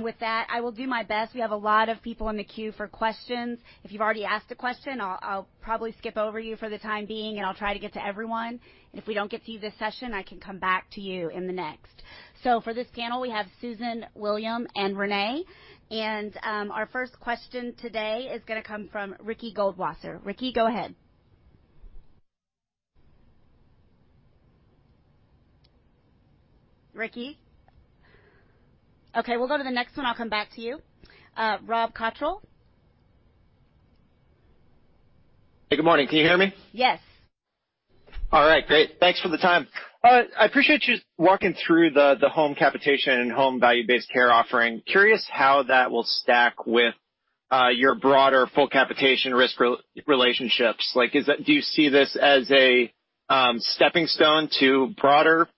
[SPEAKER 1] With that, I will do my best. We have a lot of people in the queue for questions. If you've already asked a question, I'll probably skip over you for the time being, and I'll try to get to everyone. If we don't get to you this session, I can come back to you in the next. For this panel, we have Susan, William, and Renee. Our first question today is going to come from Ricky Goldwasser. Ricky, go ahead. Ricky? Okay, we'll go to the next one. I'll come back to you. Rob Cottrell.
[SPEAKER 22] Good morning. Can you hear me?
[SPEAKER 1] Yes.
[SPEAKER 22] All right, great. Thanks for the time. I appreciate you walking through the home capitation and home value-based care offering. Curious how that will stack with your broader full capitation risk relationships. Do you see this as a stepping stone to broader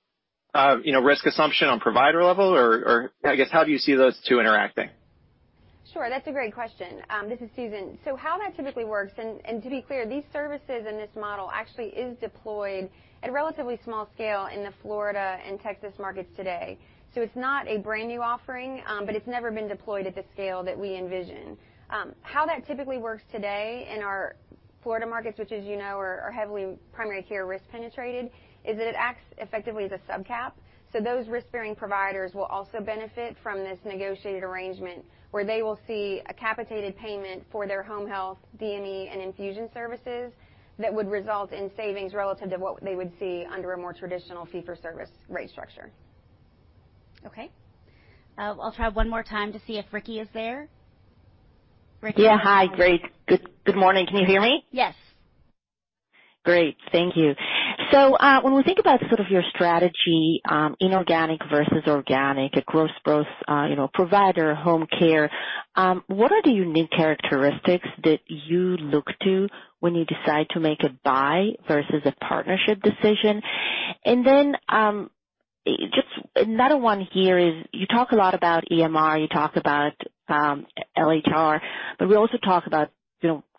[SPEAKER 22] risk assumption on provider level or, I guess, how do you see those two interacting?
[SPEAKER 19] Sure, that's a great question. This is Susan. How that typically works, and to be clear, these services in this model actually is deployed at relatively small scale in the Florida and Texas markets today. It's not a brand new offering, but it's never been deployed at the scale that we envision. How that typically works today in our Florida markets, which as you know, are heavily primary care risk penetrated, is it acts effectively as a sub-cap. Those risk-bearing providers will also benefit from this negotiated arrangement, where they will see a capitated payment for their home health DME and infusion services that would result in savings relative to what they would see under a more traditional fee-for-service rate structure.
[SPEAKER 1] Okay. I'll try one more time to see if Ricky is there. Ricky?
[SPEAKER 23] Yeah. Hi. Great. Good morning. Can you hear me?
[SPEAKER 1] Yes.
[SPEAKER 23] Great. Thank you. When we think about sort of your strategy, inorganic versus organic, across both provider home care, what are the unique characteristics that you look to when you decide to make a buy versus a partnership decision? Just another one here is, you talk a lot about EMR, you talk about LHR, but we also talk about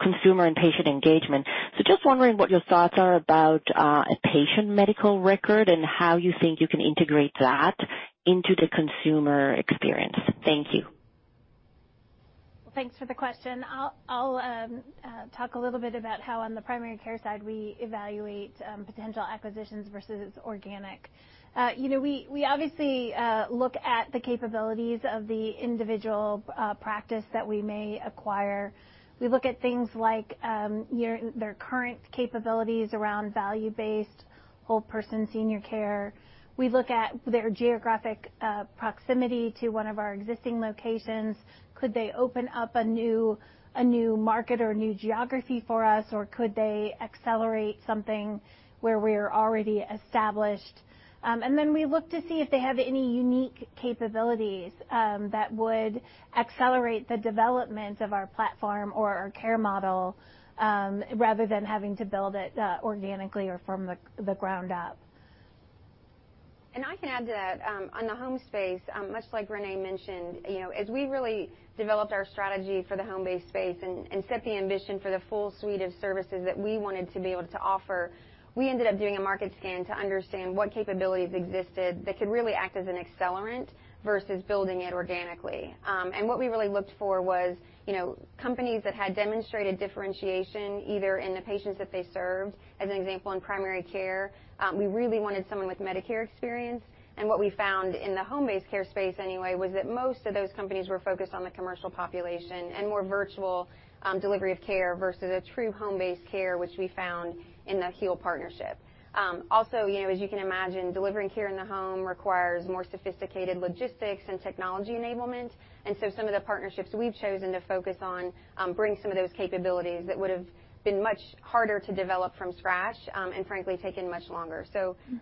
[SPEAKER 23] consumer and patient engagement. Just wondering what your thoughts are about a patient medical record and how you think you can integrate that into the consumer experience. Thank you.
[SPEAKER 17] Thanks for the question. I'll talk a little bit about how on the primary care side, we evaluate potential acquisitions versus organic. We obviously look at the capabilities of the individual practice that we may acquire. We look at things like their current capabilities around value-based whole-person senior care. We look at their geographic proximity to one of our existing locations. Could they open up a new market or new geography for us, or could they accelerate something where we are already established? We look to see if they have any unique capabilities that would accelerate the development of our platform or our care model, rather than having to build it organically or from the ground up.
[SPEAKER 19] I can add to that. On the home space, much like Reneé mentioned, as we really developed our strategy for the home-based space and set the ambition for the full suite of services that we wanted to be able to offer. We ended up doing a market scan to understand what capabilities existed that could really act as an accelerant versus building it organically. What we really looked for was companies that had demonstrated differentiation either in the patients that they served, as an example, in primary care. We really wanted someone with Medicare experience. What we found in the home-based care space anyway, was that most of those companies were focused on the commercial population and more virtual delivery of care versus a true home-based care, which we found in the Heal partnership. As you can imagine, delivering care in the home requires more sophisticated logistics and technology enablement. Some of the partnerships we've chosen to focus on bring some of those capabilities that would've been much harder to develop from scratch, and frankly, taken much longer.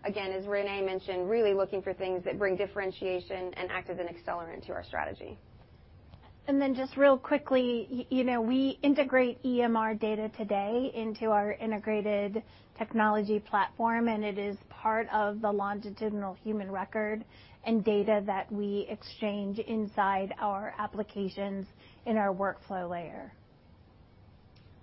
[SPEAKER 19] Again, as Reneé mentioned, really looking for things that bring differentiation and act as an accelerant to our strategy.
[SPEAKER 1] Just real quickly, we integrate EMR data today into our integrated technology platform, and it is part of the longitudinal health record and data that we exchange inside our applications in our workflow layer.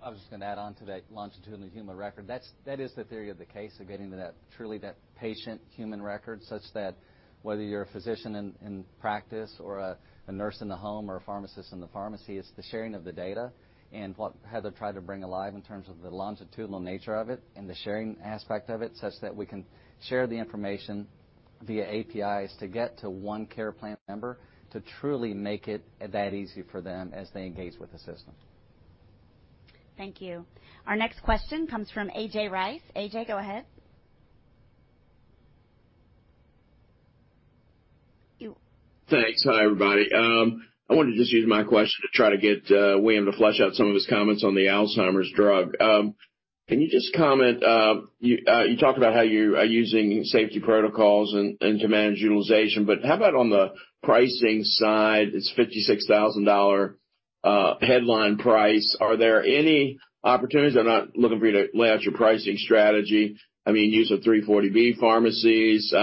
[SPEAKER 16] I was just going to add on to that longitudinal health record. That is the theory of the case, of getting to truly that patient health record, such that whether you're a physician in practice or a nurse in the home or a pharmacist in the pharmacy, it's the sharing of the data and what Heather tried to bring alive in terms of the longitudinal nature of it and the sharing aspect of it, such that we can share the information via APIs to get to one care plan member to truly make it that easy for them as they engage with the system.
[SPEAKER 1] Thank you. Our next question comes from A.J. Rice. A.J., go ahead.
[SPEAKER 24] Thanks. Hi, everybody. I wanted to just use my question to try to get William to flesh out some of his comments on the Alzheimer's drug. Can you just comment, you talked about how you are using safety protocols and to manage utilization, but how about on the pricing side? It's $56,000 headline price. Are there any opportunities? I'm not looking for you to lay out your pricing strategy. I mean, use of 340B pharmacies,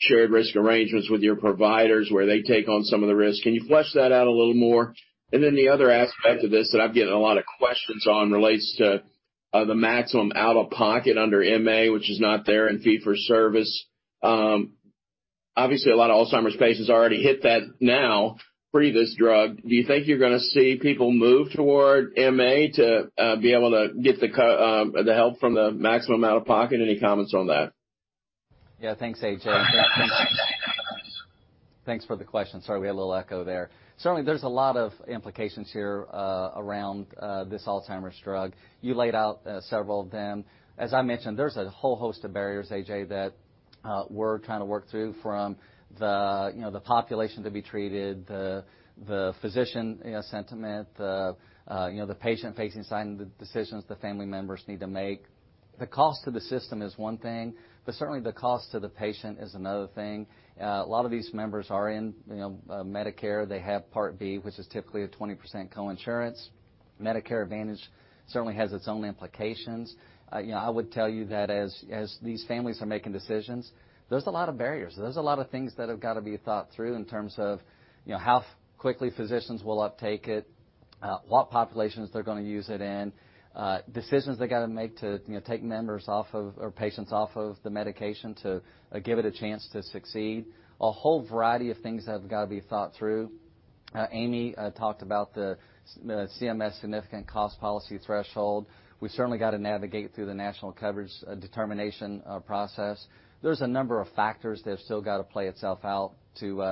[SPEAKER 24] shared risk arrangements with your providers where they take on some of the risk. Can you flesh that out a little more? The other aspect of this that I'm getting a lot of questions on relates to the maximum out-of-pocket under MA, which is not there in fee-for-service. Obviously, a lot of Alzheimer's patients already hit that now pre this drug. Do you think you're going to see people move toward MA to be able to get the help from the maximum out-of-pocket? Any comments on that?
[SPEAKER 16] Yeah, thanks, A.J. Rice. Thanks for the question. Sorry, we had a little echo there. There's a lot of implications here around this Alzheimer's drug. You laid out several of them. As I mentioned, there's a whole host of barriers, A.J. Rice, that we're trying to work through from the population to be treated, the physician sentiment, the patient-facing side, and the decisions the family members need to make. The cost to the system is one thing, certainly the cost to the patient is another one thing. A lot of these members are in Medicare. They have Part B, which is typically a 20% coinsurance. Medicare Advantage has its own implications. I would tell you that as these families are making decisions, there's a lot of barriers. There's a lot of things that have got to be thought through in terms of how quickly physicians will uptake it, what populations they're going to use it in, decisions they've got to make to take members off of, or patients off of the medication to give it a chance to succeed. A whole variety of things have got to be thought through. Amy talked about the CMS significant cost policy threshold. We've certainly got to navigate through the national coverage determination process. There's a number of factors that have still got to play itself out to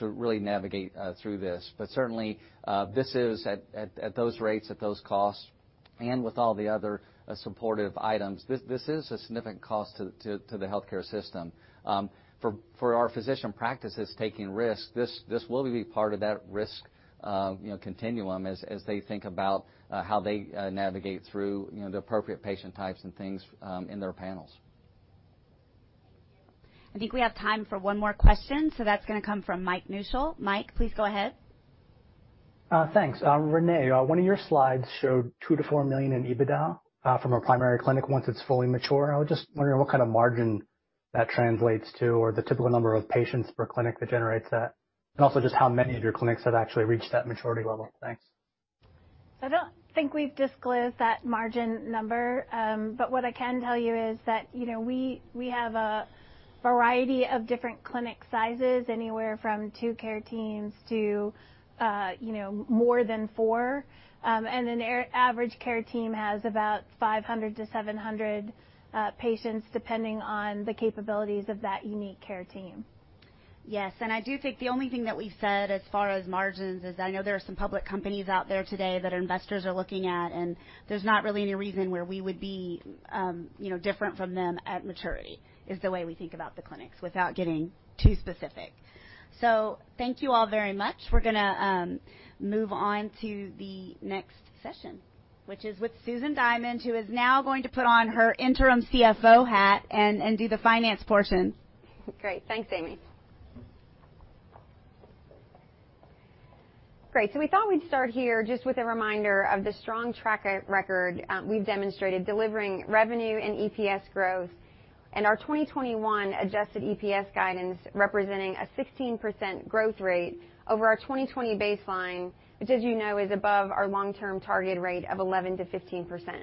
[SPEAKER 16] really navigate through this. Certainly, this is at those rates, at those costs, and with all the other supportive items, this is a significant cost to the healthcare system. For our physician practices taking risks, this will be part of that risk continuum as they think about how they navigate through the appropriate patient types and things in their panels.
[SPEAKER 1] I think we have time for one more question. That's going to come from Mike Musil. Mike, please go ahead.
[SPEAKER 22] Thanks. Reneé, one of your slides showed $2 million-$4 million in EBITDA from a primary clinic once it's fully mature. I was just wondering what kind of margin that translates to, or the typical number of patients per clinic that generates that. Also just how many of your clinics have actually reached that maturity level. Thanks.
[SPEAKER 1] I don't think we've disclosed that margin number. What I can tell you is that, we have a variety of different clinic sizes, anywhere from two care teams to more than four. An average care team has about 500 to 700 patients, depending on the capabilities of that unique care team. Yes. I do think the only thing that we said as far as margins is, I know there are some public companies out there today that investors are looking at, and there's not really a reason where we would be different from them at maturity, is the way we think about the clinics without getting too specific. Thank you all very much. We're going to move on to the next session, which is with Susan Diamond, who is now going to put on her interim CFO hat and do the finance portion.
[SPEAKER 19] Thanks, Amy. We thought we'd start here just with a reminder of the strong track record we've demonstrated delivering revenue and EPS growth. Our 2021 adjusted EPS guidance representing a 16% growth rate over our 2020 baseline, which as you know, is above our long-term target rate of 11%-15%.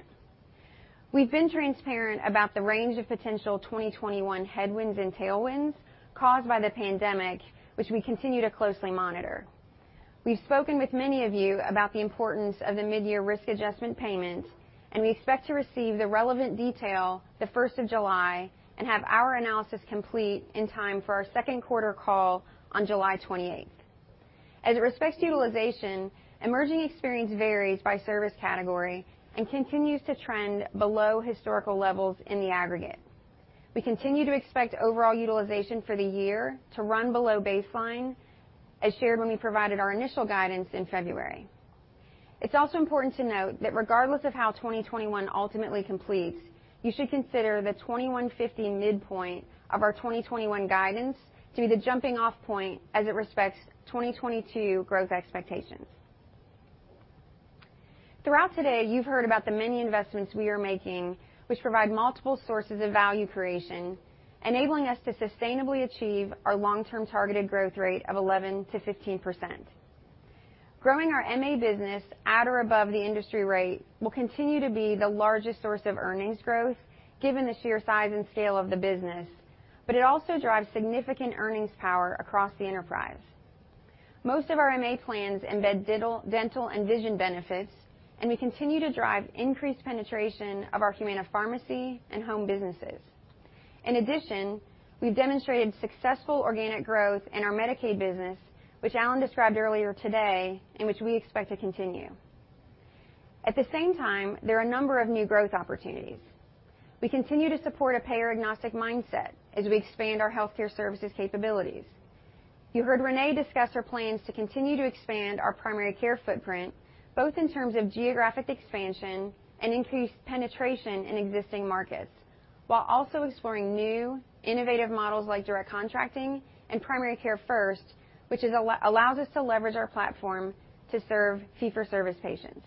[SPEAKER 19] We've been transparent about the range of potential 2021 headwinds and tailwinds caused by the pandemic, which we continue to closely monitor. We've spoken with many of you about the importance of the mid-year risk adjustment payment, and we expect to receive the relevant detail the first of July and have our analysis complete in time for our second quarter call on July 28th. As it respects utilization, emerging experience varies by service category and continues to trend below historical levels in the aggregate. We continue to expect overall utilization for the year to run below baseline, as shared when we provided our initial guidance in February. It's also important to note that regardless of how 2021 ultimately completes, you should consider the 21.50 midpoint of our 2021 guidance to be the jumping-off point as it respects 2022 growth expectations. Throughout today, you've heard about the many investments we are making, which provide multiple sources of value creation, enabling us to sustainably achieve our long-term targeted growth rate of 11%-15%. Growing our MA business at or above the industry rate will continue to be the largest source of earnings growth, given the sheer size and scale of the business, but it also drives significant earnings power across the enterprise. Most of our MA plans embed dental and vision benefits, and we continue to drive increased penetration of our Humana Pharmacy and Home businesses. In addition, we've demonstrated successful organic growth in our Medicaid business, which Alan described earlier today, and which we expect to continue. At the same time, there are a number of new growth opportunities. We continue to support a payer-agnostic mindset as we expand our healthcare services capabilities. You heard Reneé discuss her plans to continue to expand our primary care footprint, both in terms of geographic expansion and increased penetration in existing markets, while also exploring new innovative models like Direct Contracting and Primary Care First, which allows us to leverage our platform to serve fee-for-service patients.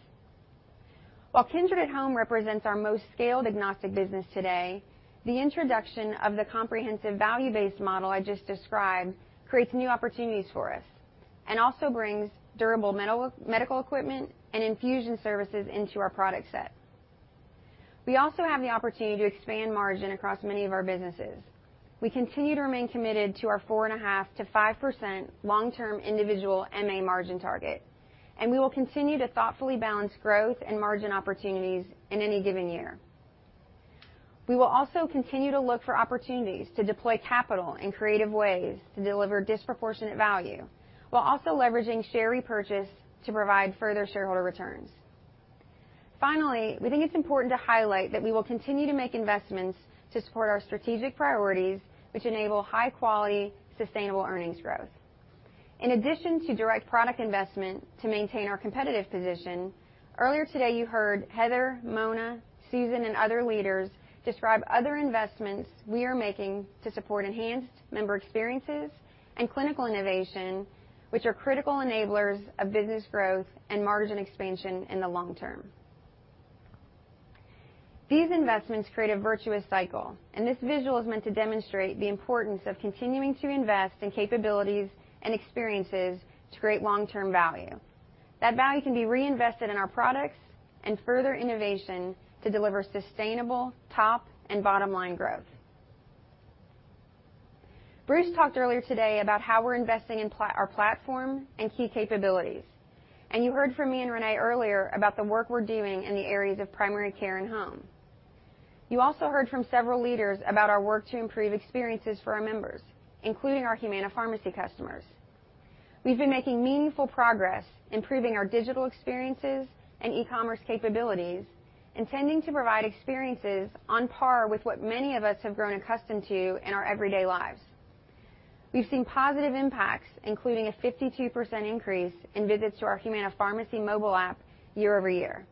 [SPEAKER 19] While Kindred at Home represents our most scaled agnostic business today, the introduction of the comprehensive value-based model I just described creates new opportunities for us and also brings durable medical equipment and infusion services into our product set. We also have the opportunity to expand margin across many of our businesses. We continue to remain committed to our 4.5%-5% long-term individual MA margin target, and we will continue to thoughtfully balance growth and margin opportunities in any given year. We will also continue to look for opportunities to deploy capital in creative ways to deliver disproportionate value, while also leveraging share repurchase to provide further shareholder returns. Finally, we think it's important to highlight that we will continue to make investments to support our strategic priorities, which enable high-quality, sustainable earnings growth. In addition to direct product investment to maintain our competitive position, earlier today you heard Heather, Mona, Susan, and other leaders describe other investments we are making to support enhanced member experiences and clinical innovation, which are critical enablers of business growth and margin expansion in the long term. These investments create a virtuous cycle, and this visual is meant to demonstrate the importance of continuing to invest in capabilities and experiences to create long-term value. That value can be reinvested in our products and further innovation to deliver sustainable top and bottom-line growth. Bruce talked earlier today about how we're investing in our platform and key capabilities, and you heard from me and Renee earlier about the work we're doing in the areas of primary care and home. You also heard from several leaders about our work to improve experiences for our members, including our Humana Pharmacy customers. We've been making meaningful progress improving our digital experiences and e-commerce capabilities and tending to provide experiences on par with what many of us have grown accustomed to in our everyday lives. We've seen positive impacts, including a 52% increase in visits to our Humana Pharmacy mobile app year-over-year.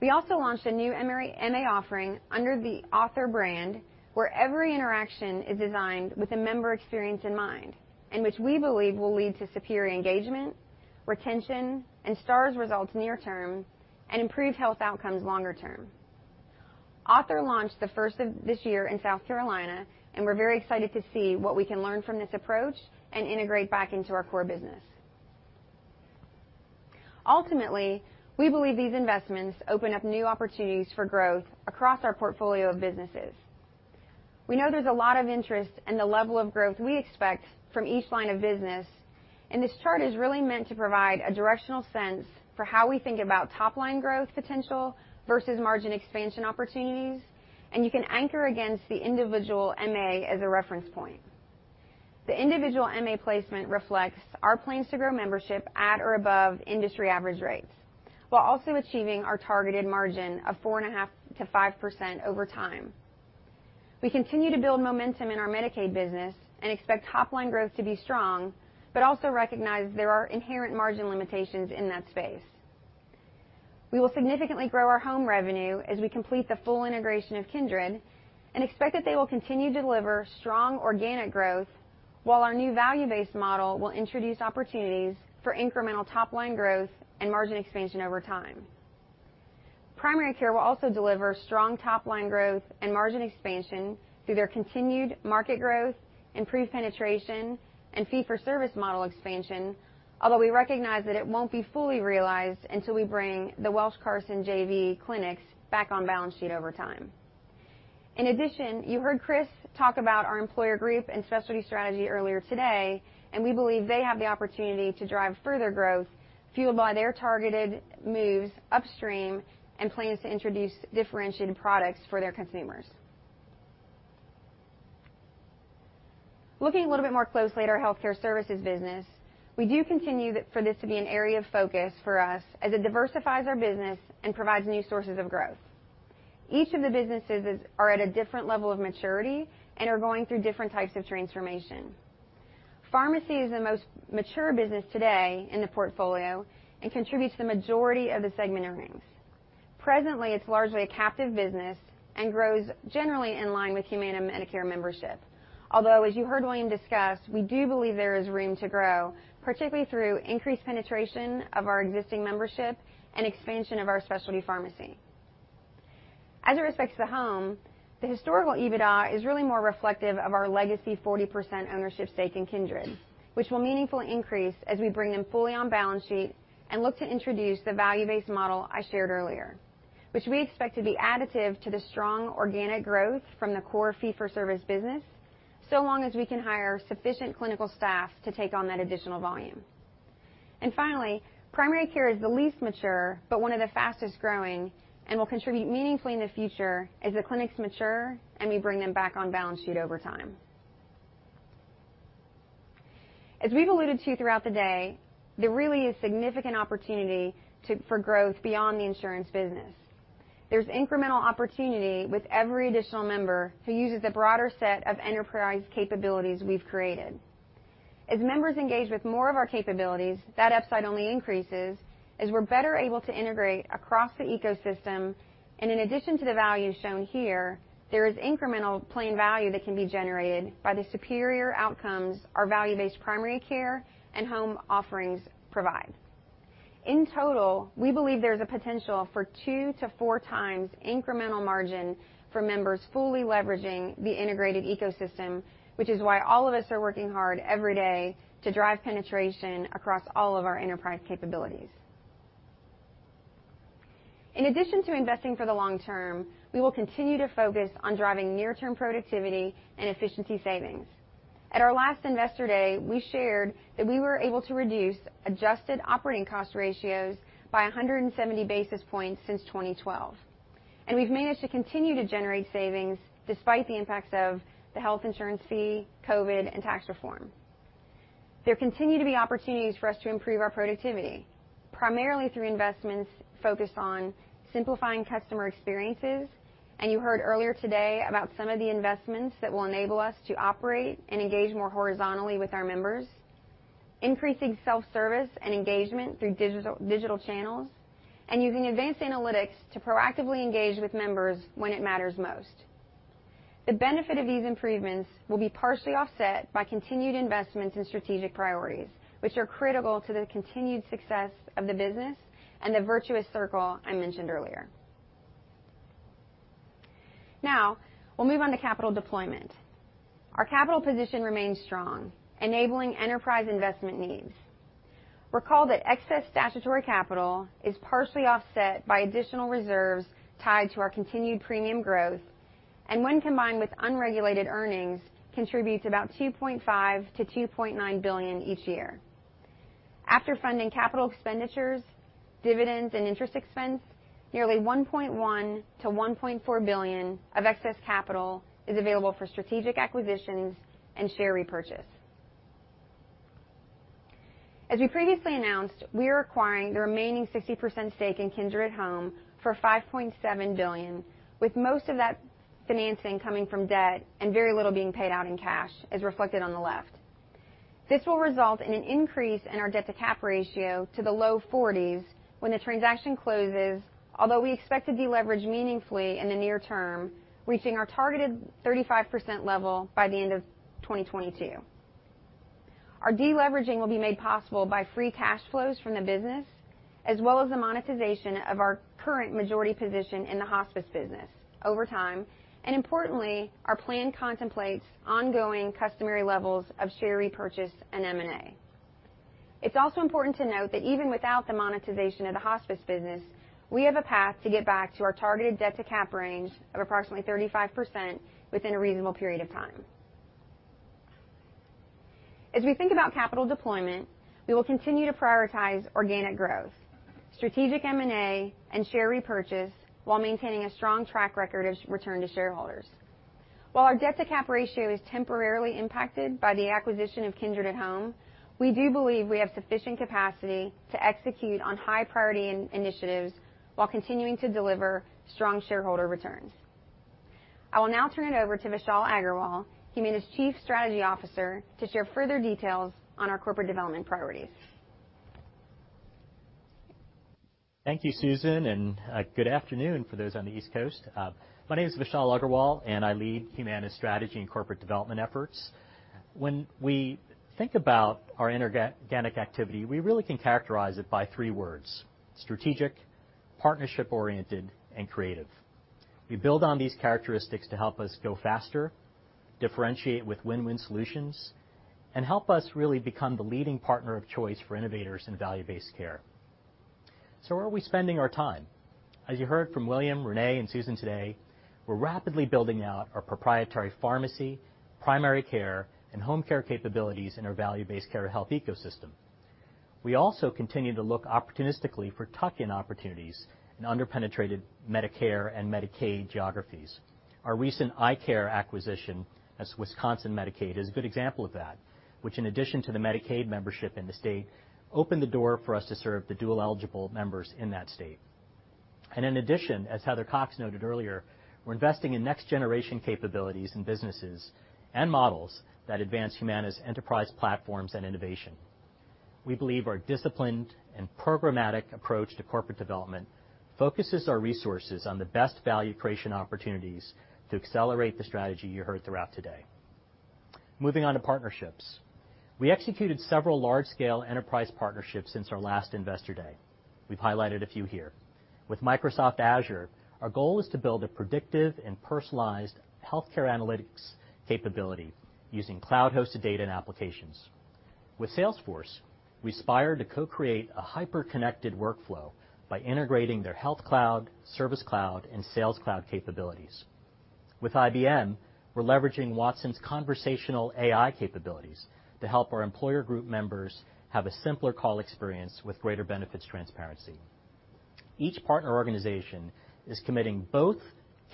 [SPEAKER 19] We also launched a new MA offering under the Author brand, where every interaction is designed with the member experience in mind, and which we believe will lead to superior engagement, retention, and Stars results near term and improved health outcomes longer term. Author launched the first of this year in South Carolina. We're very excited to see what we can learn from this approach and integrate back into our core business. Ultimately, we believe these investments open up new opportunities for growth across our portfolio of businesses. We know there's a lot of interest in the level of growth we expect from each line of business. This chart is really meant to provide a directional sense for how we think about top-line growth potential versus margin expansion opportunities. You can anchor against the individual MA as a reference point. The individual MA placement reflects our plans to grow membership at or above industry average rates while also achieving our targeted margin of 4.5%-5% over time. We continue to build momentum in our Medicaid business and expect top-line growth to be strong. Also recognize there are inherent margin limitations in that space. We will significantly grow our home revenue as we complete the full integration of Kindred and expect that they will continue to deliver strong organic growth. While our new value-based model will introduce opportunities for incremental top-line growth and margin expansion over time. Primary care will also deliver strong top-line growth and margin expansion through their continued market growth, increased penetration, and fee-for-service model expansion, although we recognize that it won't be fully realized until we bring the Welsh, Carson JV clinics back on balance sheet over time. In addition, you heard Chris talk about our Employer Group and Specialty strategy earlier today, and we believe they have the opportunity to drive further growth fueled by their targeted moves upstream and plans to introduce differentiated products for their consumers. Looking a little bit more closely at our healthcare services business, we do continue for this to be an area of focus for us as it diversifies our business and provides new sources of growth. Each of the businesses are at a different level of maturity and are going through different types of transformation. Pharmacy is the most mature business today in the portfolio and contributes the majority of the segment earnings. Presently, it's largely a captive business and grows generally in line with Humana Medicare membership. Although, as you heard William discuss, we do believe there is room to grow, particularly through increased penetration of our existing membership and expansion of our specialty pharmacy. As it relates to home, the historical EBITDA is really more reflective of our legacy 40% ownership stake in Kindred, which will meaningfully increase as we bring them fully on balance sheet and look to introduce the value-based model I shared earlier, which we expect to be additive to the strong organic growth from the core fee-for-service business, so long as we can hire sufficient clinical staff to take on that additional volume. Finally, primary care is the least mature but one of the fastest-growing and will contribute meaningfully in the future as the clinics mature and we bring them back on balance sheet over time. As we've alluded to throughout the day, there really is significant opportunity for growth beyond the insurance business. There's incremental opportunity with every additional member who uses the broader set of enterprise capabilities we've created. As members engage with more of our capabilities, that upside only increases as we're better able to integrate across the ecosystem, and in addition to the value shown here, there is incremental plain value that can be generated by the superior outcomes our value-based primary care and home offerings provide. In total, we believe there's a potential for two to four times incremental margin for members fully leveraging the integrated ecosystem, which is why all of us are working hard every day to drive penetration across all of our enterprise capabilities. In addition to investing for the long term, we will continue to focus on driving near-term productivity and efficiency savings. At our last Investor Day, we shared that we were able to reduce adjusted operating cost ratios by 170 basis points since 2012, and we've managed to continue to generate savings despite the impacts of the health insurance fee, COVID-19, and tax reform. There continue to be opportunities for us to improve our productivity, primarily through investments focused on simplifying customer experiences, and you heard earlier today about some of the investments that will enable us to operate and engage more horizontally with our members, increasing self-service and engagement through digital channels, and using advanced analytics to proactively engage with members when it matters most. The benefit of these improvements will be partially offset by continued investments in strategic priorities, which are critical to the continued success of the business and the virtuous circle I mentioned earlier. Now, we'll move on to capital deployment. Our capital position remains strong, enabling enterprise investment needs. Recall that excess statutory capital is partially offset by additional reserves tied to our continued premium growth, and when combined with unregulated earnings, contributes about $2.5 billion-$2.9 billion each year. After funding capital expenditures, dividends, and interest expense, nearly $1.1 billion-$1.4 billion of excess capital is available for strategic acquisitions and share repurchase. As we previously announced, we are acquiring the remaining 60% stake in Kindred at Home for $5.7 billion, with most of that financing coming from debt and very little being paid out in cash, as reflected on the left. This will result in an increase in our debt-to-cap ratio to the low 40s when the transaction closes, although we expect to deleverage meaningfully in the near term, reaching our targeted 35% level by the end of 2022. Our deleveraging will be made possible by free cash flows from the business as well as the monetization of our current majority position in the hospice business over time. Importantly, our plan contemplates ongoing customary levels of share repurchase and M&A. It's also important to note that even without the monetization of the hospice business, we have a path to get back to our targeted debt-to-cap range of approximately 35% within a reasonable period of time. As we think about capital deployment, we will continue to prioritize organic growth, strategic M&A, and share repurchase while maintaining a strong track record of return to shareholders. While our debt-to-cap ratio is temporarily impacted by the acquisition of Kindred at Home, we do believe we have sufficient capacity to execute on high-priority initiatives while continuing to deliver strong shareholder returns. I will now turn it over to Vishal Agrawal, Humana's Chief Strategy Officer, to share further details on our corporate development priorities.
[SPEAKER 25] Thank you, Susan, and good afternoon for those on the East Coast. My name is Vishal Agrawal, and I lead Humana's strategy and corporate development efforts. When we think about our inorganic activity, we really can characterize it by three words: strategic, partnership-oriented, and creative. We build on these characteristics to help us go faster, differentiate with win-win solutions, and help us really become the leading partner of choice for innovators in value-based care. Where are we spending our time? As you heard from William, Reneé, and Susan today, we're rapidly building out our proprietary pharmacy, primary care, and home care capabilities in our value-based care health ecosystem. We also continue to look opportunistically for tuck-in opportunities in under-penetrated Medicare and Medicaid geographies. Our recent iCare acquisition as Wisconsin Medicaid is a good example of that, which in addition to the Medicaid membership in the state, opened the door for us to serve the dual-eligible members in that state. In addition, as Heather Cox noted earlier, we're investing in next-generation capabilities and businesses and models that advance Humana's enterprise platforms and innovation. We believe our disciplined and programmatic approach to corporate development focuses our resources on the best value creation opportunities to accelerate the strategy you heard throughout today. Moving on to partnerships. We executed several large-scale enterprise partnerships since our last Investor Day. We've highlighted a few here. With Microsoft Azure, our goal was to build a predictive and personalized healthcare analytics capability using cloud-hosted data and applications. With Salesforce, we aspire to co-create a hyper-connected workflow by integrating their Health Cloud, Service Cloud, and Sales Cloud capabilities. With IBM, we're leveraging Watson's conversational AI capabilities to help our employer group members have a simpler call experience with greater benefits transparency. Each partner organization is committing both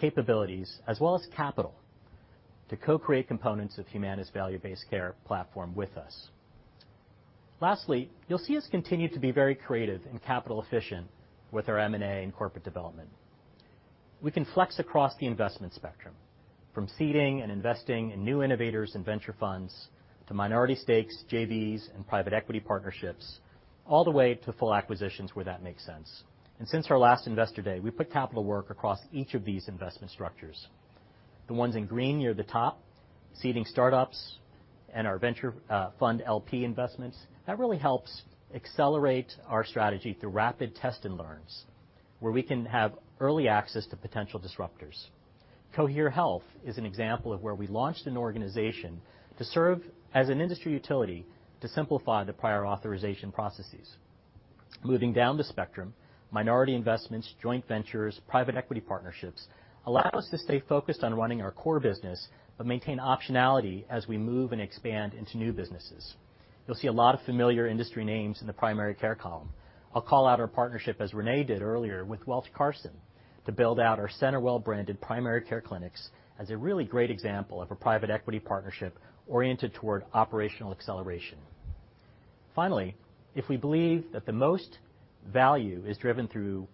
[SPEAKER 25] capabilities as well as capital to co-create components of Humana's value-based care platform with us. You'll see us continue to be very creative and capital efficient with our M&A and corporate development. We can flex across the investment spectrum, from seeding and investing in new innovators and venture funds to minority stakes, JVs, and private equity partnerships, all the way to full acquisitions where that makes sense. Since our last Investor Day, we put capital to work across each of these investment structures. The ones in green near the top, seeding startups and our venture fund LP investments, that really helps accelerate our strategy through rapid test and learns, where we can have early access to potential disruptors. Cohere Health is an example of where we launched an organization to serve as an industry utility to simplify the prior authorization processes. Moving down the spectrum, minority investments, joint ventures, private equity partnerships allow us to stay focused on running our core business but maintain optionality as we move and expand into new businesses. You'll see a lot of familiar industry names in the primary care column. I'll call out our partnership as Reneé did earlier with Welsh Carson to build out our CenterWell branded primary care clinics as a really great example of a private equity partnership oriented toward operational acceleration. If we believe that the most value is driven through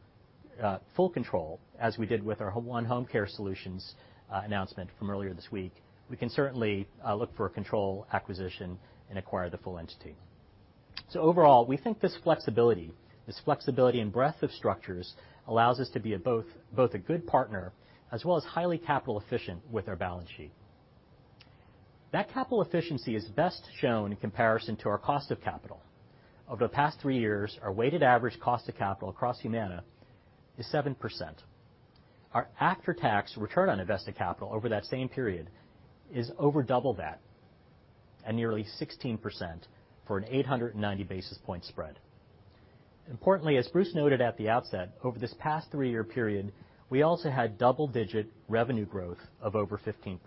[SPEAKER 25] full control, as we did with our One Homecare Solutions announcement from earlier this week, we can certainly look for a control acquisition and acquire the full entity. Overall, we think this flexibility and breadth of structures allows us to be both a good partner as well as highly capital efficient with our balance sheet. That capital efficiency is best shown in comparison to our cost of capital. Over the past three years, our weighted average cost of capital across Humana is 7%. Our after-tax return on invested capital over that same period is over double that at nearly 16%, for an 890 basis point spread. Importantly, as Bruce noted at the outset, over this past 3-year period, we also had double-digit revenue growth of over 15%.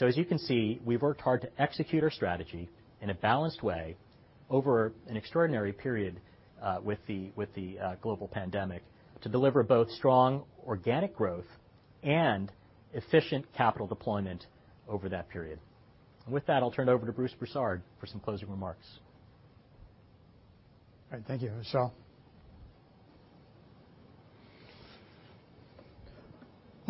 [SPEAKER 25] As you can see, we've worked hard to execute our strategy in a balanced way over an extraordinary period with the global pandemic to deliver both strong organic growth and efficient capital deployment over that period. With that, I'll turn it over to Bruce Broussard for some closing remarks.
[SPEAKER 2] All right. Thank you, Vishal.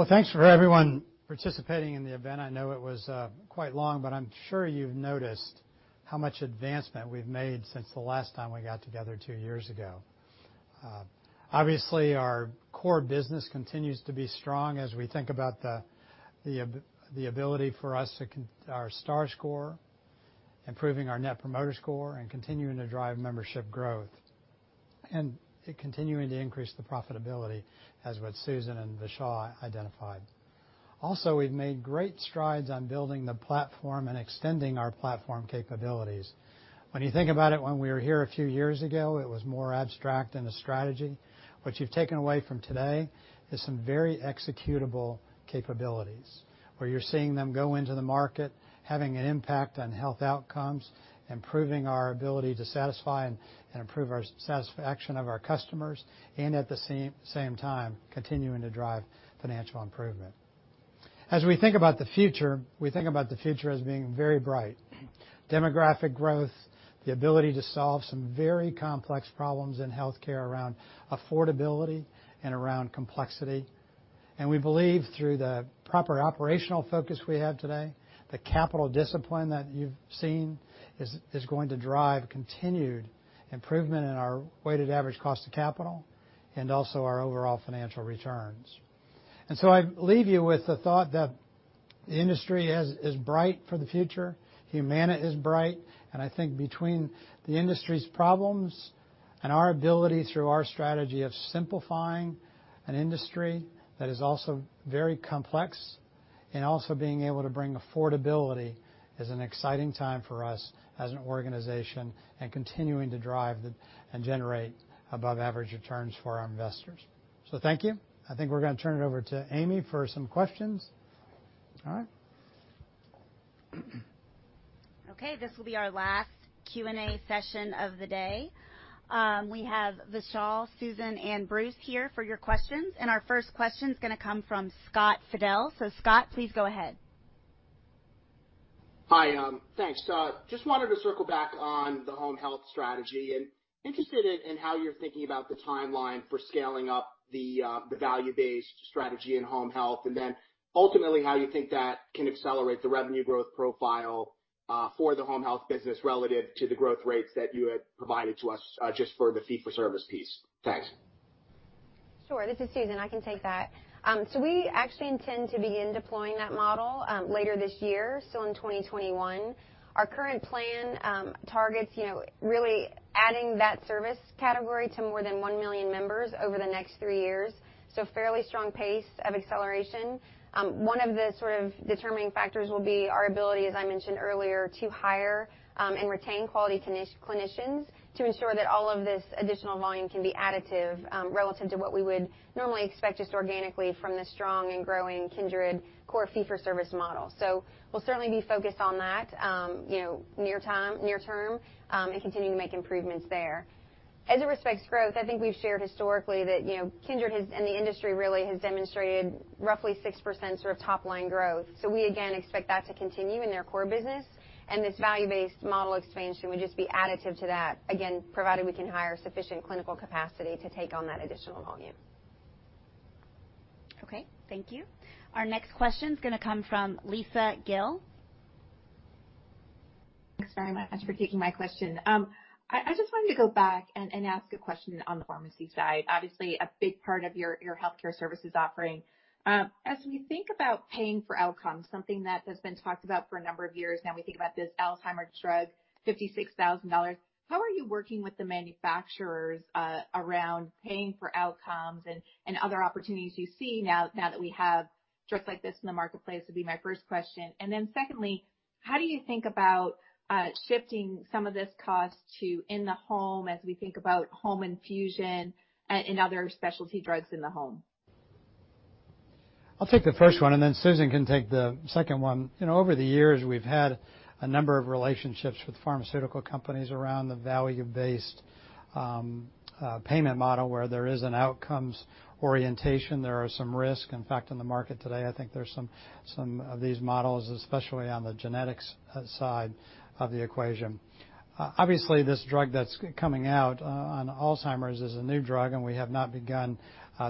[SPEAKER 2] Thanks for everyone participating in the event. I know it was quite long, but I'm sure you've noticed how much advancement we've made since the last time we got together two years ago. Obviously, our core business continues to be strong as we think about our Star score, improving our Net Promoter Score, and continuing to drive membership growth, and continuing to increase the profitability as what Susan and Vishal identified. We've made great strides on building the platform and extending our platform capabilities. When you think about it, when we were here a few years ago, it was more abstract than a strategy. What you've taken away from today is some very executable capabilities where you're seeing them go into the market, having an impact on health outcomes, improving our ability to satisfy and improve our satisfaction of our customers, and at the same time, continuing to drive financial improvement. As we think about the future, we think about the future as being very bright. Demographic growth, the ability to solve some very complex problems in healthcare around affordability and around complexity. We believe through the proper operational focus we have today, the capital discipline that you've seen is going to drive continued improvement in our weighted average cost of capital and also our overall financial returns. I leave you with the thought that the industry is bright for the future. Humana is bright, and I think between the industry's problems and our ability through our strategy of simplifying an industry that is also very complex and also being able to bring affordability, is an exciting time for us as an organization and continuing to drive and generate above-average returns for our investors. Thank you. I think we're going to turn it over to Amy for some questions. All right.
[SPEAKER 1] Okay. This will be our last Q&A session of the day. We have Vishal, Susan, and Bruce here for your questions, and our first question is going to come from Scott Fidel. Scott, please go ahead.
[SPEAKER 26] Hi. Thanks. Just wanted to circle back on the home health strategy and interested in how you're thinking about the timeline for scaling up the value-based strategy in home health, and then ultimately how you think that can accelerate the revenue growth profile for the home health business relative to the growth rates that you had provided to us just for the fee-for-service piece. Thanks.
[SPEAKER 19] Sure. This is Susan. I can take that. We actually intend to begin deploying that model later this year, in 2021. Our current plan targets really adding that service category to more than 1 million members over the next three years, so fairly strong pace of acceleration. One of the determining factors will be our ability, as I mentioned earlier, to hire and retain quality clinicians to ensure that all of this additional volume can be additive relative to what we would normally expect just organically from the strong and growing Kindred core fee-for-service model. We'll certainly be focused on that near term and continue to make improvements there. As it respects growth, I think we've shared historically that Kindred and the industry really has demonstrated roughly 6% sort of top-line growth. We again expect that to continue in their core business, and this value-based model expansion would just be additive to that, again, provided we can hire sufficient clinical capacity to take on that additional volume.
[SPEAKER 1] Okay. Thank you. Our next question is going to come from Lisa Gill.
[SPEAKER 27] Thanks for taking my question. I just wanted to go back and ask a question on the pharmacy side. Obviously, a big part of your healthcare services offering. As we think about paying for outcomes, something that has been talked about for a number of years now, we think about this Alzheimer's drug, $56,000. How are you working with the manufacturers around paying for outcomes and other opportunities you see now that we have drugs like this in the marketplace would be my first question. Then secondly, how do you think about shifting some of this cost to in the home as we think about home infusion and other specialty drugs in the home?
[SPEAKER 2] I'll take the first one, and then Susan can take the second one. Over the years, we've had a number of relationships with pharmaceutical companies around the value-based payment model, where there is an outcomes orientation. There are some risks. In fact, in the market today, I think there's some of these models, especially on the genetics side of the equation. Obviously, this drug that's coming out on Alzheimer's is a new drug, and we have not begun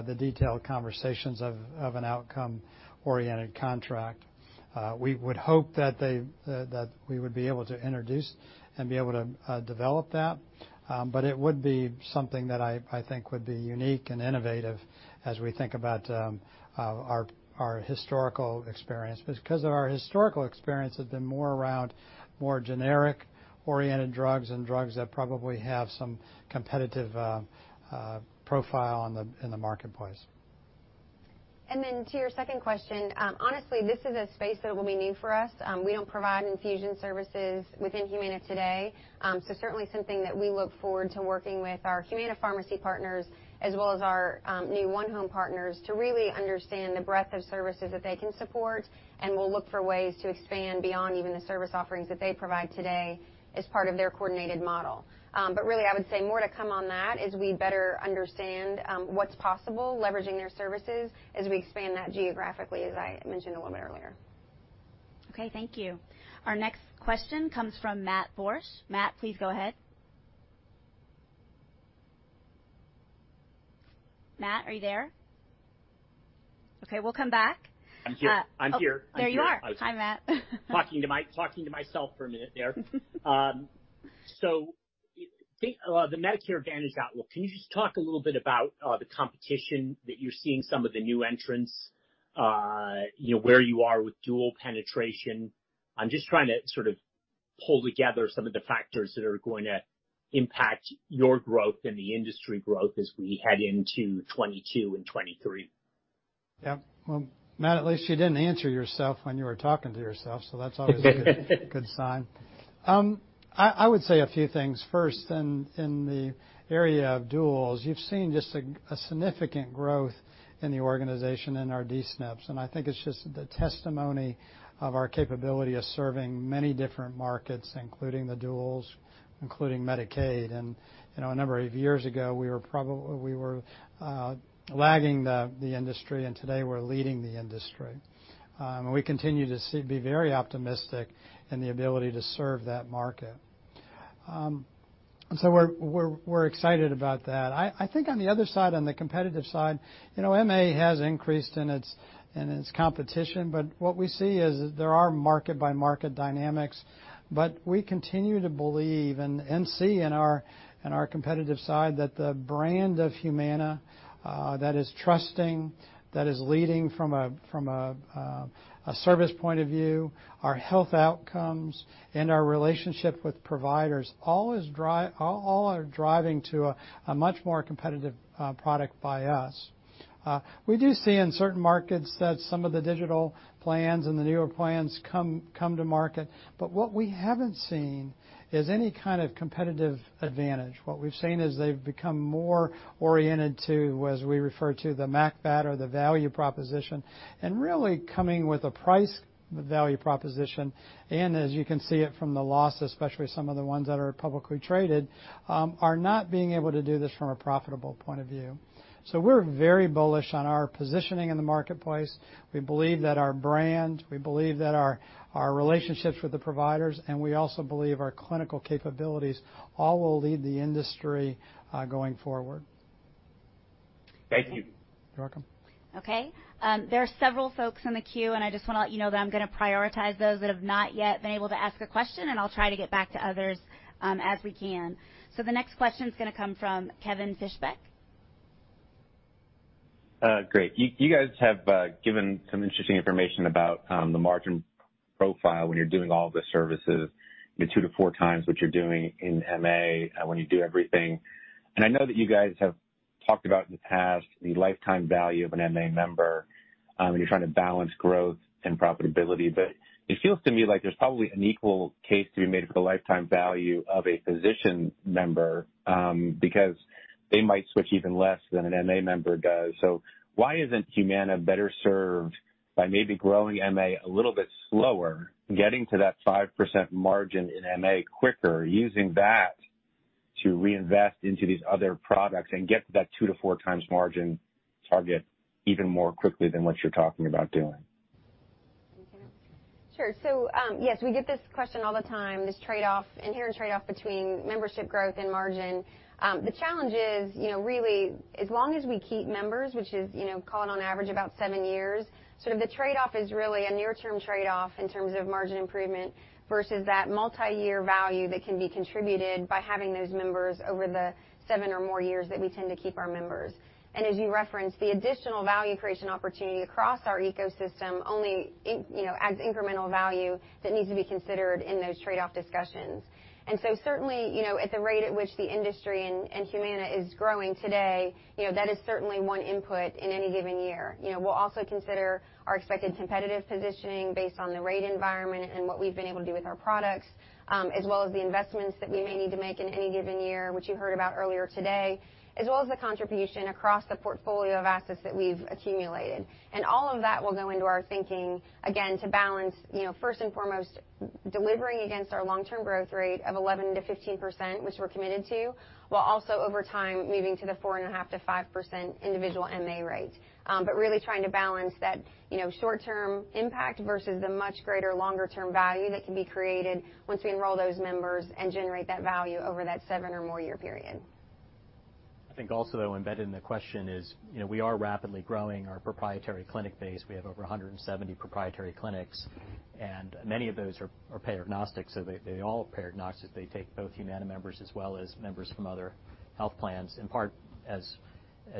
[SPEAKER 2] the detailed conversations of an outcome-oriented contract. We would hope that we would be able to introduce and be able to develop that. It would be something that I think would be unique and innovative as we think about our historical experience. Our historical experience has been more around more generic-oriented drugs and drugs that probably have some competitive profile in the marketplace.
[SPEAKER 19] To your second question, honestly, this is a space that will be new for us. We don't provide infusion services within Humana today. Certainly something that we look forward to working with our community pharmacy partners as well as our new onehome partners to really understand the breadth of services that they can support, and we'll look for ways to expand beyond even the service offerings that they provide today as part of their coordinated model. Really, I would say more to come on that as we better understand what's possible leveraging their services as we expand that geographically, as I mentioned a little bit earlier.
[SPEAKER 1] Okay, thank you. Our next question comes from Matthew Borsch. Matt, please go ahead. Matt, are you there? Okay, we'll come back.
[SPEAKER 28] I'm here.
[SPEAKER 1] There you are. Hi, Matt.
[SPEAKER 28] Talking to myself for a minute there. The Medicare Advantage outlook, can you just talk a little bit about the competition that you're seeing, some of the new entrants, where you are with dual penetration? I'm just trying to sort of pull together some of the factors that are going to impact your growth and the industry growth as we head into 2022 and 2023.
[SPEAKER 2] Well, Matt, at least you didn't answer yourself when you were talking to yourself, that's always a good sign. I would say a few things. First, in the area of duals, you've seen just a significant growth in the organization in our D-SNPs, I think it's just the testimony of our capability of serving many different markets, including the duals, including Medicaid. A number of years ago, we were lagging the industry, today we're leading the industry. We continue to be very optimistic in the ability to serve that market. We're excited about that. I think on the other side, on the competitive side, MA has increased in its competition. What we see is that there are market-by-market dynamics, but we continue to believe and see in our competitive side that the brand of Humana that is trusting, that is leading from a service point of view, our health outcomes, and our relationship with providers, all are driving to a much more competitive product by us. We do see in certain markets that some of the digital plans and the newer plans come to market. What we haven't seen is any kind of competitive advantage. What we've seen is they've become more oriented to, as we refer to, the MAPD or the value proposition, and really coming with a price value proposition. As you can see it from the loss, especially some of the ones that are publicly traded, are not being able to do this from a profitable point of view. We're very bullish on our positioning in the marketplace. We believe that our brand, we believe that our relationships with the providers, and we also believe our clinical capabilities all will lead the industry going forward.
[SPEAKER 28] Thank you.
[SPEAKER 2] You're welcome.
[SPEAKER 1] Okay. There's several folks in the queue. I just want to let you know that I'm going to prioritize those that have not yet been able to ask a question, and I'll try to get back to others as we can. The next question is going to come from Kevin Fischbeck.
[SPEAKER 29] Great. You guys have given some interesting information about the margin profile when you're doing all the services in 2-4x what you're doing in MA and when you do everything. I know that you guys have talked about in the past the lifetime value of an MA member. You're trying to balance growth and profitability. It feels to me like there's probably an equal case to be made for the lifetime value of a physician member, because they might switch even less than an MA member does. Why isn't Humana better served by maybe growing MA a little bit slower, getting to that 5% margin in MA quicker, using that to reinvest into these other products and get that 2-4x margin target even more quickly than what you're talking about doing?
[SPEAKER 19] Sure. Yes, we get this question all the time, this inherent trade-off between membership growth and margin. The challenge is really, as long as we keep members, which is called on average about seven years. The trade-off is really a near-term trade-off in terms of margin improvement versus that multi-year value that can be contributed by having those members over the seven or more years that we tend to keep our members. As you referenced, the additional value creation opportunity across our ecosystem only adds incremental value that needs to be considered in those trade-off discussions. Certainly, at the rate at which the industry and Humana is growing today, that is certainly one input in any given year. We'll also consider our expected competitive positioning based on the rate environment and what we've been able to do with our products, as well as the investments that we may need to make in any given year, which you heard about earlier today, as well as the contribution across the portfolio of assets that we've accumulated. All of that will go into our thinking, again, to balance, first and foremost, delivering against our long-term growth rate of 11%-15%, which we're committed to, while also over time leading to the four and a half%-5% individual MA rates. Really trying to balance that short-term impact versus the much greater longer-term value that can be created once we enroll those members and generate that value over that seven or more year period.
[SPEAKER 2] I think also embedded in the question is, we are rapidly growing our proprietary clinic base. We have over 170 proprietary clinics, and many of those are payer agnostic. They all are payer agnostic. They take both Humana members as well as members from other health plans. In part, as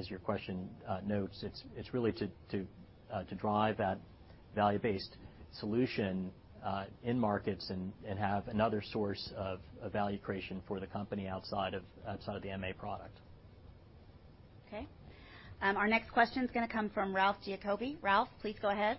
[SPEAKER 2] your question notes, it is really to drive that value-based solution in markets and have another source of value creation for the company outside the MA product.
[SPEAKER 1] Okay. Our next question is going to come from Ralph Giacobbe. Ralph, please go ahead.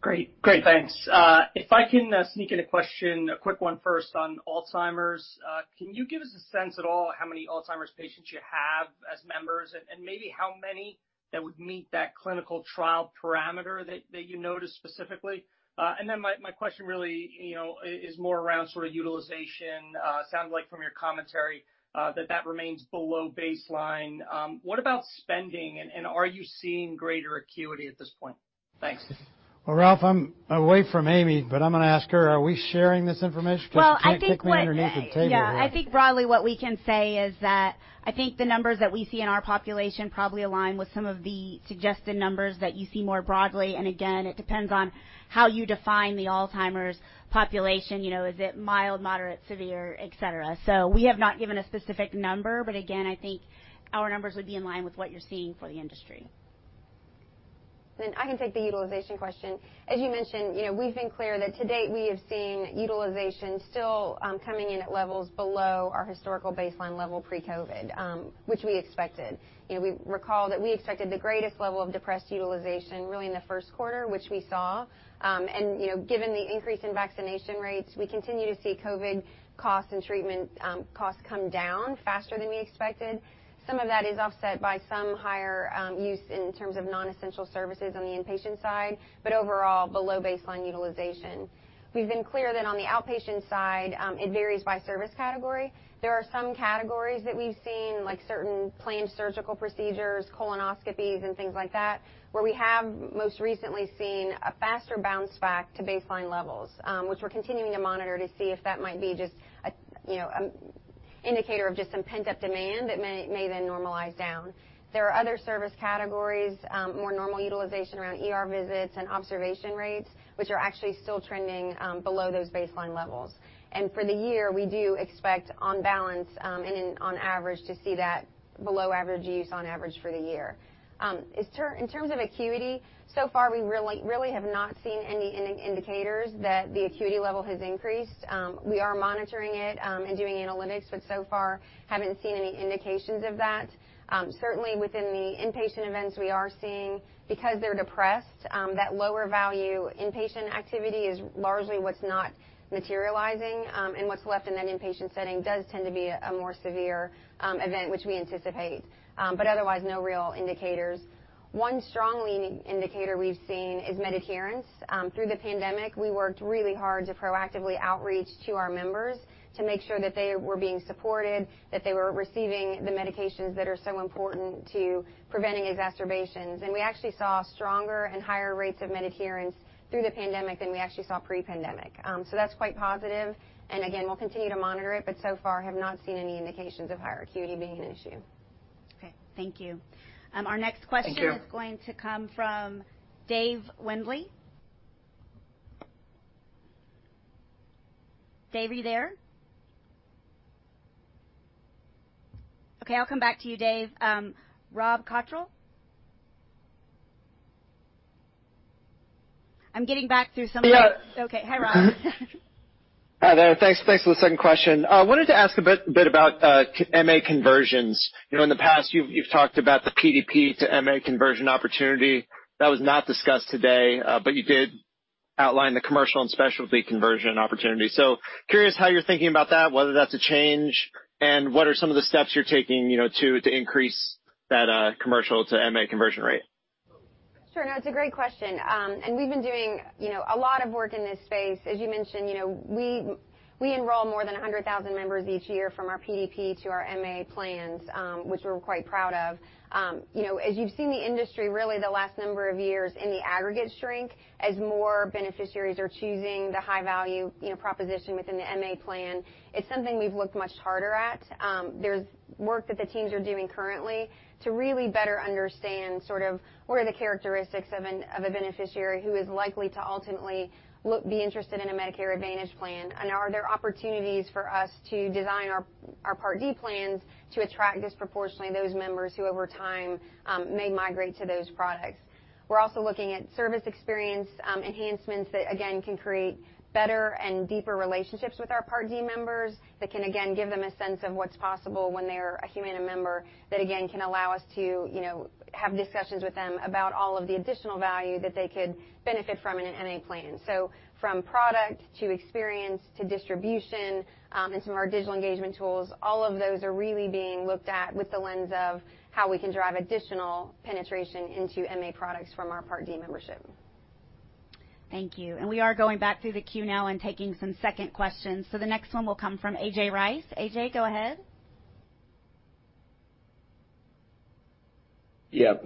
[SPEAKER 30] Great. Thanks. If I can sneak in a question, a quick one first on Alzheimer's. Can you give us a sense at all how many Alzheimer's patients you have as members, and maybe how many that would meet that clinical trial parameter that you noticed specifically? My question really is more around sort of utilization. It sounds like from your commentary that remains below baseline. What about spending, and are you seeing greater acuity at this point? Thanks.
[SPEAKER 2] Well, Ralph, I'm away from Amy, but I'm going to ask her, are we sharing this information? Because I think what you can take.
[SPEAKER 1] Well, I think broadly what we can say is that I think the numbers that we see in our population probably align with some of the suggested numbers that you see more broadly. Again, it depends on how you define the Alzheimer's population. Is it mild, moderate, severe, et cetera? We have not given a specific number, but again, I think our numbers would be in line with what you're seeing for the industry.
[SPEAKER 19] I can take the utilization question. As you mentioned, we've been clear that to date we are seeing utilization still coming in at levels below our historical baseline level pre-COVID, which we expected. You recall that we expected the greatest level of depressed utilization really in the first quarter, which we saw. Given the increase in vaccination rates, we continue to see COVID costs and treatment costs come down faster than we expected. Some of that is offset by some higher use in terms of non-essential services on the inpatient side, but overall below baseline utilization. We've been clear that on the outpatient side, it varies by service category. There are some categories that we've seen, like certain planned surgical procedures, colonoscopies, and things like that, where we have most recently seen a faster bounce back to baseline levels, which we're continuing to monitor to see if that might be just an indicator of just some pent-up demand that may then normalize down. There are other service categories, more normal utilization around ER visits and observation rates, which are actually still trending below those baseline levels. For the year, we do expect on balance, on average, to see that below average use on average for the year. In terms of acuity, so far, we really have not seen any indicators that the acuity level has increased. We are monitoring it and doing analytics, but so far haven't seen any indications of that. Certainly within the inpatient events we are seeing, because they're depressed, that lower value inpatient activity is largely what's not materializing, and what's left in an inpatient setting does tend to be a more severe event, which we anticipate. Otherwise, no real indicators. One strong leading indicator we've seen is adherence. Through the pandemic, we worked really hard to proactively outreach to our members to make sure that they were being supported, that they were receiving the medications that are so important to preventing exacerbations. We actually saw stronger and higher rates of adherence through the pandemic than we actually saw pre-pandemic. That's quite positive, and again, we'll continue to monitor it, but so far have not seen any indications of higher acuity being an issue.
[SPEAKER 1] Okay. Thank you.
[SPEAKER 30] Thank you.
[SPEAKER 1] Our next question is going to come from David Windley. Dave, are you there? Okay, I'll come back to you, Dave. Rob Cottrell? I'm getting back through some-
[SPEAKER 22] Yeah.
[SPEAKER 1] Okay. Hi, Rob.
[SPEAKER 22] Hi, there. Thanks for the second question. I wanted to ask a bit about MA conversions. In the past, you've talked about the PDP to MA conversion opportunity. That was not discussed today, but you did outline the commercial and specialty conversion opportunity. Curious how you're thinking about that, whether that's a change, and what are some of the steps you're taking to increase that commercial to MA conversion rate?
[SPEAKER 19] Sure. It's a great question. We've been doing a lot of work in this space. As you mentioned, we enroll more than 100,000 members each year from our PDP to our MA plans, which we're quite proud of. As you've seen the industry really the last number of years in the aggregate strength, as more beneficiaries are choosing the high-value proposition within the MA plan, it's something we've looked much harder at. There's work that the teams are doing currently to really better understand sort of where the characteristics of a beneficiary who is likely to ultimately be interested in a Medicare Advantage plan, and are there opportunities for us to design our Part D plans to attract disproportionately those members who over time may migrate to those products. We're also looking at service experience enhancements that, again, can create better and deeper relationships with our Part D members that can, again, give them a sense of what's possible when they're a Humana member that, again, can allow us to have discussions with them about all of the additional value that they could benefit from in an MA plan. From product to experience to distribution, and some of our digital engagement tools, all of those are really being looked at with the lens of how we can drive additional penetration into MA products from our Part D membership.
[SPEAKER 1] Thank you. We are going back through the queue now and taking some second questions. The next one will come from A.J. Rice. A.J., go ahead.
[SPEAKER 24] Yep.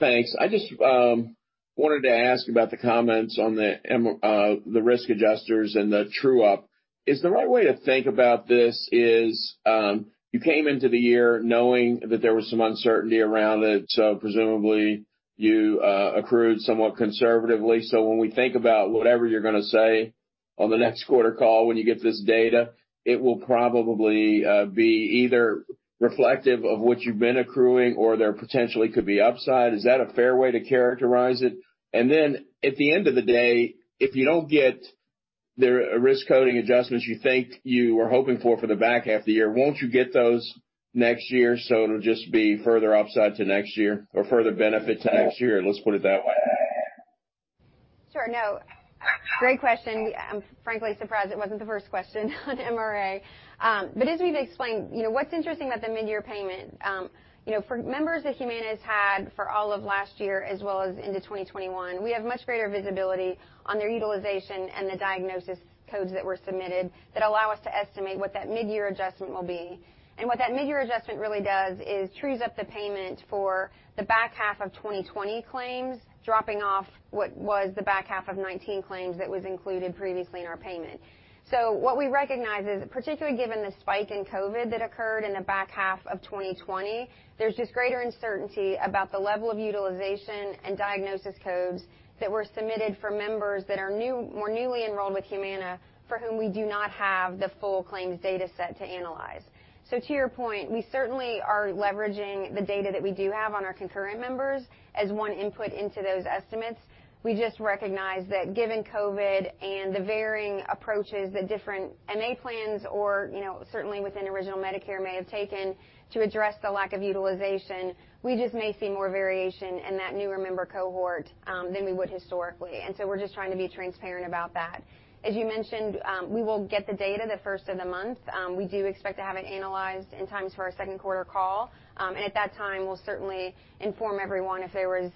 [SPEAKER 24] Thanks. I just wanted to ask about the comments on the risk adjusters and the true-up. Is the right way to think about this is, you came into the year knowing that there was some uncertainty around it, so presumably you accrued somewhat conservatively. When we think about whatever you're going to say on the next quarter call when you get this data, it will probably be either reflective of what you've been accruing or there potentially could be upside. Is that a fair way to characterize it? At the end of the day, if you don't get the risk coding adjustments you think you were hoping for the back half of the year, won't you get those next year, so it'll just be further upside to next year or further benefit to next year? Let's put it that way.
[SPEAKER 19] Sure. No, great question. I'm frankly surprised it wasn't the first question on the MRA. I just need to explain, what's interesting about the mid-year payment, for members that Humana has had for all of last year as well as into 2021, we have much greater visibility on their utilization and the diagnosis codes that were submitted that allow us to estimate what that mid-year adjustment will be. What that mid-year adjustment really does is trues up the payment for the back half of 2020 claims, dropping off what was the back half of 2019 claims that was included previously in our payment. What we recognize is, particularly given the spike in COVID that occurred in the back half of 2020, there's just greater uncertainty about the level of utilization and diagnosis codes that were submitted for members that were newly enrolled to Humana for whom we do not have the full claims data set to analyze. To your point, we certainly are leveraging the data that we do have on our current members as one input into those estimates. We just recognize that given COVID and the varying approaches that different MA plans or certainly within Original Medicare may have taken to address the lack of utilization, we just may see more variation in that newer member cohort than we would historically. We're just trying to be transparent about that. As you mentioned, we will get the data the first of the month. We do expect to have it analyzed in time for our second quarter call. At that time, we'll certainly inform everyone if there was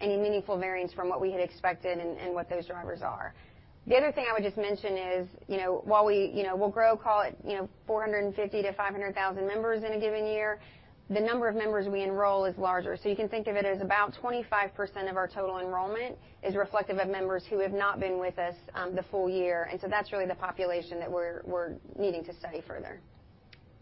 [SPEAKER 19] any meaningful variance from what we had expected and what those drivers are. The other thing I would just mention is, while we'll grow, call it 450,000-500,000 members in a given year, the number of members we enroll is larger. You can think of it as about 25% of our total enrollment is reflective of members who have not been with us the full year. That's really the population that we're needing to study further.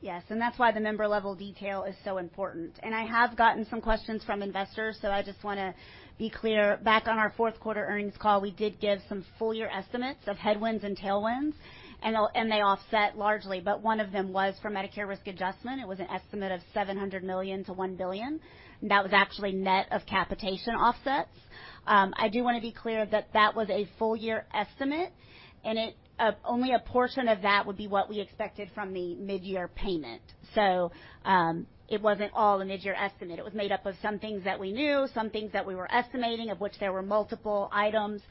[SPEAKER 1] Yes, that's why the member-level detail is so important. I have gotten some questions from investors. I just want to be clear. Back on our fourth quarter earnings call, we did give some full year estimates of headwinds and tailwinds. They offset largely. One of them was for Medicare risk adjustment. It was an estimate of $700 million to $1 billion. That was actually net of capitation offsets. I do want to be clear that was a full year estimate. Only a portion of that would be what we expected from the mid-year payment. It wasn't all a mid-year estimate. It was made up of some things that we knew, some things that we were estimating, of which there were multiple items.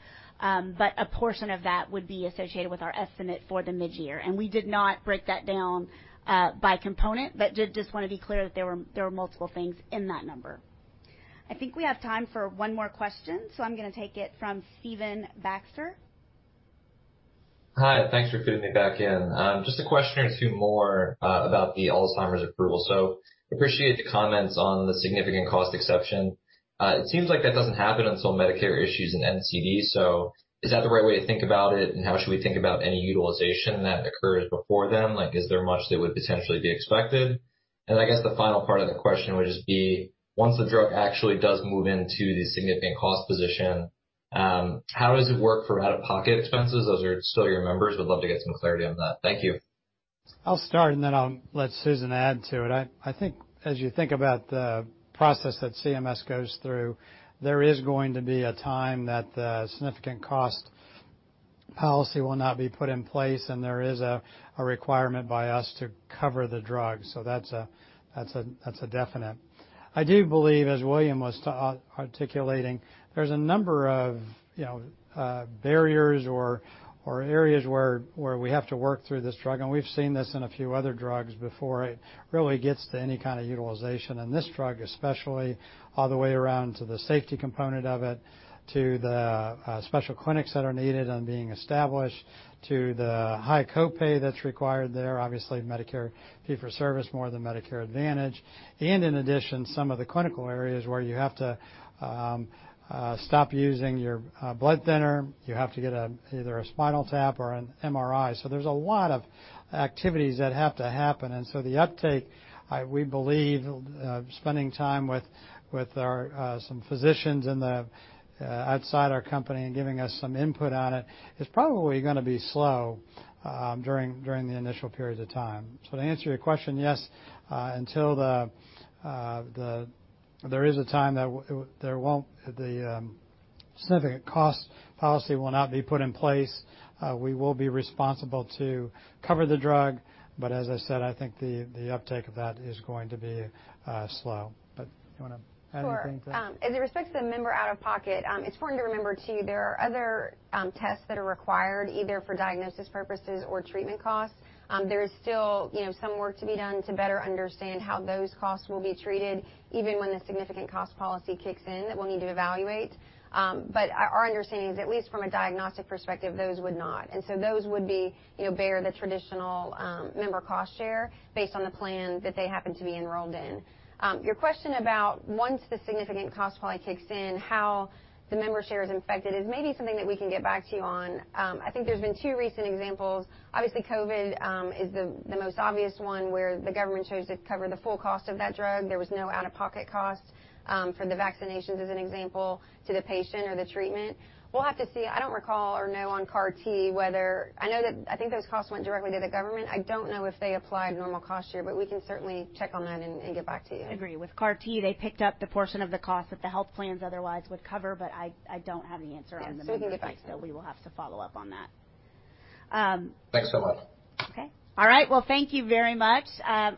[SPEAKER 1] A portion of that would be associated with our estimate for the mid-year. We did not break that down by component, but did just want to be clear that there were multiple things in that number. I think we have time for one more question, so I'm going to take it from Stephen Baxter.
[SPEAKER 12] Hi, thanks for fitting me back in. Just a question or two more about the Alzheimer's approval. Appreciate your comments on the significant cost exception. It seems like that doesn't happen until Medicare issues an NCD, is that the right way to think about it? How should we think about any utilization that occurs before then? Is there much that would potentially be expected? I guess the final part of the question would just be, once the drug actually does move into the significant cost position, how does it work for out-of-pocket expenses? Those are still your members. I'd love to get some clarity on that. Thank you.
[SPEAKER 2] I'll start, and then I'll let Susan add to it. I think as you think about the process that CMS goes through, there is going to be a time that the significant cost policy will not be put in place, and there is a requirement by us to cover the drug. That's a definite. I do believe, as William was articulating, there's a number of barriers or areas where we have to work through this drug, and we've seen this in a few other drugs before it really gets to any kind of utilization. This drug especially, all the way around to the safety component of it, to the special clinics that are needed and being established, to the high copay that's required there, obviously Medicare fee-for-service more than Medicare Advantage. In addition, some of the clinical areas where you have to stop using your blood thinner, you have to get either a spinal tap or an MRI. There's a lot of activities that have to happen. The uptake, we believe, spending time with some physicians outside our company and giving us some input on it, is probably going to be slow during the initial period of time. To answer your question, yes, there is a time that the significant cost policy will not be put in place. We will be responsible to cover the drug, but as I said, I think the uptake of that is going to be slow. Do you want to add anything to that?
[SPEAKER 19] In respect to the member out-of-pocket, it's one to remember, too, there are other tests that are required either for diagnosis purposes or treatment costs. There is still some work to be done to better understand how those costs will be treated, even when the significant cost policy kicks in that we need to evaluate. Our understanding is, at least from a diagnostic perspective, those would not. Those would bear the traditional member cost share based on the plan that they happen to be enrolled in. Your question about once the significant cost policy kicks in, how the member share is affected is maybe something that we can get back to you on. I think there's been two recent examples. Obviously, COVID is the most obvious one where the government chose to cover the full cost of that drug. There was no out-of-pocket cost for the vaccinations, as an example, to the patient or the treatment. We'll have to see. I don't recall or know on CAR T. I think those costs went directly to the government. I don't know if they applied normal cost share, but we can certainly check on that and get back to you.
[SPEAKER 1] I agree. With CAR T, they picked up the portion of the cost that the health plans otherwise would cover. I don't have the answer on the member device. We will have to follow up on that.
[SPEAKER 12] Thanks so much.
[SPEAKER 1] Okay. All right. Well, thank you very much.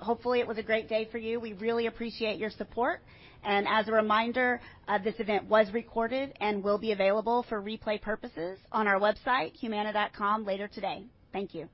[SPEAKER 1] Hopefully, it was a great day for you. We really appreciate your support. As a reminder, this event was recorded and will be available for replay purposes on our website, humana.com, later today. Thank you.